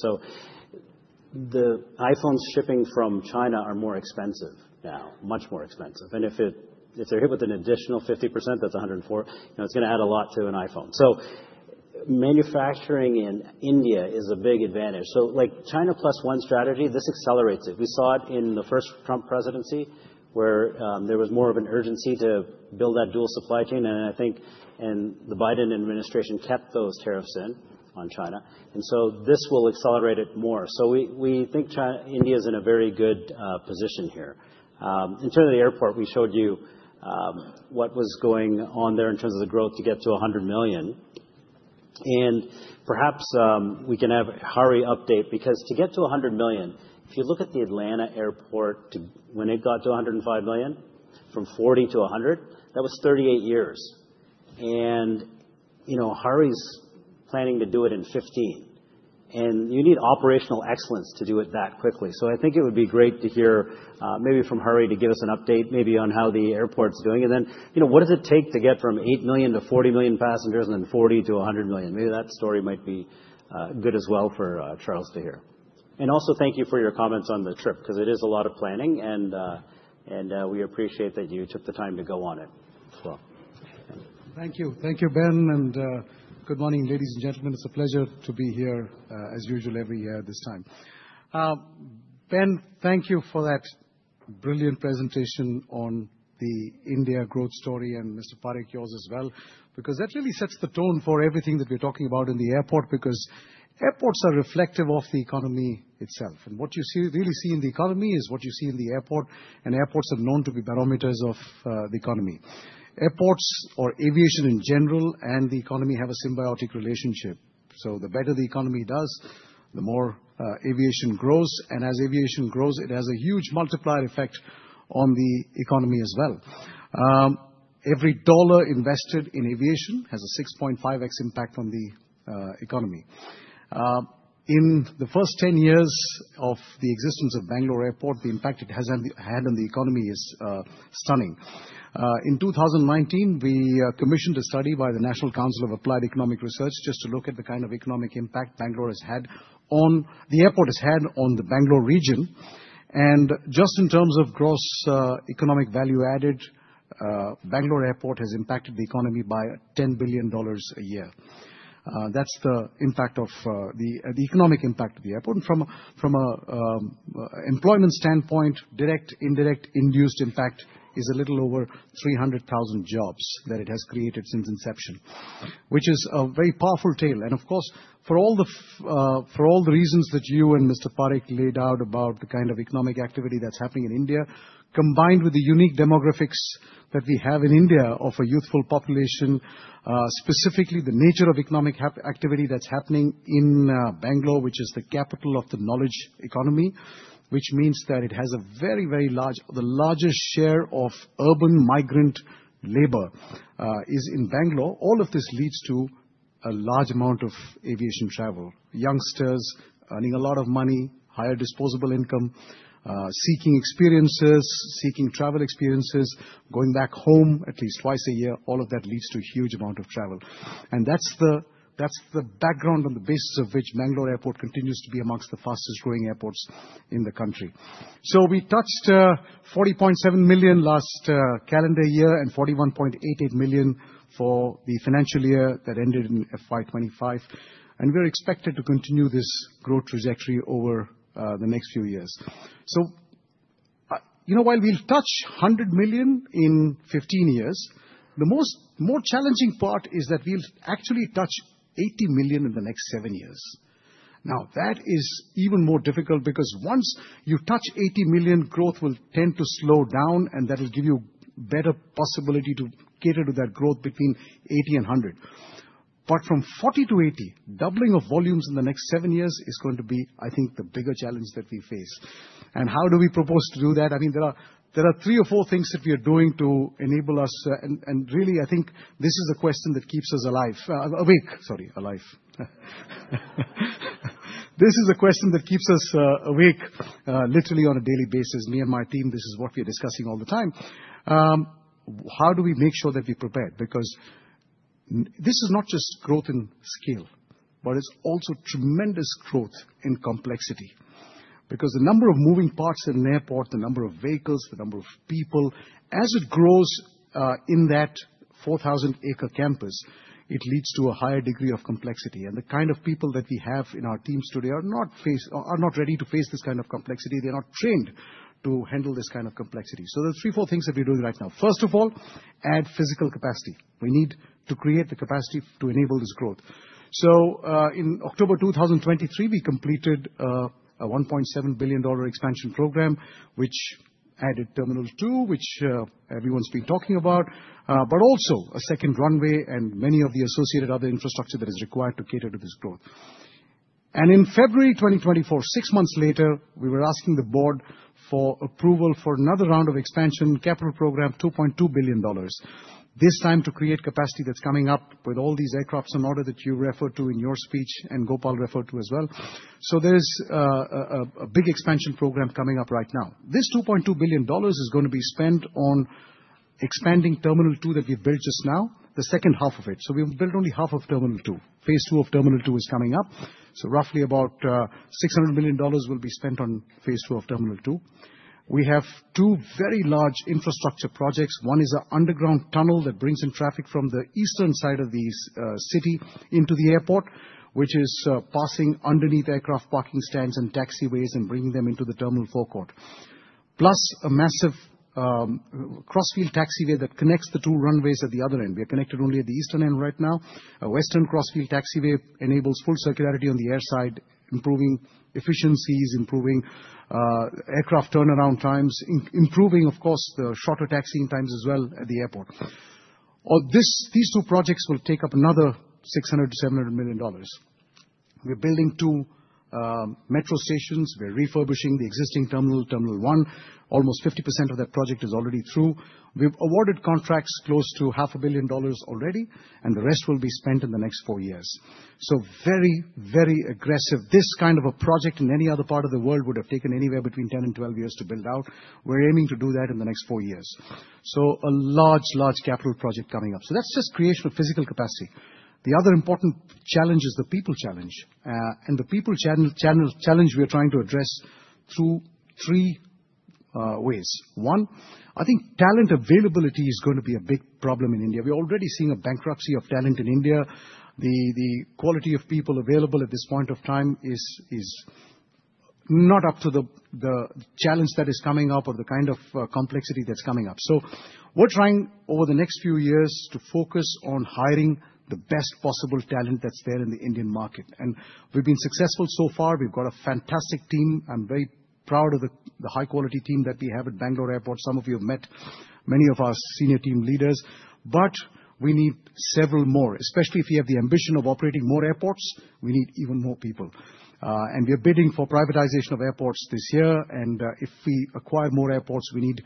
[SPEAKER 1] The iPhones shipping from China are more expensive now, much more expensive. If they're hit with an additional 50%, that's 104. It's going to add a lot to an iPhone. Manufacturing in India is a big advantage. The China plus one strategy accelerates it. We saw it in the first Trump presidency where there was more of an urgency to build that dual supply chain. I think the Biden administration kept those tariffs in on China. This will accelerate it more. We think India is in a very good position here. In terms of the airport, we showed you what was going on there in terms of the growth to get to 100 million. Perhaps we can have Hari update because to get to 100 million, if you look at the Atlanta airport, when it got to 105 million, from 40 to 100, that was 38 years. Hari's planning to do it in 15. You need operational excellence to do it that quickly. I think it would be great to hear maybe from Hari to give us an update maybe on how the airport's doing. What does it take to get from 8 million to 40 million passengers and then 40 to 100 million? Maybe that story might be good as well for Charles to hear. Also, thank you for your comments on the trip because it is a lot of planning. We appreciate that you took the time to go on it as well.
[SPEAKER 6] Thank you. Thank you, Ben. Good morning, ladies and gentlemen. It's a pleasure to be here as usual every year at this time. Ben, thank you for that brilliant presentation on the India growth story and Mr. Parekh, yours as well because that really sets the tone for everything that we're talking about in the airport because airports are reflective of the economy itself. What you really see in the economy is what you see in the airport. Airports are known to be barometers of the economy. Airports or aviation in general and the economy have a symbiotic relationship. The better the economy does, the more aviation grows. As aviation grows, it has a huge multiplier effect on the economy as well. Every dollar invested in aviation has a 6.5x impact on the economy. In the first 10 years of the existence of Bangalore Airport, the impact it has had on the economy is stunning. In 2019, we commissioned a study by the National Council of Applied Economic Research just to look at the kind of economic impact Bangalore Airport has had on the Bangalore region. Just in terms of gross economic value added, Bangalore Airport has impacted the economy by $10 billion a year. That is the impact of the economic impact of the airport. From an employment standpoint, direct, indirect, induced impact is a little over 300,000 jobs that it has created since inception, which is a very powerful tale. Of course, for all the reasons that you and Mr. Parekh laid out about the kind of economic activity that's happening in India, combined with the unique demographics that we have in India of a youthful population, specifically the nature of economic activity that's happening in Bangalore, which is the capital of the knowledge economy, which means that it has a very, very large, the largest share of urban migrant labor is in Bangalore, all of this leads to a large amount of aviation travel. Youngsters earning a lot of money, higher disposable income, seeking experiences, seeking travel experiences, going back home at least twice a year, all of that leads to a huge amount of travel. That's the background and the basis of which Bangalore Airport continues to be amongst the fastest growing airports in the country. We touched 40.7 million last calendar year and 41.88 million for the financial year that ended in FY2025. We are expected to continue this growth trajectory over the next few years. While we will touch 100 million in 15 years, the more challenging part is that we will actually touch 80 million in the next seven years. That is even more difficult because once you touch 80 million, growth will tend to slow down, and that will give you better possibility to cater to that growth between 80 and 100. From 40 to 80, doubling of volumes in the next seven years is going to be, I think, the bigger challenge that we face. How do we propose to do that? I mean, there are three or four things that we are doing to enable us. I think this is a question that keeps us awake, literally on a daily basis. Me and my team, this is what we are discussing all the time. How do we make sure that we prepare? Because this is not just growth in scale, but it's also tremendous growth in complexity. Because the number of moving parts in an airport, the number of vehicles, the number of people, as it grows in that 4,000-acre campus, it leads to a higher degree of complexity. The kind of people that we have in our teams today are not ready to face this kind of complexity. They're not trained to handle this kind of complexity. There are three, four things that we're doing right now. First of all, add physical capacity. We need to create the capacity to enable this growth. In October 2023, we completed a $1.7 billion expansion program, which added Terminal 2, which everyone's been talking about, but also a second runway and many of the associated other infrastructure that is required to cater to this growth. In February 2024, six months later, we were asking the board for approval for another round of expansion, capital program, $2.2 billion, this time to create capacity that's coming up with all these aircrafts in order that you referred to in your speech and Gopal referred to as well. There is a big expansion program coming up right now. This $2.2 billion is going to be spent on expanding Terminal 2 that we've built just now, the second half of it. We've built only half of Terminal 2. Phase 2 of Terminal 2 is coming up. Roughly about $600 million will be spent on phase 2 of Terminal 2. We have two very large infrastructure projects. One is an underground tunnel that brings in traffic from the eastern side of the city into the airport, which is passing underneath aircraft parking stands and taxiways and bringing them into the Terminal 4 court, plus a massive crossfield taxiway that connects the two runways at the other end. We are connected only at the eastern end right now. A western crossfield taxiway enables full circularity on the airside, improving efficiencies, improving aircraft turnaround times, improving, of course, the shorter taxiing times as well at the airport. These two projects will take up another $600 million-$700 million. We're building two metro stations. We're refurbishing the existing terminal, Terminal 1. Almost 50% of that project is already through. We've awarded contracts close to $500 million already, and the rest will be spent in the next four years. Very, very aggressive. This kind of a project in any other part of the world would have taken anywhere between 10 and 12 years to build out. We're aiming to do that in the next four years. A large, large capital project coming up. That's just creation of physical capacity. The other important challenge is the people challenge. The people challenge we are trying to address through three ways. One, I think talent availability is going to be a big problem in India. We're already seeing a bankruptcy of talent in India. The quality of people available at this point of time is not up to the challenge that is coming up or the kind of complexity that's coming up. We're trying over the next few years to focus on hiring the best possible talent that's there in the Indian market. We've been successful so far. We've got a fantastic team. I'm very proud of the high-quality team that we have at Bangalore Airport. Some of you have met many of our senior team leaders. We need several more, especially if you have the ambition of operating more airports. We need even more people. We are bidding for privatization of airports this year. If we acquire more airports, we need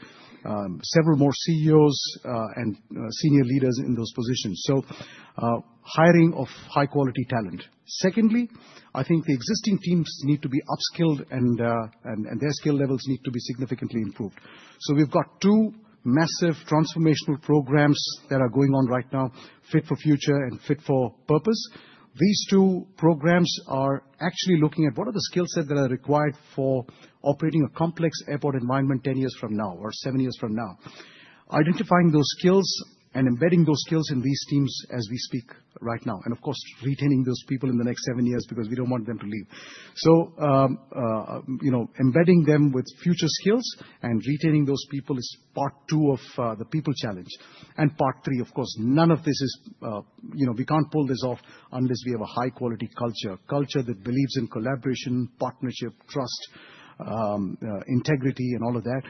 [SPEAKER 6] several more CEOs and senior leaders in those positions. Hiring of high-quality talent. Secondly, I think the existing teams need to be upskilled, and their skill levels need to be significantly improved. We've got two massive transformational programs that are going on right now, Fit for Future and Fit for Purpose. These two programs are actually looking at what are the skill sets that are required for operating a complex airport environment 10 years from now or 7 years from now, identifying those skills and embedding those skills in these teams as we speak right now. Of course, retaining those people in the next seven years because we do not want them to leave. Embedding them with future skills and retaining those people is part two of the people challenge. Part three, of course, none of this is we cannot pull this off unless we have a high-quality culture, culture that believes in collaboration, partnership, trust, integrity, and all of that.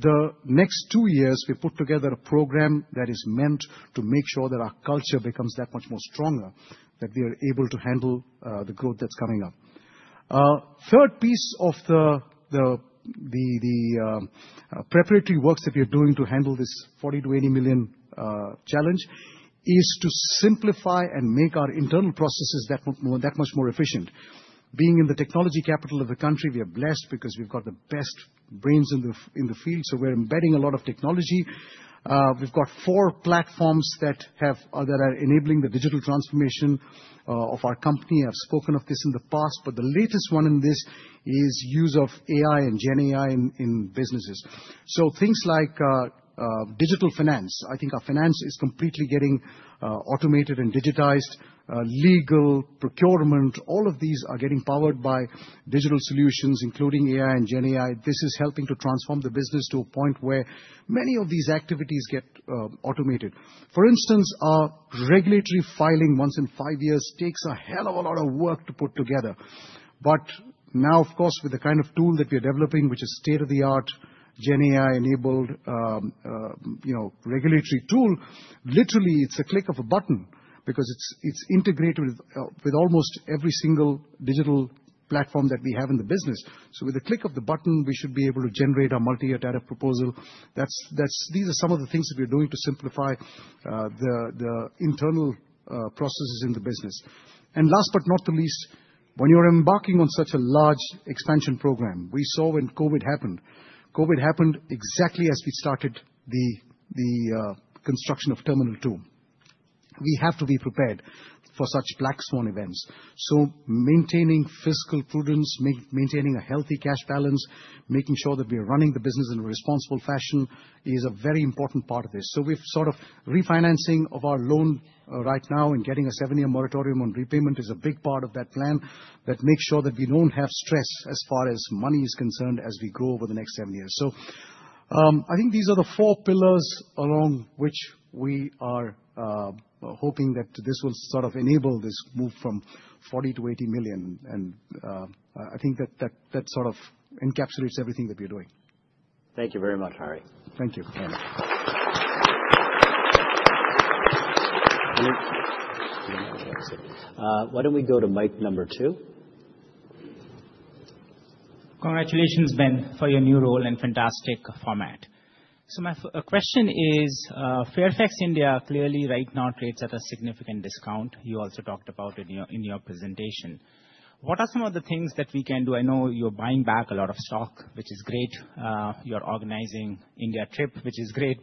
[SPEAKER 6] The next two years, we put together a program that is meant to make sure that our culture becomes that much more stronger that we are able to handle the growth that is coming up. Third piece of the preparatory works that we are doing to handle this 40 million-80 million challenge is to simplify and make our internal processes that much more efficient. Being in the technology capital of the country, we are blessed because we've got the best brains in the field. We are embedding a lot of technology. We've got four platforms that are enabling the digital transformation of our company. I've spoken of this in the past, but the latest one in this is use of AI and Gen AI in businesses. Things like digital finance, I think our finance is completely getting automated and digitized. Legal, procurement, all of these are getting powered by digital solutions, including AI and Gen AI. This is helping to transform the business to a point where many of these activities get automated. For instance, regulatory filing once in five years takes a hell of a lot of work to put together. Now, of course, with the kind of tool that we are developing, which is state-of-the-art Gen AI-enabled regulatory tool, literally, it's a click of a button because it's integrated with almost every single digital platform that we have in the business. With a click of the button, we should be able to generate a multi-year tariff proposal. These are some of the things that we are doing to simplify the internal processes in the business. Last but not the least, when you're embarking on such a large expansion program, we saw when COVID happened. COVID happened exactly as we started the construction of Terminal 2. We have to be prepared for such black swan events. Maintaining fiscal prudence, maintaining a healthy cash balance, making sure that we are running the business in a responsible fashion is a very important part of this. We have sort of refinancing of our loan right now and getting a seven-year moratorium on repayment is a big part of that plan that makes sure that we do not have stress as far as money is concerned as we grow over the next seven years. I think these are the four pillars along which we are hoping that this will sort of enable this move from 40 million to 80 million. I think that sort of encapsulates everything that we are doing.
[SPEAKER 1] Thank you very much, Hari.
[SPEAKER 6] Thank you.
[SPEAKER 1] Why do we not go to mic number two? Congratulations, Ben, for your new role and fantastic format. My question is, Fairfax India clearly right now trades at a significant discount. You also talked about it in your presentation. What are some of the things that we can do? I know you're buying back a lot of stock, which is great. You're organizing India trip, which is great.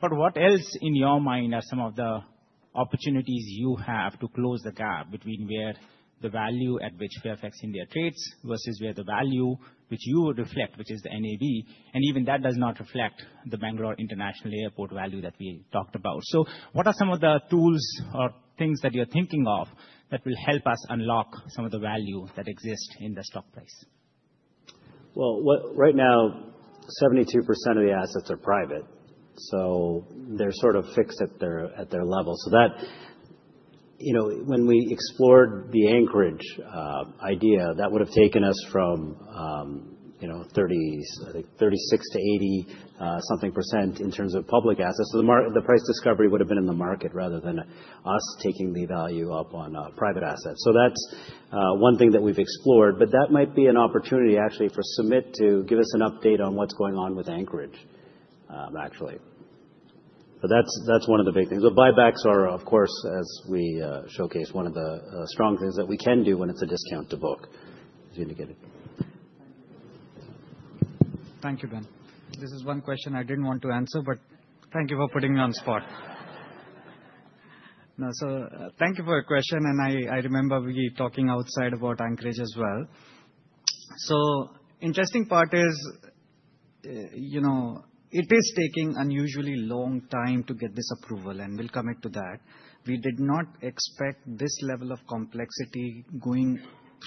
[SPEAKER 1] What else in your mind are some of the opportunities you have to close the gap between where the value at which Fairfax India trades versus where the value which you would reflect, which is the NAV, and even that does not reflect the Bangalore International Airport value that we talked about? What are some of the tools or things that you're thinking of that will help us unlock some of the value that exists in the stock price? Right now, 72% of the assets are private. They are sort of fixed at their level. When we explored the Anchorage idea, that would have taken us from, I think, 36% to 80-something percent in terms of public assets. The price discovery would have been in the market rather than us taking the value up on private assets. That is one thing that we have explored. That might be an opportunity actually for Sumit to give us an update on what is going on with Anchorage, actually. That is one of the big things. Buybacks are, of course, as we showcased, one of the strong things that we can do when it is a discount to book.
[SPEAKER 7] Thank you, Ben. This is one question I did not want to answer, but thank you for putting me on the spot. Thank you for your question. I remember we were talking outside about Anchorage as well. The interesting part is it is taking an unusually long time to get this approval, and we'll come into that. We did not expect this level of complexity going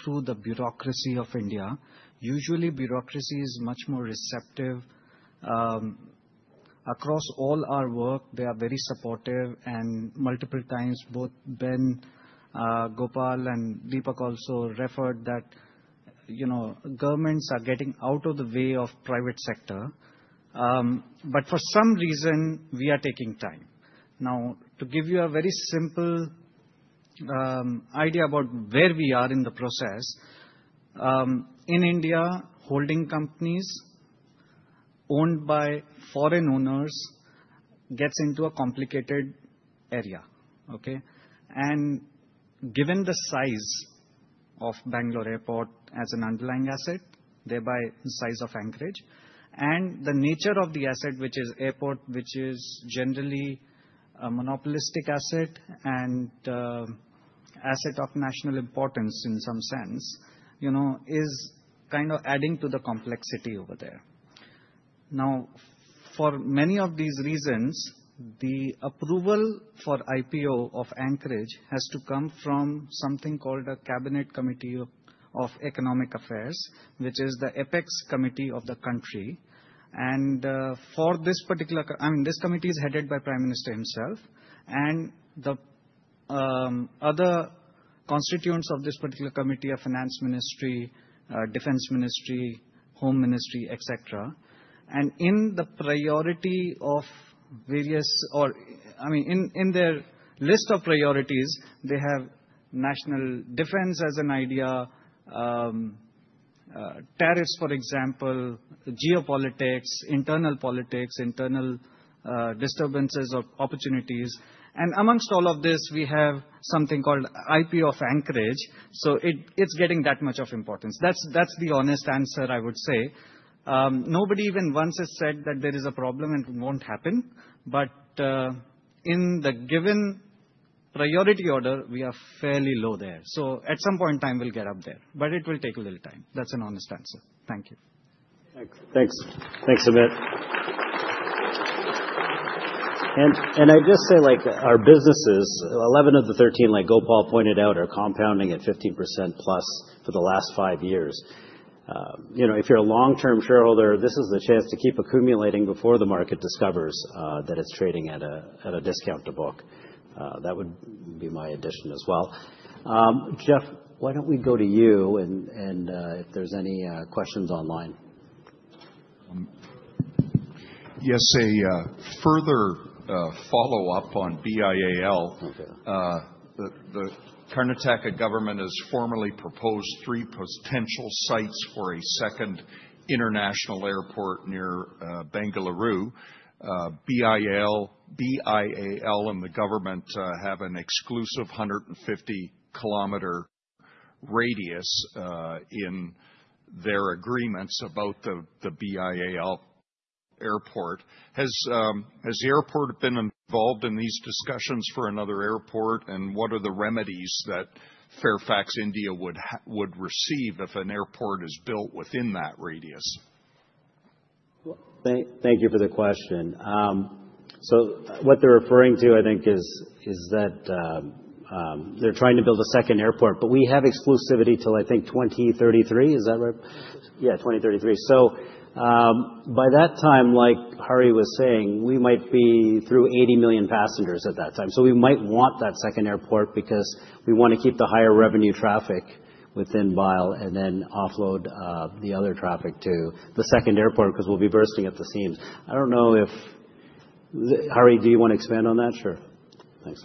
[SPEAKER 7] through the bureaucracy of India. Usually, bureaucracy is much more receptive. Across all our work, they are very supportive. Multiple times, both Ben, Gopal, and Deepak also referred that governments are getting out of the way of the private sector. For some reason, we are taking time. Now, to give you a very simple idea about where we are in the process, in India, holding companies owned by foreign owners get into a complicated area. Given the size of Bangalore Airport as an underlying asset, thereby the size of Anchorage, and the nature of the asset, which is airport, which is generally a monopolistic asset and asset of national importance in some sense, is kind of adding to the complexity over there. Now, for many of these reasons, the approval for IPO of Anchorage has to come from something called a Cabinet Committee of Economic Affairs, which is the apex committee of the country. For this particular, I mean, this committee is headed by the Prime Minister himself and the other constituents of this particular committee: Finance Ministry, Defense Ministry, Home Ministry, etc. In the priority of various, or I mean, in their list of priorities, they have national defense as an idea, tariffs, for example, geopolitics, internal politics, internal disturbances or opportunities. Amongst all of this, we have something called IPO of Anchorage. It is getting that much of importance. That is the honest answer, I would say. Nobody even once has said that there is a problem and it will not happen. In the given priority order, we are fairly low there. At some point in time, we will get up there. It will take a little time. That is an honest answer. Thank you.
[SPEAKER 1] Thanks. Thanks, Sumit. I would just say our businesses, 11 of the 13, like Gopal pointed out, are compounding at 15% plus for the last five years. If you are a long-term shareholder, this is the chance to keep accumulating before the market discovers that it is trading at a discount to book. That would be my addition as well. Jeff, why do you not go to you and if there are any questions online?
[SPEAKER 8] Yes, a further follow-up on BIAL. The Karnataka government has formally proposed three potential sites for a second international airport near Bengaluru. BIAL and the government have an exclusive 150 km radius in their agreements about the BIAL airport. Has the airport been involved in these discussions for another airport? What are the remedies that Fairfax India would receive if an airport is built within that radius?
[SPEAKER 1] Thank you for the question. What they're referring to, I think, is that they're trying to build a second airport, but we have exclusivity till, I think, 2033. Is that right? Yeah, 2033. By that time, like Hari was saying, we might be through 80 million passengers at that time. We might want that second airport because we want to keep the higher revenue traffic within BIAL and then offload the other traffic to the second airport because we'll be bursting at the seams. I don't know if Hari, do you want to expand on that? Sure. Thanks.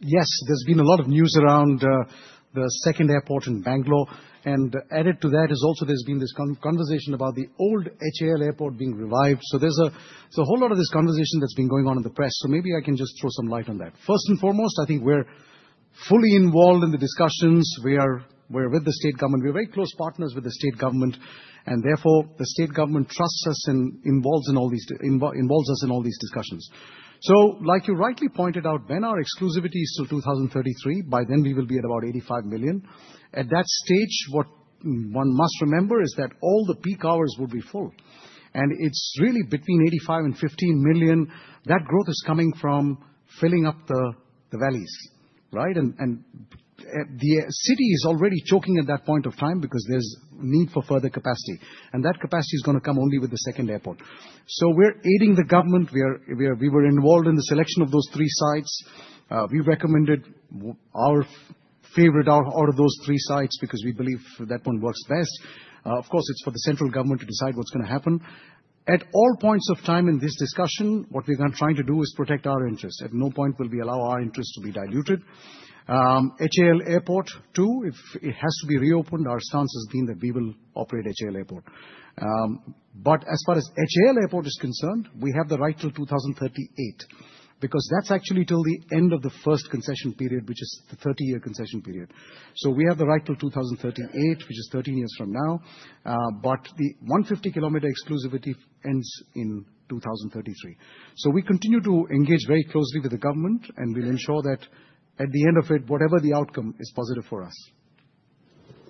[SPEAKER 6] Yes, there's been a lot of news around the second airport in Bangalore. Added to that is also there's been this conversation about the old HAL airport being revived. There's a whole lot of this conversation that's been going on in the press. Maybe I can just throw some light on that. First and foremost, I think we're fully involved in the discussions. We're with the state government. We're very close partners with the state government. Therefore, the state government trusts us and involves us in all these discussions. Like you rightly pointed out, Ben, our exclusivity is till 2033. By then, we will be at about 85 million. At that stage, what one must remember is that all the peak hours will be full. It is really between 85 and 15 million. That growth is coming from filling up the valleys, right? The city is already choking at that point of time because there is a need for further capacity. That capacity is going to come only with the second airport. We are aiding the government. We were involved in the selection of those three sites. We recommended our favorite out of those three sites because we believe that one works best. Of course, it is for the central government to decide what is going to happen. At all points of time in this discussion, what we are trying to do is protect our interests. At no point will we allow our interests to be diluted. HAL airport too, if it has to be reopened, our stance has been that we will operate HAL airport. As far as HAL airport is concerned, we have the right till 2038 because that is actually till the end of the first concession period, which is the 30-year concession period. We have the right till 2038, which is 13 years from now. The 150 km exclusivity ends in 2033. We continue to engage very closely with the government, and we will ensure that at the end of it, whatever the outcome is positive for us.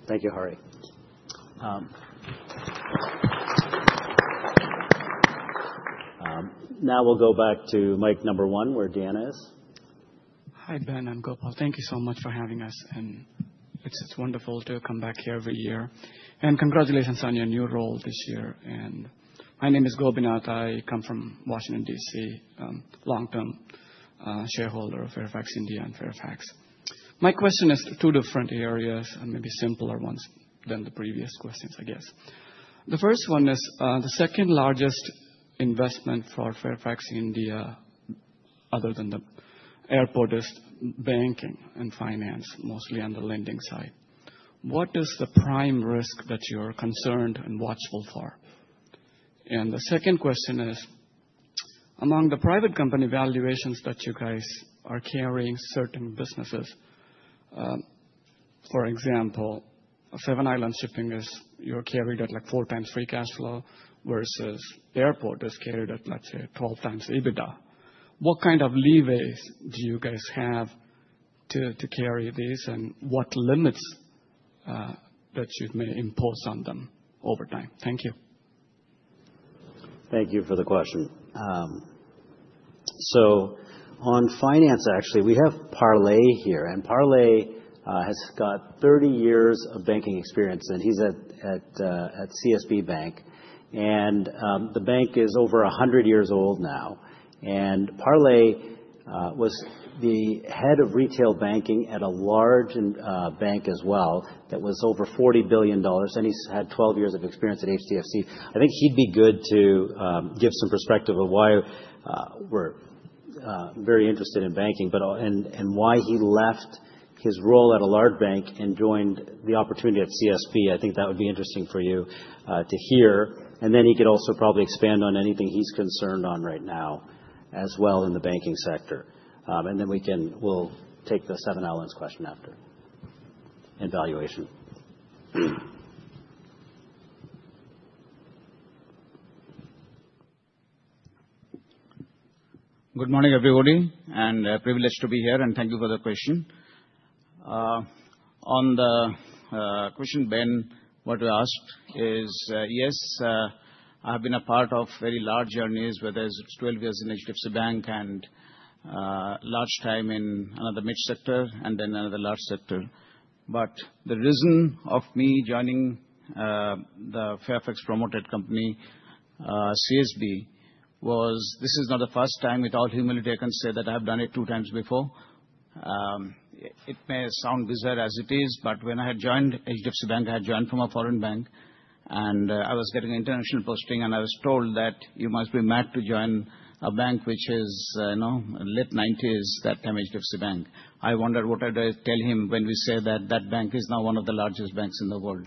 [SPEAKER 1] Thank you, Hari. Now we will go back to mic number one where Deanna is.
[SPEAKER 9] Hi, Ben and Gopal. Thank you so much for having us. It is wonderful to come back here every year. Congratulations on your new role this year. My name is Gobinath. I come from Washington, DC, long-term shareholder of Fairfax India and Fairfax. My question is two different areas and maybe simpler ones than the previous questions, I guess. The first one is the second largest investment for Fairfax India other than the airport is banking and finance, mostly on the lending side. What is the prime risk that you're concerned and watchful for? The second question is, among the private company valuations that you guys are carrying certain businesses, for example, Seven Islands Shipping is you're carried at like four times free cash flow versus the airport is carried at, let's say, 12 times EBITDA. What kind of leeways do you guys have to carry these? What limits that you may impose on them over time? Thank you.
[SPEAKER 1] Thank you for the question. On finance, actually, we have Pralay here. Pralay has got 30 years of banking experience. He is at CSB Bank. The bank is over 100 years old now. Pralay was the head of retail banking at a large bank as well that was over $40 billion. He has had 12 years of experience at HDFC. I think he would be good to give some perspective of why we are very interested in banking and why he left his role at a large bank and joined the opportunity at CSB. I think that would be interesting for you to hear. He could also probably expand on anything he is concerned on right now as well in the banking sector. We will take the Seven Islands question after and valuation.
[SPEAKER 10] Good morning, everybody. Privileged to be here. Thank you for the question. On the question, Ben, what we asked is, yes, I have been a part of very large journeys, whether it's 12 years in HDFC Bank and large time in another mid-sector and then another large sector. The reason of me joining the Fairfax-promoted company, CSB, was this is not the first time, with all humility, I can say that I have done it two times before. It may sound bizarre as it is, but when I had joined HDFC Bank, I had joined from a foreign bank. I was getting international posting. I was told that you must be mad to join a bank which is late 1990s, that time HDFC Bank. I wondered what I'd tell him when we say that that bank is now one of the largest banks in the world.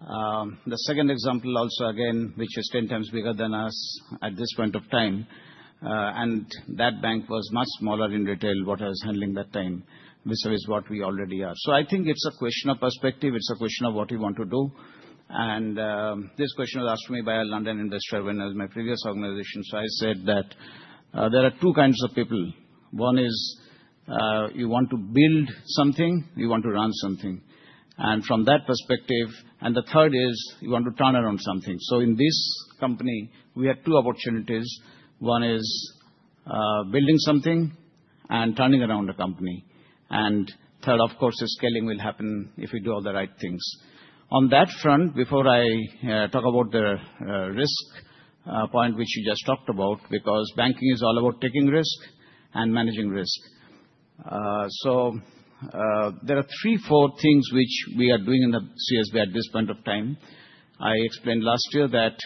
[SPEAKER 10] The second example also, again, which is 10 times bigger than us at this point of time. That bank was much smaller in retail, what I was handling that time, besides what we already are. I think it's a question of perspective. It's a question of what you want to do. This question was asked to me by a London investor when I was in my previous organization. I said that there are two kinds of people. One is you want to build something. You want to run something. From that perspective. The third is you want to turn around something. In this company, we had two opportunities. One is building something and turning around a company. Third, of course, is scaling will happen if we do all the right things. On that front, before I talk about the risk point, which you just talked about, because banking is all about taking risk and managing risk. There are three, four things which we are doing in CSB at this point of time. I explained last year that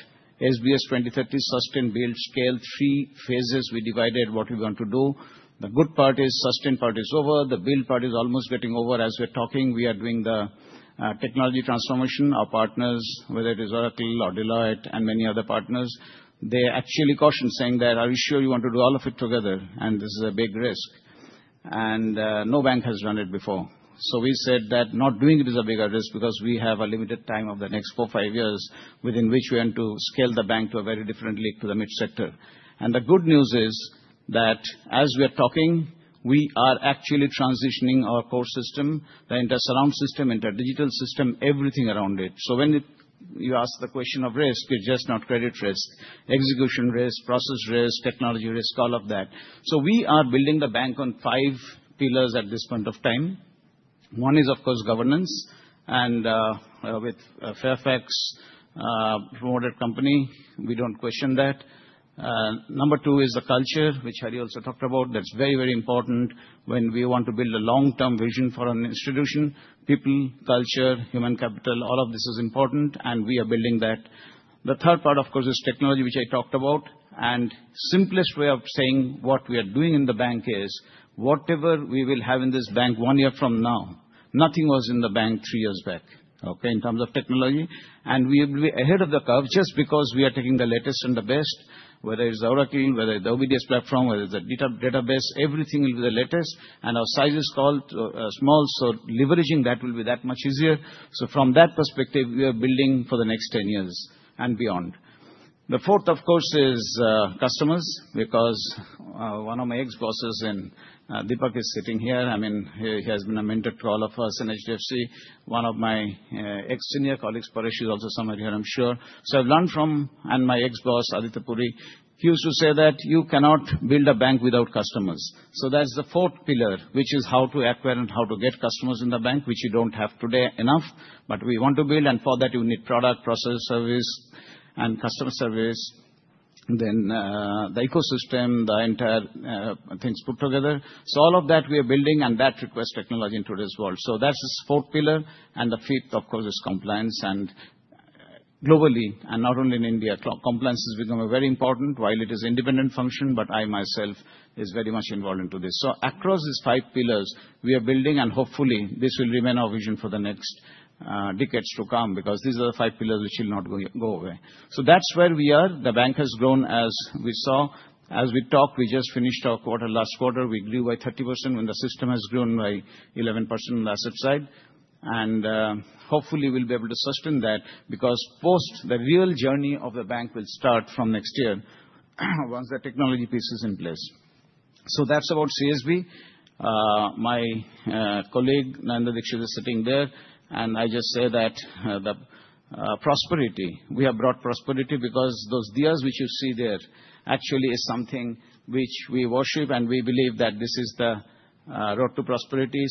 [SPEAKER 10] SBS 2030 Sustain Build Scale three phases. We divided what we want to do. The good part is sustain part is over. The build part is almost getting over. As we're talking, we are doing the technology transformation. Our partners, whether it is Oracle or Deloitte and many other partners, they actually cautioned saying that, "Are you sure you want to do all of it together? This is a big risk." No bank has done it before. We said that not doing it is a bigger risk because we have a limited time of the next four-five years within which we are to scale the bank to a very different league to the mid-sector. The good news is that as we are talking, we are actually transitioning our core system, the surround system, into a digital system, everything around it. When you ask the question of risk, it's just not credit risk, execution risk, process risk, technology risk, all of that. We are building the bank on five pillars at this point of time. One is, of course, governance. With a Fairfax-promoted company, we do not question that. Number two is the culture, which Hari also talked about. That is very, very important when we want to build a long-term vision for an institution. People, culture, human capital, all of this is important. We are building that. The third part, of course, is technology, which I talked about. The simplest way of saying what we are doing in the bank is whatever we will have in this bank one year from now, nothing was in the bank three years back, in terms of technology. We will be ahead of the curve just because we are taking the latest and the best, whether it's Oracle, whether it's the OBDS platform, whether it's a database, everything will be the latest. Our size is called small, so leveraging that will be that much easier. From that perspective, we are building for the next 10 years and beyond. The fourth, of course, is customers because one of my ex-bosses, and Deepak is sitting here. I mean, he has been a mentor to all of us in HDFC. One of my ex-senior colleagues, Paresh, is also somewhere here, I'm sure. I've learned from, and my ex-boss, Aditya Puri, he used to say that you cannot build a bank without customers. That's the fourth pillar, which is how to acquire and how to get customers in the bank, which you don't have today enough. We want to build. For that, you need product, process, service, and customer service, then the ecosystem, the entire things put together. All of that we are building, and that requires technology in today's world. That's the fourth pillar. The fifth, of course, is compliance. Globally, and not only in India, compliance has become very important while it is an independent function, but I myself am very much involved into this. Across these five pillars, we are building, and hopefully, this will remain our vision for the next decades to come because these are the five pillars which will not go away. That is where we are. The bank has grown, as we saw. As we talk, we just finished our quarter. Last quarter, we grew by 30% when the system has grown by 11% on the asset side. Hopefully, we will be able to sustain that because the real journey of the bank will start from next year once the technology piece is in place. That is about CSB. My colleague, Narendra Dixit, is sitting there. I just say that the prosperity, we have brought prosperity because those dias which you see there actually is something which we worship, and we believe that this is the road to prosperity.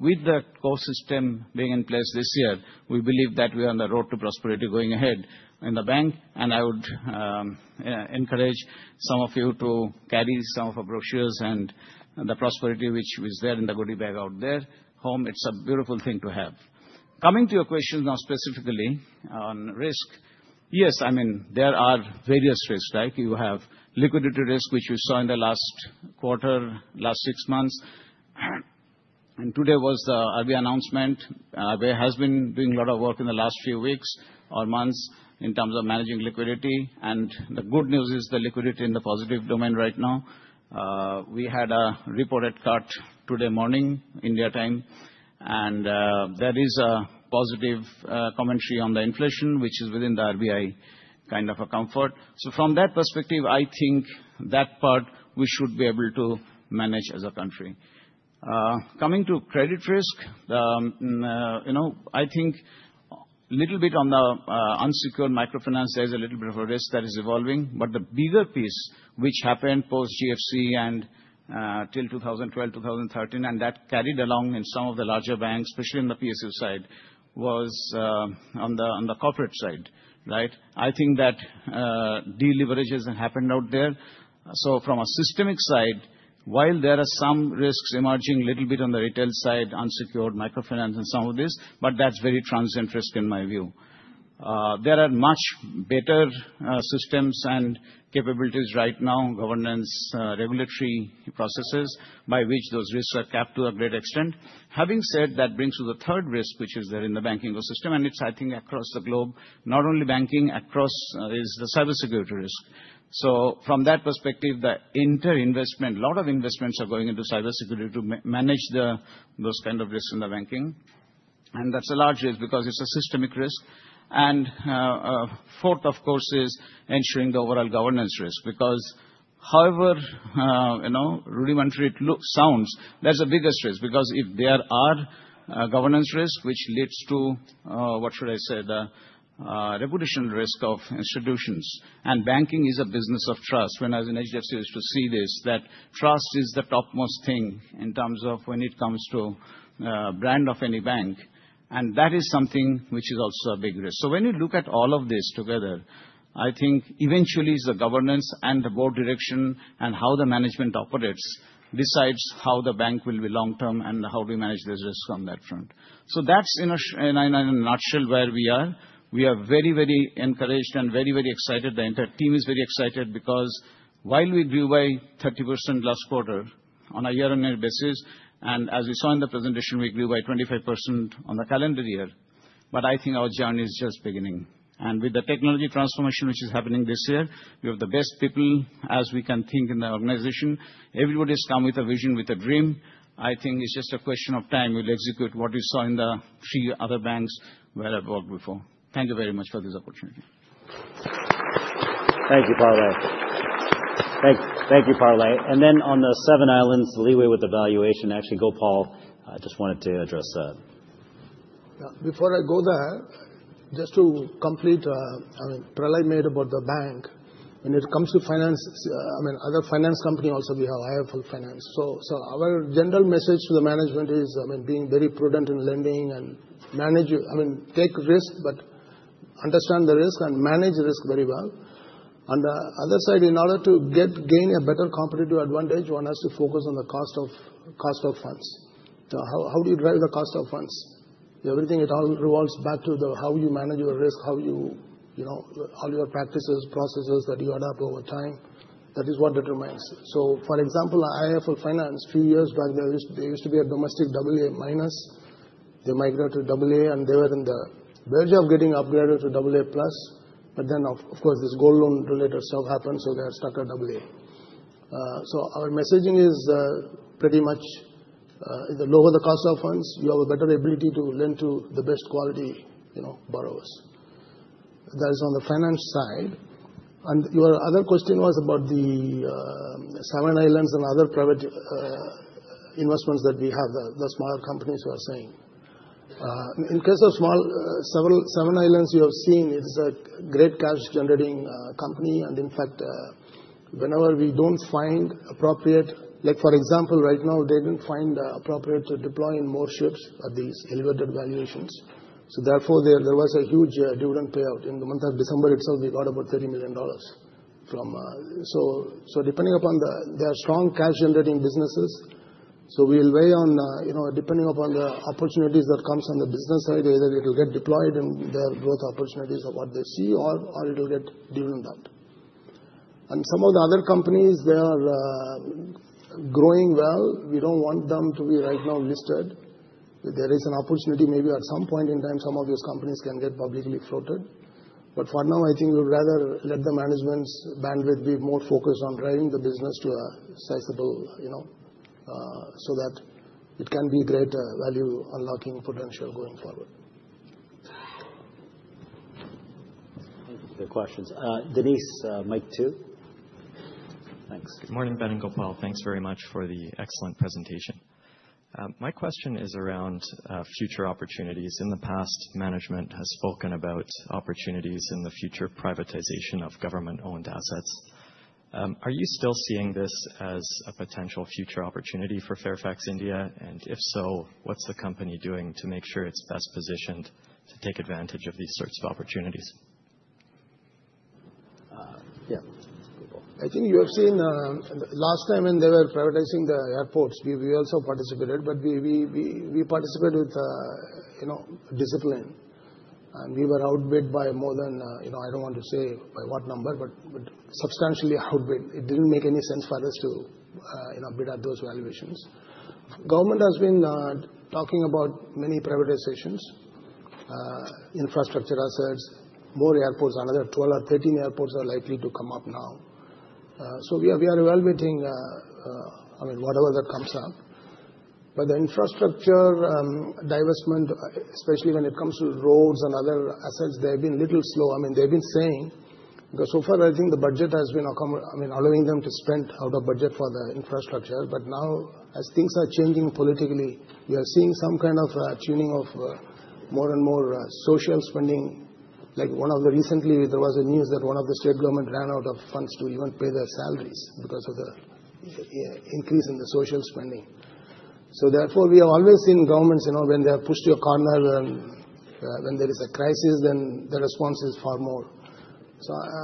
[SPEAKER 10] With the core system being in place this year, we believe that we are on the road to prosperity going ahead in the bank. I would encourage some of you to carry some of our brochures and the prosperity which was there in the goody bag out there. Home, it's a beautiful thing to have. Coming to your question now specifically on risk, yes, I mean, there are various risks. You have liquidity risk, which we saw in the last quarter, last six months. Today was the RBI announcement. RBI has been doing a lot of work in the last few weeks or months in terms of managing liquidity. The good news is the liquidity in the positive domain right now. We had a reported cut today morning India time. There is a positive commentary on the inflation, which is within the RBI kind of a comfort. From that perspective, I think that part we should be able to manage as a country. Coming to credit risk, I think a little bit on the unsecured microfinance, there's a little bit of a risk that is evolving. The bigger piece, which happened post-GFC and till 2012, 2013, and that carried along in some of the larger banks, especially on the PSU side, was on the corporate side, right? I think that deleveraging has happened out there. From a systemic side, while there are some risks emerging a little bit on the retail side, unsecured microfinance and some of this, that's very transient risk in my view. There are much better systems and capabilities right now, governance, regulatory processes by which those risks are capped to a great extent. Having said that, brings to the third risk, which is there in the banking ecosystem, and it's, I think, across the globe, not only banking, across is the cybersecurity risk. From that perspective, the inter-investment, a lot of investments are going into cybersecurity to manage those kinds of risks in the banking. That's a large risk because it's a systemic risk. Fourth, of course, is ensuring the overall governance risk because however rudimentary it sounds, that's the biggest risk because if there are governance risks, which leads to, what should I say, the reputational risk of institutions. Banking is a business of trust. When I was in HDFC, I used to see this, that trust is the topmost thing in terms of when it comes to brand of any bank. That is something which is also a big risk. When you look at all of this together, I think eventually it's the governance and the board direction and how the management operates decides how the bank will be long-term and how do we manage this risk on that front. That's in a nutshell where we are. We are very, very encouraged and very, very excited. The entire team is very excited because while we grew by 30% last quarter on a year-on-year basis, and as we saw in the presentation, we grew by 25% on the calendar year, I think our journey is just beginning. With the technology transformation, which is happening this year, we have the best people as we can think in the organization. Everybody has come with a vision, with a dream. I think it's just a question of time we'll execute what we saw in the three other banks where I've worked before. Thank you very much for this opportunity.
[SPEAKER 1] Thank you, Pralay. Thank you, Pralay. On the Seven Islands, the leeway with the valuation. Actually, Gopal. I just wanted to address that.
[SPEAKER 4] Before I go there, just to complete, I mean, Parle made about the bank. When it comes to finance, I mean, other finance company also we have IIFL Finance. Our general message to the management is, I mean, being very prudent in lending and manage, I mean, take risk, but understand the risk and manage risk very well. On the other side, in order to gain a better competitive advantage, one has to focus on the cost of funds. How do you drive the cost of funds? Everything, it all revolves back to how you manage your risk, how you all your practices, processes that you adopt over time. That is what determines. For example, IIFL Finance, a few years back, they used to be a domestic AA-. They migrated to AA, and they were on the verge of getting upgraded to AA+. Of course, this gold loan-related stuff happened, so they are stuck at AA. Our messaging is pretty much lower the cost of funds, you have a better ability to lend to the best quality borrowers. That is on the finance side. Your other question was about the Seven Islands and other private investments that we have, the smaller companies you were saying. In case of Seven Islands, you have seen it is a great cash-generating company. In fact, whenever we do not find appropriate, like for example, right now, they did not find appropriate to deploy in more ships at these elevated valuations. Therefore, there was a huge dividend payout. In the month of December itself, we got about $30 million. Depending upon their strong cash-generating businesses, we will weigh on depending upon the opportunities that come from the business side, either it will get deployed and there are growth opportunities of what they see, or it will get dividend out. Some of the other companies, they are growing well. We do not want them to be right now listed. There is an opportunity maybe at some point in time, some of these companies can get publicly floated. For now, I think we would rather let the management's bandwidth be more focused on driving the business to a sizable so that it can be a great value unlocking potential going forward.
[SPEAKER 1] Thank you for your questions. Denise, mic two. Thanks. Good morning, Ben and Gopal. Thanks very much for the excellent presentation. My question is around future opportunities. In the past, management has spoken about opportunities in the future privatization of government-owned assets. Are you still seeing this as a potential future opportunity for Fairfax India? If so, what is the company doing to make sure it is best positioned to take advantage of these sorts of opportunities?
[SPEAKER 4] Yeah. I think you have seen last time when they were privatizing the airports, we also participated, but we participated with discipline. We were outbid by more than, I don't want to say by what number, but substantially outbid. It didn't make any sense for us to bid at those valuations. Government has been talking about many privatizations, infrastructure assets, more airports. Another 12 or 13 airports are likely to come up now. We are evaluating, I mean, whatever that comes up. The infrastructure divestment, especially when it comes to roads and other assets, they have been a little slow. They've been saying because so far, I think the budget has been, I mean, allowing them to spend out of budget for the infrastructure. Now, as things are changing politically, we are seeing some kind of tuning of more and more social spending. Like one of the recently, there was a news that one of the state government ran out of funds to even pay their salaries because of the increase in the social spending. Therefore, we have always seen governments when they are pushed to a corner and when there is a crisis, then the response is far more.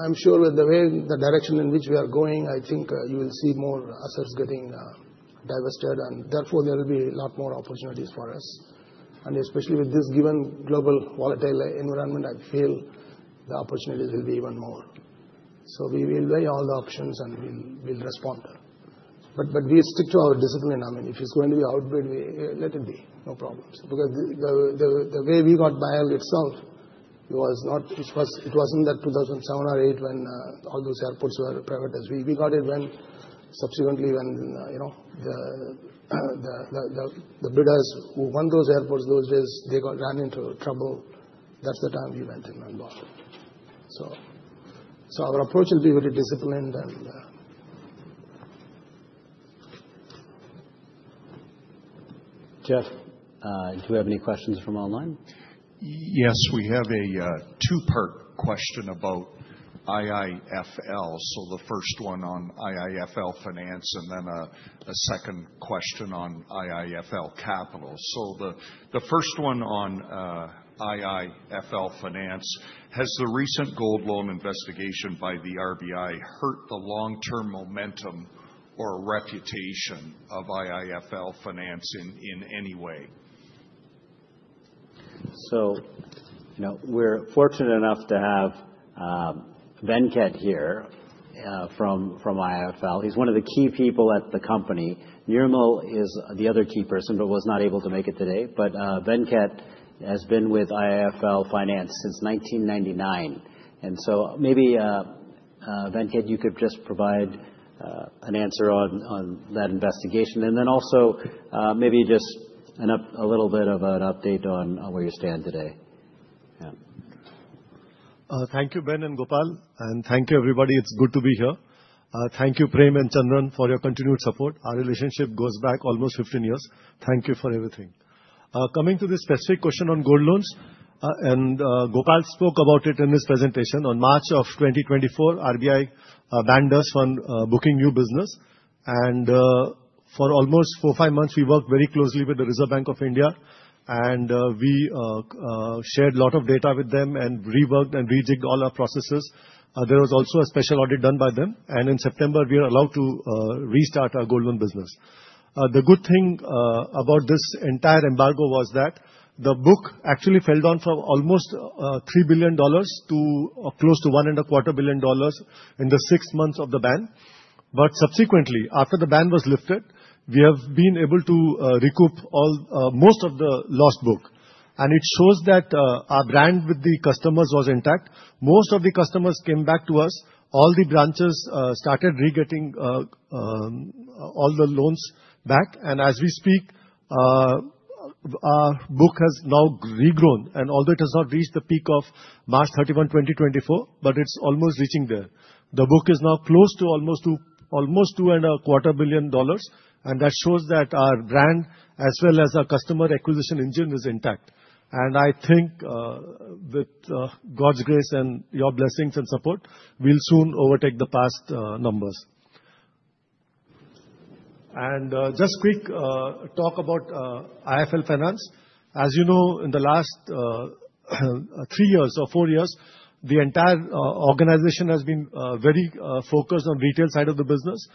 [SPEAKER 4] I am sure with the direction in which we are going, I think you will see more assets getting divested. Therefore, there will be a lot more opportunities for us. Especially with this given global volatile environment, I feel the opportunities will be even more. We will weigh all the options and we will respond. We stick to our discipline. I mean, if it is going to be outbid, let it be. No problems. Because the way we got BIAL itself, it wasn't that 2007 or 2008 when all those airports were privatized. We got it subsequently when the bidders who won those airports those days, they ran into trouble. That's the time we went in and bought. Our approach will be very disciplined.
[SPEAKER 1] Jeff, do you have any questions from online?
[SPEAKER 8] Yes, we have a two-part question about IIFL. The first one on IIFL Finance and then a second question on IIFL Capital. The first one on IIFL Finance, has the recent gold loan investigation by the RBI hurt the long-term momentum or reputation of IIFL Finance in any way?
[SPEAKER 1] We're fortunate enough to have Venkat here from IIFL. He's one of the key people at the company. Nirmal is the other key person, but was not able to make it today. Venkat has been with IIFL Finance since 1999. Maybe, Venkat, you could just provide an answer on that investigation. Also, maybe just a little bit of an update on where you stand today. Yeah.
[SPEAKER 11] Thank you, Ben and Gopal. Thank you, everybody. It's good to be here. Thank you, Prem and Chandran, for your continued support. Our relationship goes back almost 15 years. Thank you for everything. Coming to this specific question on gold loans, and Gopal spoke about it in his presentation. In March of 2024, RBI banned us from booking new business. For almost four to five months, we worked very closely with the Reserve Bank of India. We shared a lot of data with them and reworked and rejigged all our processes. There was also a special audit done by them. In September, we were allowed to restart our gold loan business. The good thing about this entire embargo was that the book actually fell down from almost $3 billion to close to $1.25 billion in the six months of the ban. Subsequently, after the ban was lifted, we have been able to recoup most of the lost book. It shows that our brand with the customers was intact. Most of the customers came back to us. All the branches started re-getting all the loans back. As we speak, our book has now regrown. Although it has not reached the peak of March 31, 2024, it is almost reaching there. The book is now close to almost $2.25 billion. That shows that our brand, as well as our customer acquisition engine, is intact. I think with God's grace and your blessings and support, we'll soon overtake the past numbers. A quick talk about IIFL Finance. As you know, in the last three years or four years, the entire organization has been very focused on the retail side of the business.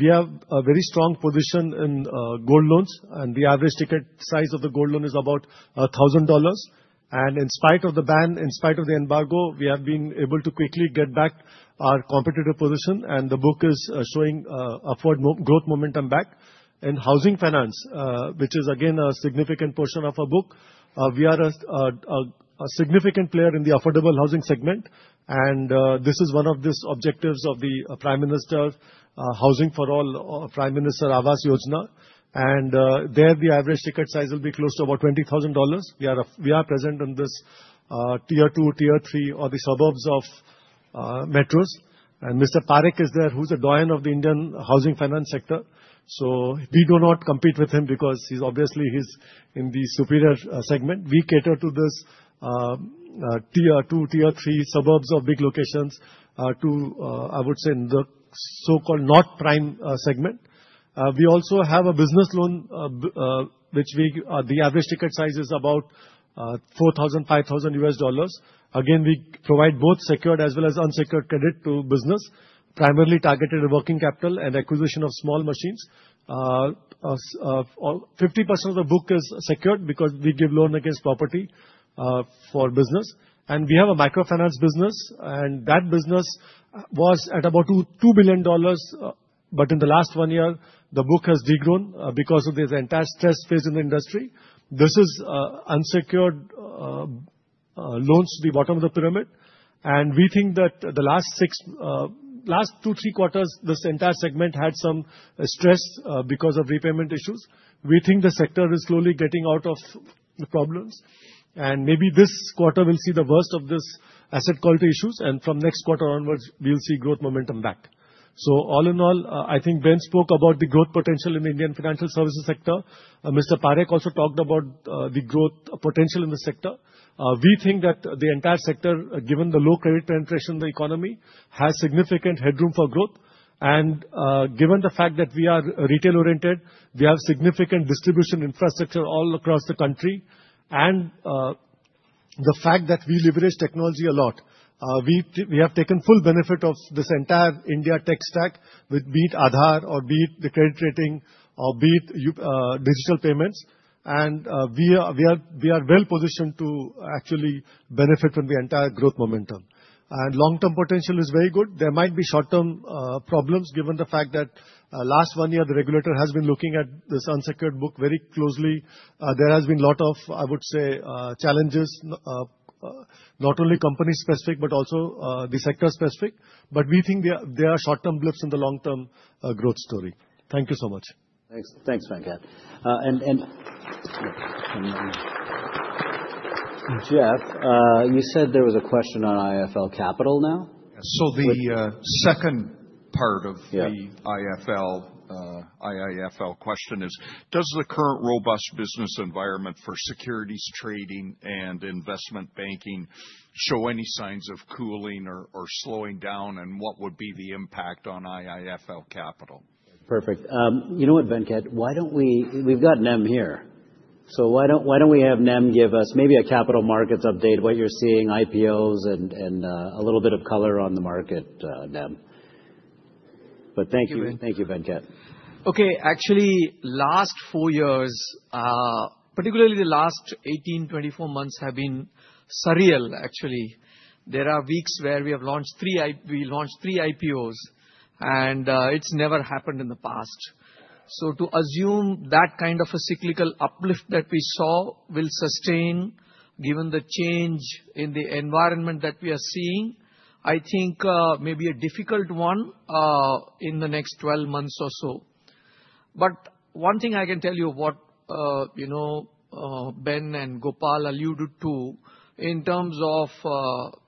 [SPEAKER 11] We have a very strong position in gold loans. The average ticket size of the gold loan is about $1,000. In spite of the ban, in spite of the embargo, we have been able to quickly get back our competitive position. The book is showing upward growth momentum back. In housing finance, which is again a significant portion of our book, we are a significant player in the affordable housing segment. This is one of the objectives of the Prime Minister, Housing for All, Prime Minister Awas Yojana. The average ticket size will be close to about $20,000. We are present in this tier two, tier three, or the suburbs of metros. Mr. Parekh is there, who's the doyen of the Indian housing finance sector. We do not compete with him because obviously he's in the superior segment. We cater to this tier two, tier three, suburbs of big locations to, I would say, the so-called not prime segment. We also have a business loan, which the average ticket size is about $4,000-$5,000. We provide both secured as well as unsecured credit to business, primarily targeted at working capital and acquisition of small machines. 50% of the book is secured because we give loan against property for business. We have a microfinance business. That business was at about $2 billion. In the last one year, the book has regrown because of this entire stress phase in the industry. This is unsecured loans to the bottom of the pyramid. We think that the last two or three quarters, this entire segment had some stress because of repayment issues. We think the sector is slowly getting out of the problems. Maybe this quarter, we'll see the worst of this asset quality issues. From next quarter onwards, we'll see growth momentum back. All in all, I think Ben spoke about the growth potential in the Indian financial services sector. Mr. Parekh also talked about the growth potential in the sector. We think that the entire sector, given the low credit penetration in the economy, has significant headroom for growth. Given the fact that we are retail-oriented, we have significant distribution infrastructure all across the country. The fact that we leverage technology a lot, we have taken full benefit of this entire India tech stack with, be it Aadhaar or be it the credit rating or be it digital payments. We are well positioned to actually benefit from the entire growth momentum. Long-term potential is very good. There might be short-term problems given the fact that last one year, the regulator has been looking at this unsecured book very closely. There has been a lot of, I would say, challenges, not only company-specific, but also sector-specific. We think there are short-term blips in the long-term growth story. Thank you so much.
[SPEAKER 1] Thanks, Venkat. Jeff, you said there was a question on IIFL Capital now.
[SPEAKER 8] The second part of the IIFL question is, does the current robust business environment for securities, trading, and investment banking show any signs of cooling or slowing down? What would be the impact on IIFL Capital?
[SPEAKER 1] Perfect. You know what, Venkat? We've got Nem here. Why don't we have Nem give us maybe a capital markets update, what you're seeing, IPOs, and a little bit of color on the market, Nem. Thank you. Thank you, Venkat.
[SPEAKER 12] Actually, last four years, particularly the last 18-24 months, have been surreal, actually. There are weeks where we launched three IPOs. It's never happened in the past. To assume that kind of a cyclical uplift that we saw will sustain, given the change in the environment that we are seeing, I think maybe a difficult one in the next 12 months or so. One thing I can tell you, what Ben and Gopal alluded to in terms of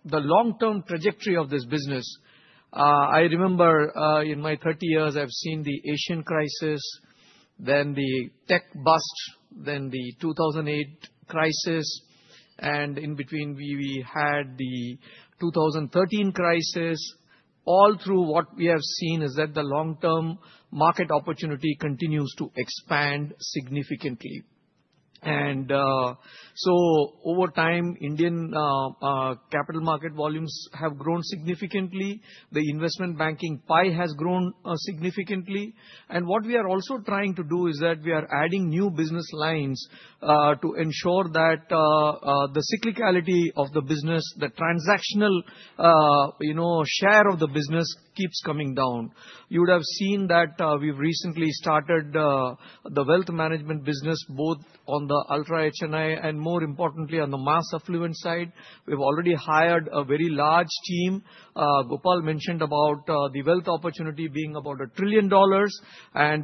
[SPEAKER 12] the long-term trajectory of this business, I remember in my 30 years, I've seen the Asian crisis, then the tech bust, then the 2008 crisis. In between, we had the 2013 crisis. All through, what we have seen is that the long-term market opportunity continues to expand significantly. Over time, Indian capital market volumes have grown significantly. The investment banking pie has grown significantly. What we are also trying to do is that we are adding new business lines to ensure that the cyclicality of the business, the transactional share of the business, keeps coming down. You would have seen that we've recently started the wealth management business, both on the ultra H&I and, more importantly, on the mass affluence side. We've already hired a very large team. Gopal mentioned about the wealth opportunity being about a trillion dollars.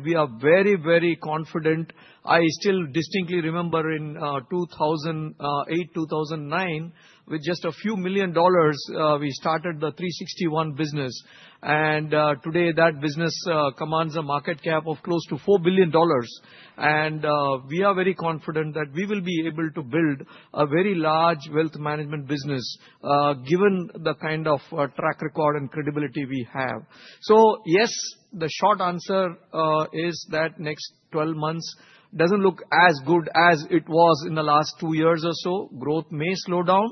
[SPEAKER 12] We are very, very confident. I still distinctly remember in 2008, 2009, with just a few million dollars, we started the 361 business. Today, that business commands a market cap of close to $4 billion. We are very confident that we will be able to build a very large wealth management business, given the kind of track record and credibility we have. Yes, the short answer is that next 12 months does not look as good as it was in the last two years or so. Growth may slow down.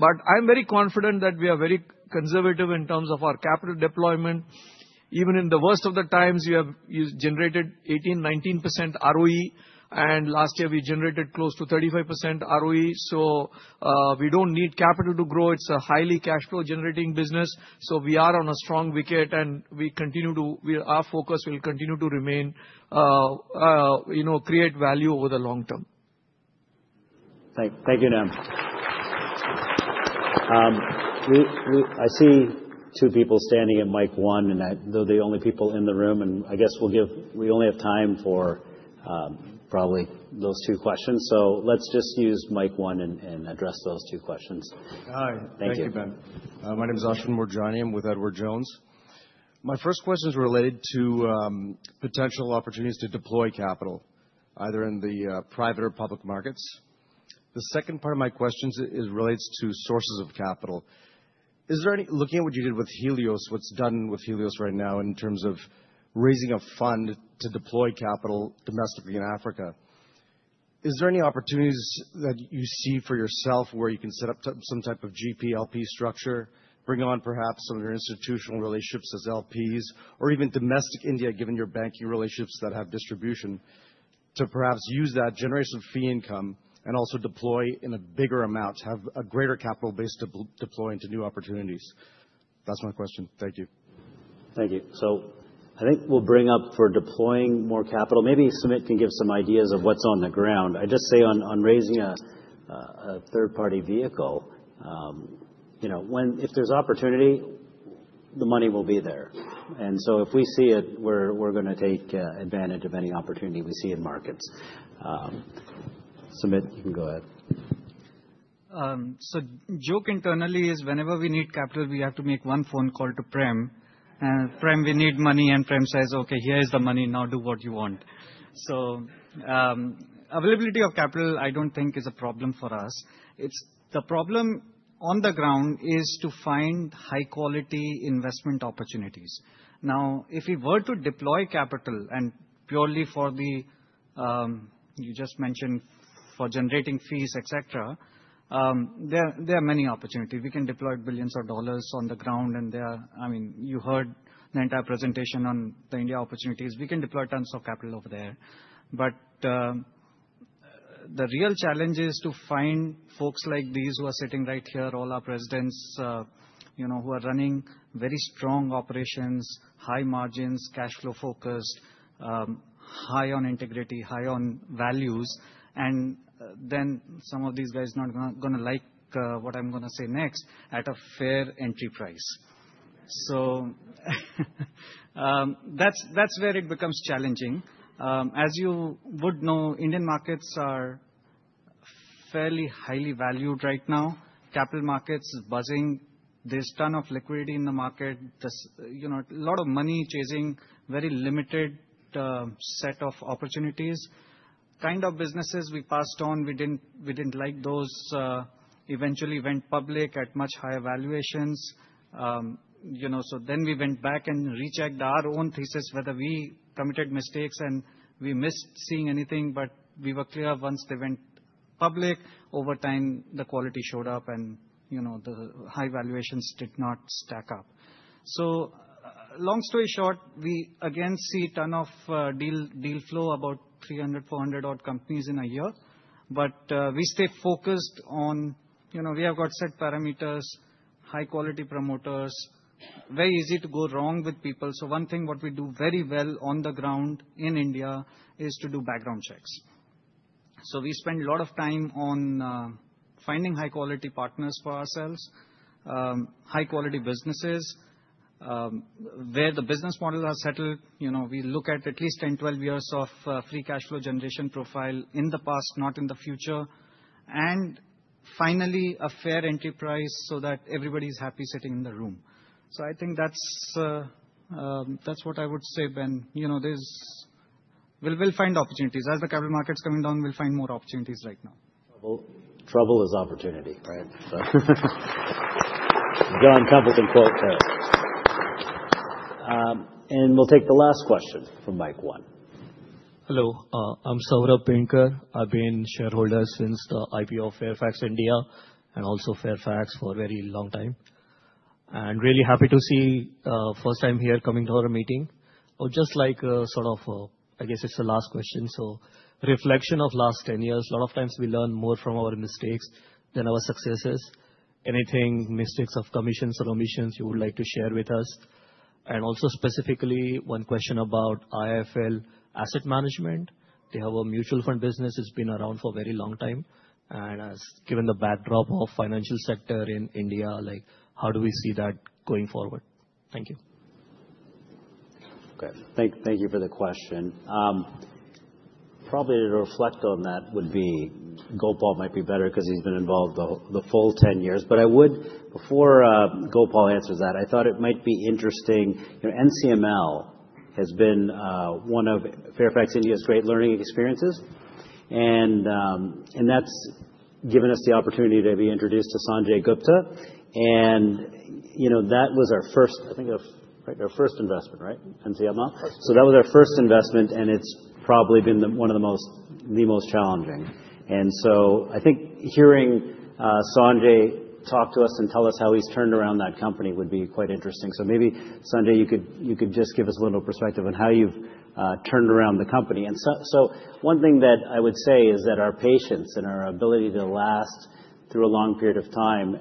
[SPEAKER 12] I am very confident that we are very conservative in terms of our capital deployment. Even in the worst of the times, we have generated 18%-19% ROE. Last year, we generated close to 35% ROE. We do not need capital to grow. It's a highly cash-flow generating business. We are on a strong wicket. We continue to, our focus will continue to remain, create value over the long term.
[SPEAKER 1] Thank you, Nem. I see two people standing in mic one. They're the only people in the room. I guess we only have time for probably those two questions. Let's just use mic one and address those two questions.
[SPEAKER 13] Thank you, Ben. My name is Ashvin Moorjani. I'm with Edward Jones. My first question is related to potential opportunities to deploy capital, either in the private or public markets. The second part of my question relates to sources of capital. Looking at what you did with Helios, what's done with Helios right now in terms of raising a fund to deploy capital domestically in Africa, is there any opportunities that you see for yourself where you can set up some type of GPLP structure, bring on perhaps some of your institutional relationships as LPs, or even domestic India, given your banking relationships that have distribution, to perhaps use that generation of fee income and also deploy in a bigger amount, have a greater capital base to deploy into new opportunities? That's my question. Thank you.
[SPEAKER 1] Thank you. I think we'll bring up for deploying more capital. Maybe Sumit can give some ideas of what's on the ground. I just say on raising a third-party vehicle, if there's opportunity, the money will be there. If we see it, we're going to take advantage of any opportunity we see in markets. Sumit, you can go ahead.
[SPEAKER 7] The joke internally is whenever we need capital, we have to make one phone call to Prem. Prem, we need money. Prem says, okay, here is the money. Now do what you want. Availability of capital, I do not think is a problem for us. The problem on the ground is to find high-quality investment opportunities. If we were to deploy capital purely for the, you just mentioned, for generating fees, etc., there are many opportunities. We can deploy billions of dollars on the ground. You heard the entire presentation on the India opportunities. We can deploy tons of capital over there. The real challenge is to find folks like these who are sitting right here, all our presidents who are running very strong operations, high margins, cash flow focused, high on integrity, high on values. Some of these guys are not going to like what I'm going to say next at a fair entry price. That is where it becomes challenging. As you would know, Indian markets are fairly highly valued right now. Capital markets are buzzing. There is a ton of liquidity in the market. A lot of money chasing a very limited set of opportunities. The kind of businesses we passed on, we did not like those. Eventually, they went public at much higher valuations. We went back and rechecked our own thesis, whether we committed mistakes and we missed seeing anything. We were clear once they went public. Over time, the quality showed up. The high valuations did not stack up. Long story short, we again see a ton of deal flow, about 300-400 odd companies in a year. We stay focused on we have got set parameters, high-quality promoters. Very easy to go wrong with people. One thing what we do very well on the ground in India is to do background checks. We spend a lot of time on finding high-quality partners for ourselves, high-quality businesses where the business model has settled. We look at at least 10-12 years of free cash flow generation profile in the past, not in the future. Finally, a fair entry price so that everybody's happy sitting in the room. I think that's what I would say, Ben. We'll find opportunities. As the capital markets are coming down, we'll find more opportunities right now.
[SPEAKER 1] Trouble is opportunity, right? John Templeton quote there. We'll take the last question from mic one. Hello. I'm Saurabh Pinker. I've been a shareholder since the IPO of Fairfax India, and also Fairfax for a very long time. Really happy to see the first time here coming to our meeting. Just like sort of, I guess it's the last question. Reflection of the last 10 years, a lot of times we learn more from our mistakes than our successes. Anything, mistakes of commissions or omissions you would like to share with us? Also specifically, one question about IIFL asset management. They have a mutual fund business. It's been around for a very long time. Given the backdrop of the financial sector in India, how do we see that going forward? Thank you. Okay. Thank you for the question. Probably to reflect on that would be Gopal might be better because he's been involved the full 10 years. Before Gopal answers that, I thought it might be interesting. NCML has been one of Fairfax India's great learning experiences. That's given us the opportunity to be introduced to Sanjay Gupta. That was our first, I think, our first investment, right? NCML. That was our first investment. It's probably been one of the most challenging. I think hearing Sanjay talk to us and tell us how he's turned around that company would be quite interesting. Maybe, Sanjay, you could just give us a little perspective on how you've turned around the company. One thing that I would say is that our patience and our ability to last through a long period of time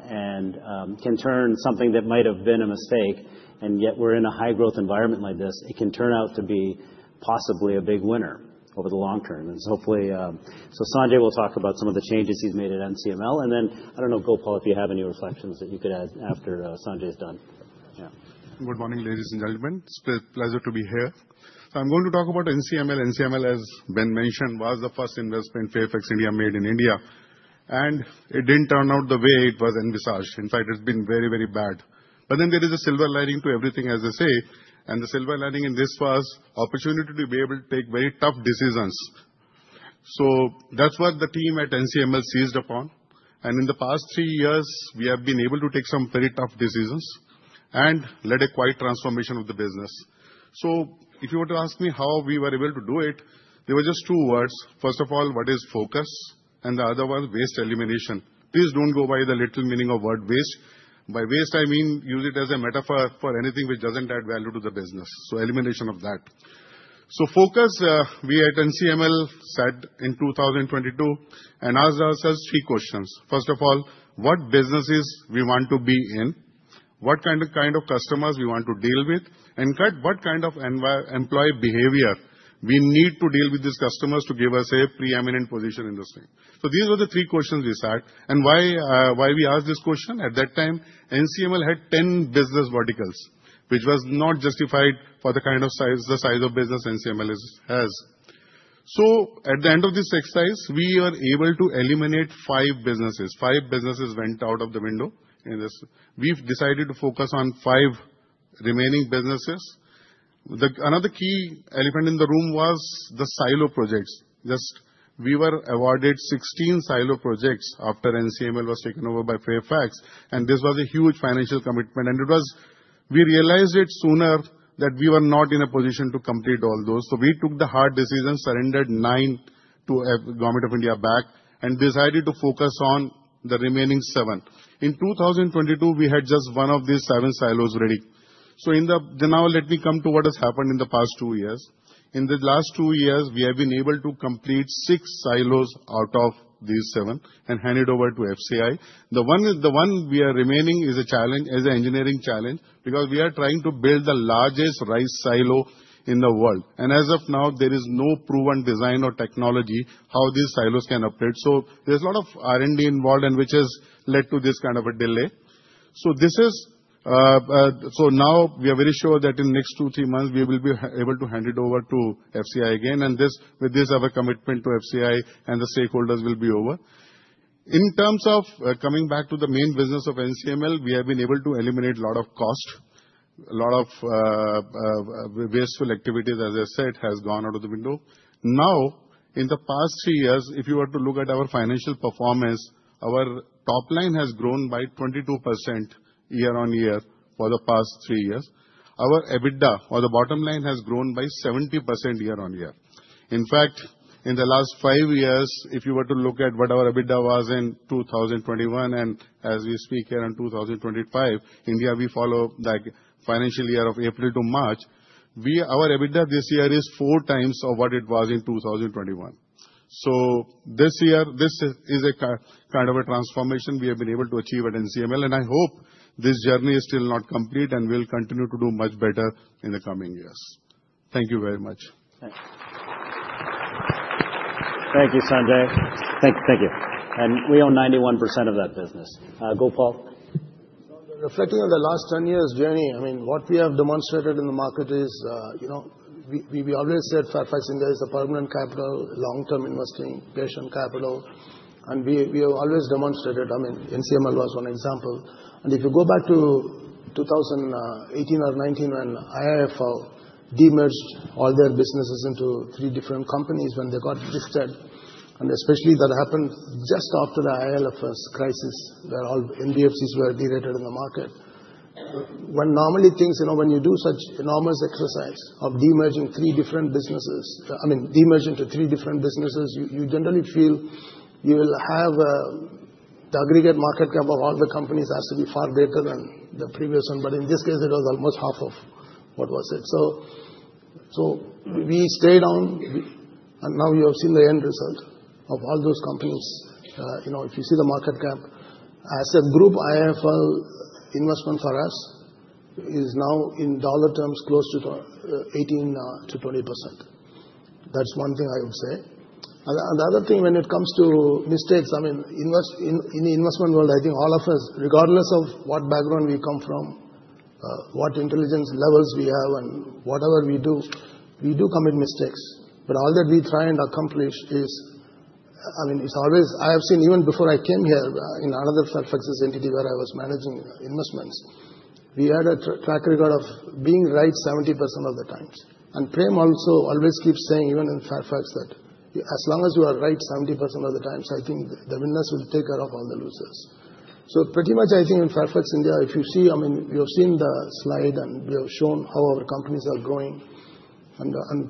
[SPEAKER 1] can turn something that might have been a mistake, and yet we're in a high-growth environment like this, it can turn out to be possibly a big winner over the long term. Sanjay will talk about some of the changes he's made at NCML. I don't know, Gopal, if you have any reflections that you could add after Sanjay is done.
[SPEAKER 14] Good morning, ladies and gentlemen. It's a pleasure to be here. I'm going to talk about NCML. NCML, as Ben mentioned, was the first investment Fairfax India made in India. It didn't turn out the way it was envisaged. In fact, it's been very, very bad. There is a silver lining to everything, as I say. The silver lining in this was the opportunity to be able to take very tough decisions. That is what the team at NCML seized upon. In the past three years, we have been able to take some very tough decisions and led a quiet transformation of the business. If you were to ask me how we were able to do it, there were just two words. First of all, what is focus? The other one, waste elimination. Please do not go by the literal meaning of the word waste. By waste, I mean use it as a metaphor for anything which does not add value to the business. Elimination of that. Focus, we at NCML said in 2022 and asked ourselves three questions. First of all, what businesses do we want to be in? What kind of customers do we want to deal with? What kind of employee behavior do we need to deal with these customers to give us a preeminent position in the same? These were the three questions we sat. Why we asked this question? At that time, NCML had 10 business verticals, which was not justified for the kind of size the size of business NCML has. At the end of this exercise, we were able to eliminate five businesses. Five businesses went out of the window. We decided to focus on five remaining businesses. Another key elephant in the room was the silo projects. We were awarded 16 silo projects after NCML was taken over by Fairfax. This was a huge financial commitment. We realized it sooner that we were not in a position to complete all those. We took the hard decision, surrendered nine to the Government of India back, and decided to focus on the remaining seven. In 2022, we had just one of these seven silos ready. Let me come to what has happened in the past two years. In the last two years, we have been able to complete six silos out of these seven and hand it over to FCI. The one remaining is a challenge, as an engineering challenge, because we are trying to build the largest rice silo in the world. As of now, there is no proven design or technology how these silos can operate. There is a lot of R&D involved, which has led to this kind of a delay. We are very sure that in the next two-three months, we will be able to hand it over to FCI again. With this, our commitment to FCI and the stakeholders will be over. In terms of coming back to the main business of NCML, we have been able to eliminate a lot of cost. A lot of wasteful activities, as I said, have gone out of the window. Now, in the past three years, if you were to look at our financial performance, our top line has grown by 22% year-on-year for the past three years. Our EBITDA, or the bottom line, has grown by 70% year on year. In fact, in the last five years, if you were to look at what our EBITDA was in 2021, and as we speak here in 2025, India, we follow the financial year of April to March, our EBITDA this year is four times what it was in 2021. This year, this is a kind of a transformation we have been able to achieve at NCML. I hope this journey is still not complete and we'll continue to do much better in the coming years. Thank you very much.
[SPEAKER 1] Thank you, Sanjay. Thank you. We own 91% of that business. Gopal?
[SPEAKER 4] Reflecting on the last 10 years' journey, what we have demonstrated in the market is we always said Fairfax India is a permanent capital, long-term investing, patient capital. We have always demonstrated, I mean, NCML was one example. If you go back to 2018 or 2019 when IIFL de-merged all their businesses into three different companies when they got listed, especially that happened just after the IIFL crisis, where all NBFCs were derated in the market. When normally things, when you do such an enormous exercise of de-merging three different businesses, I mean, de-merging to three different businesses, you generally feel you will have the aggregate market cap of all the companies has to be far greater than the previous one. In this case, it was almost half of what was it. We stayed on. Now you have seen the end result of all those companies. If you see the market cap, as a group, IIF investment for us is now, in dollar terms, close to 18%-20%. That's one thing I would say. The other thing, when it comes to mistakes, I mean, in the investment world, I think all of us, regardless of what background we come from, what intelligence levels we have, and whatever we do, we do commit mistakes. All that we try and accomplish is, I mean, it's always, I have seen even before I came here in another Fairfax entity where I was managing investments, we had a track record of being right 70% of the times. Prem also always keeps saying, even in Fairfax, that as long as you are right 70% of the times, I think the winners will take care of all the losers. Pretty much, I think in Fairfax India, if you see, I mean, you have seen the slide, and we have shown how our companies are growing.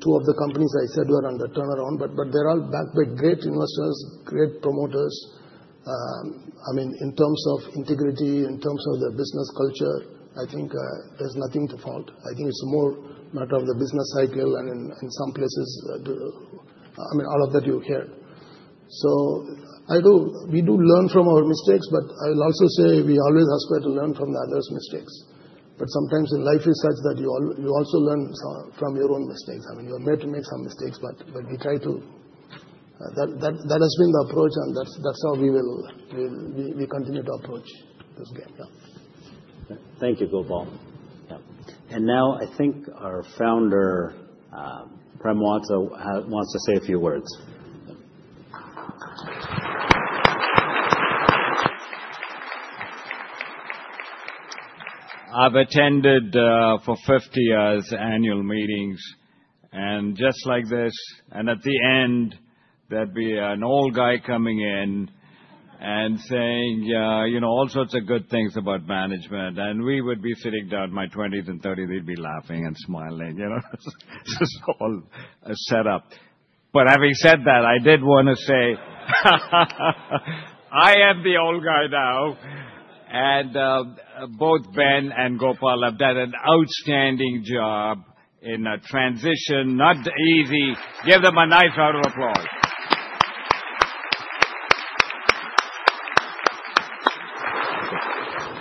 [SPEAKER 4] Two of the companies I said were under turnaround, but they're all backed by great investors, great promoters. I mean, in terms of integrity, in terms of their business culture, I think there's nothing to fault. I think it's more a matter of the business cycle. In some places, I mean, all of that you hear. We do learn from our mistakes, but I will also say we always aspire to learn from the others' mistakes. Sometimes life is such that you also learn from your own mistakes. I mean, you're made to make some mistakes, but we try to, that has been the approach, and that's how we will continue to approach this game.
[SPEAKER 1] Thank you, Gopal. Now I think our founder, Prem Watsa, wants to say a few words.
[SPEAKER 15] I've attended for 50 years annual meetings. Just like this, at the end, there'd be an old guy coming in and saying all sorts of good things about management. We would be sitting down, my 20s and 30s, he'd be laughing and smiling. It's just all a setup. Having said that, I did want to say, I am the old guy now. Both Ben and Gopal have done an outstanding job in a transition. Not easy. Give them a nice round of applause.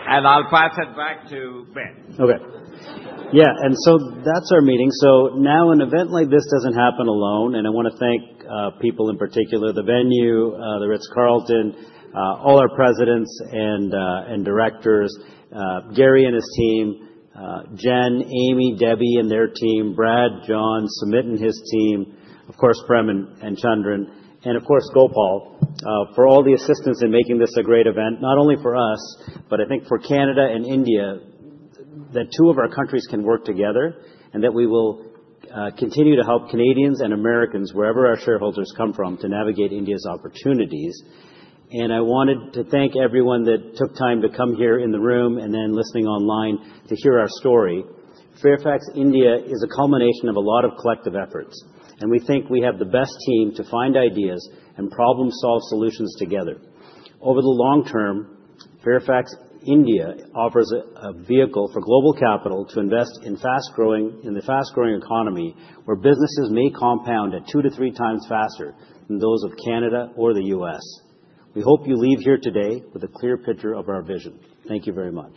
[SPEAKER 15] I'll pass it back to Ben.
[SPEAKER 1] Okay. That is our meeting. Now, an event like this does not happen alone. I want to thank people in particular, the venue, the Ritz Carlton, all our Presidents and Directors, Gary and his team, Jen, Amy, Debbie and their team, Brad, John, Sumit and his team, of course, Prem and Chandran, and of course, Gopal, for all the assistance in making this a great event, not only for us, but I think for Canada and India, that two of our countries can work together and that we will continue to help Canadians and Americans wherever our shareholders come from to navigate India's opportunities. I wanted to thank everyone that took time to come here in the room and then listening online to hear our story. Fairfax India is a culmination of a lot of collective efforts. We think we have the best team to find ideas and problem-solve solutions together. Over the long term, Fairfax India offers a vehicle for global capital to invest in the fast-growing economy where businesses may compound at two to three times faster than those of Canada or the U.S. We hope you leave here today with a clear picture of our vision. Thank you very much.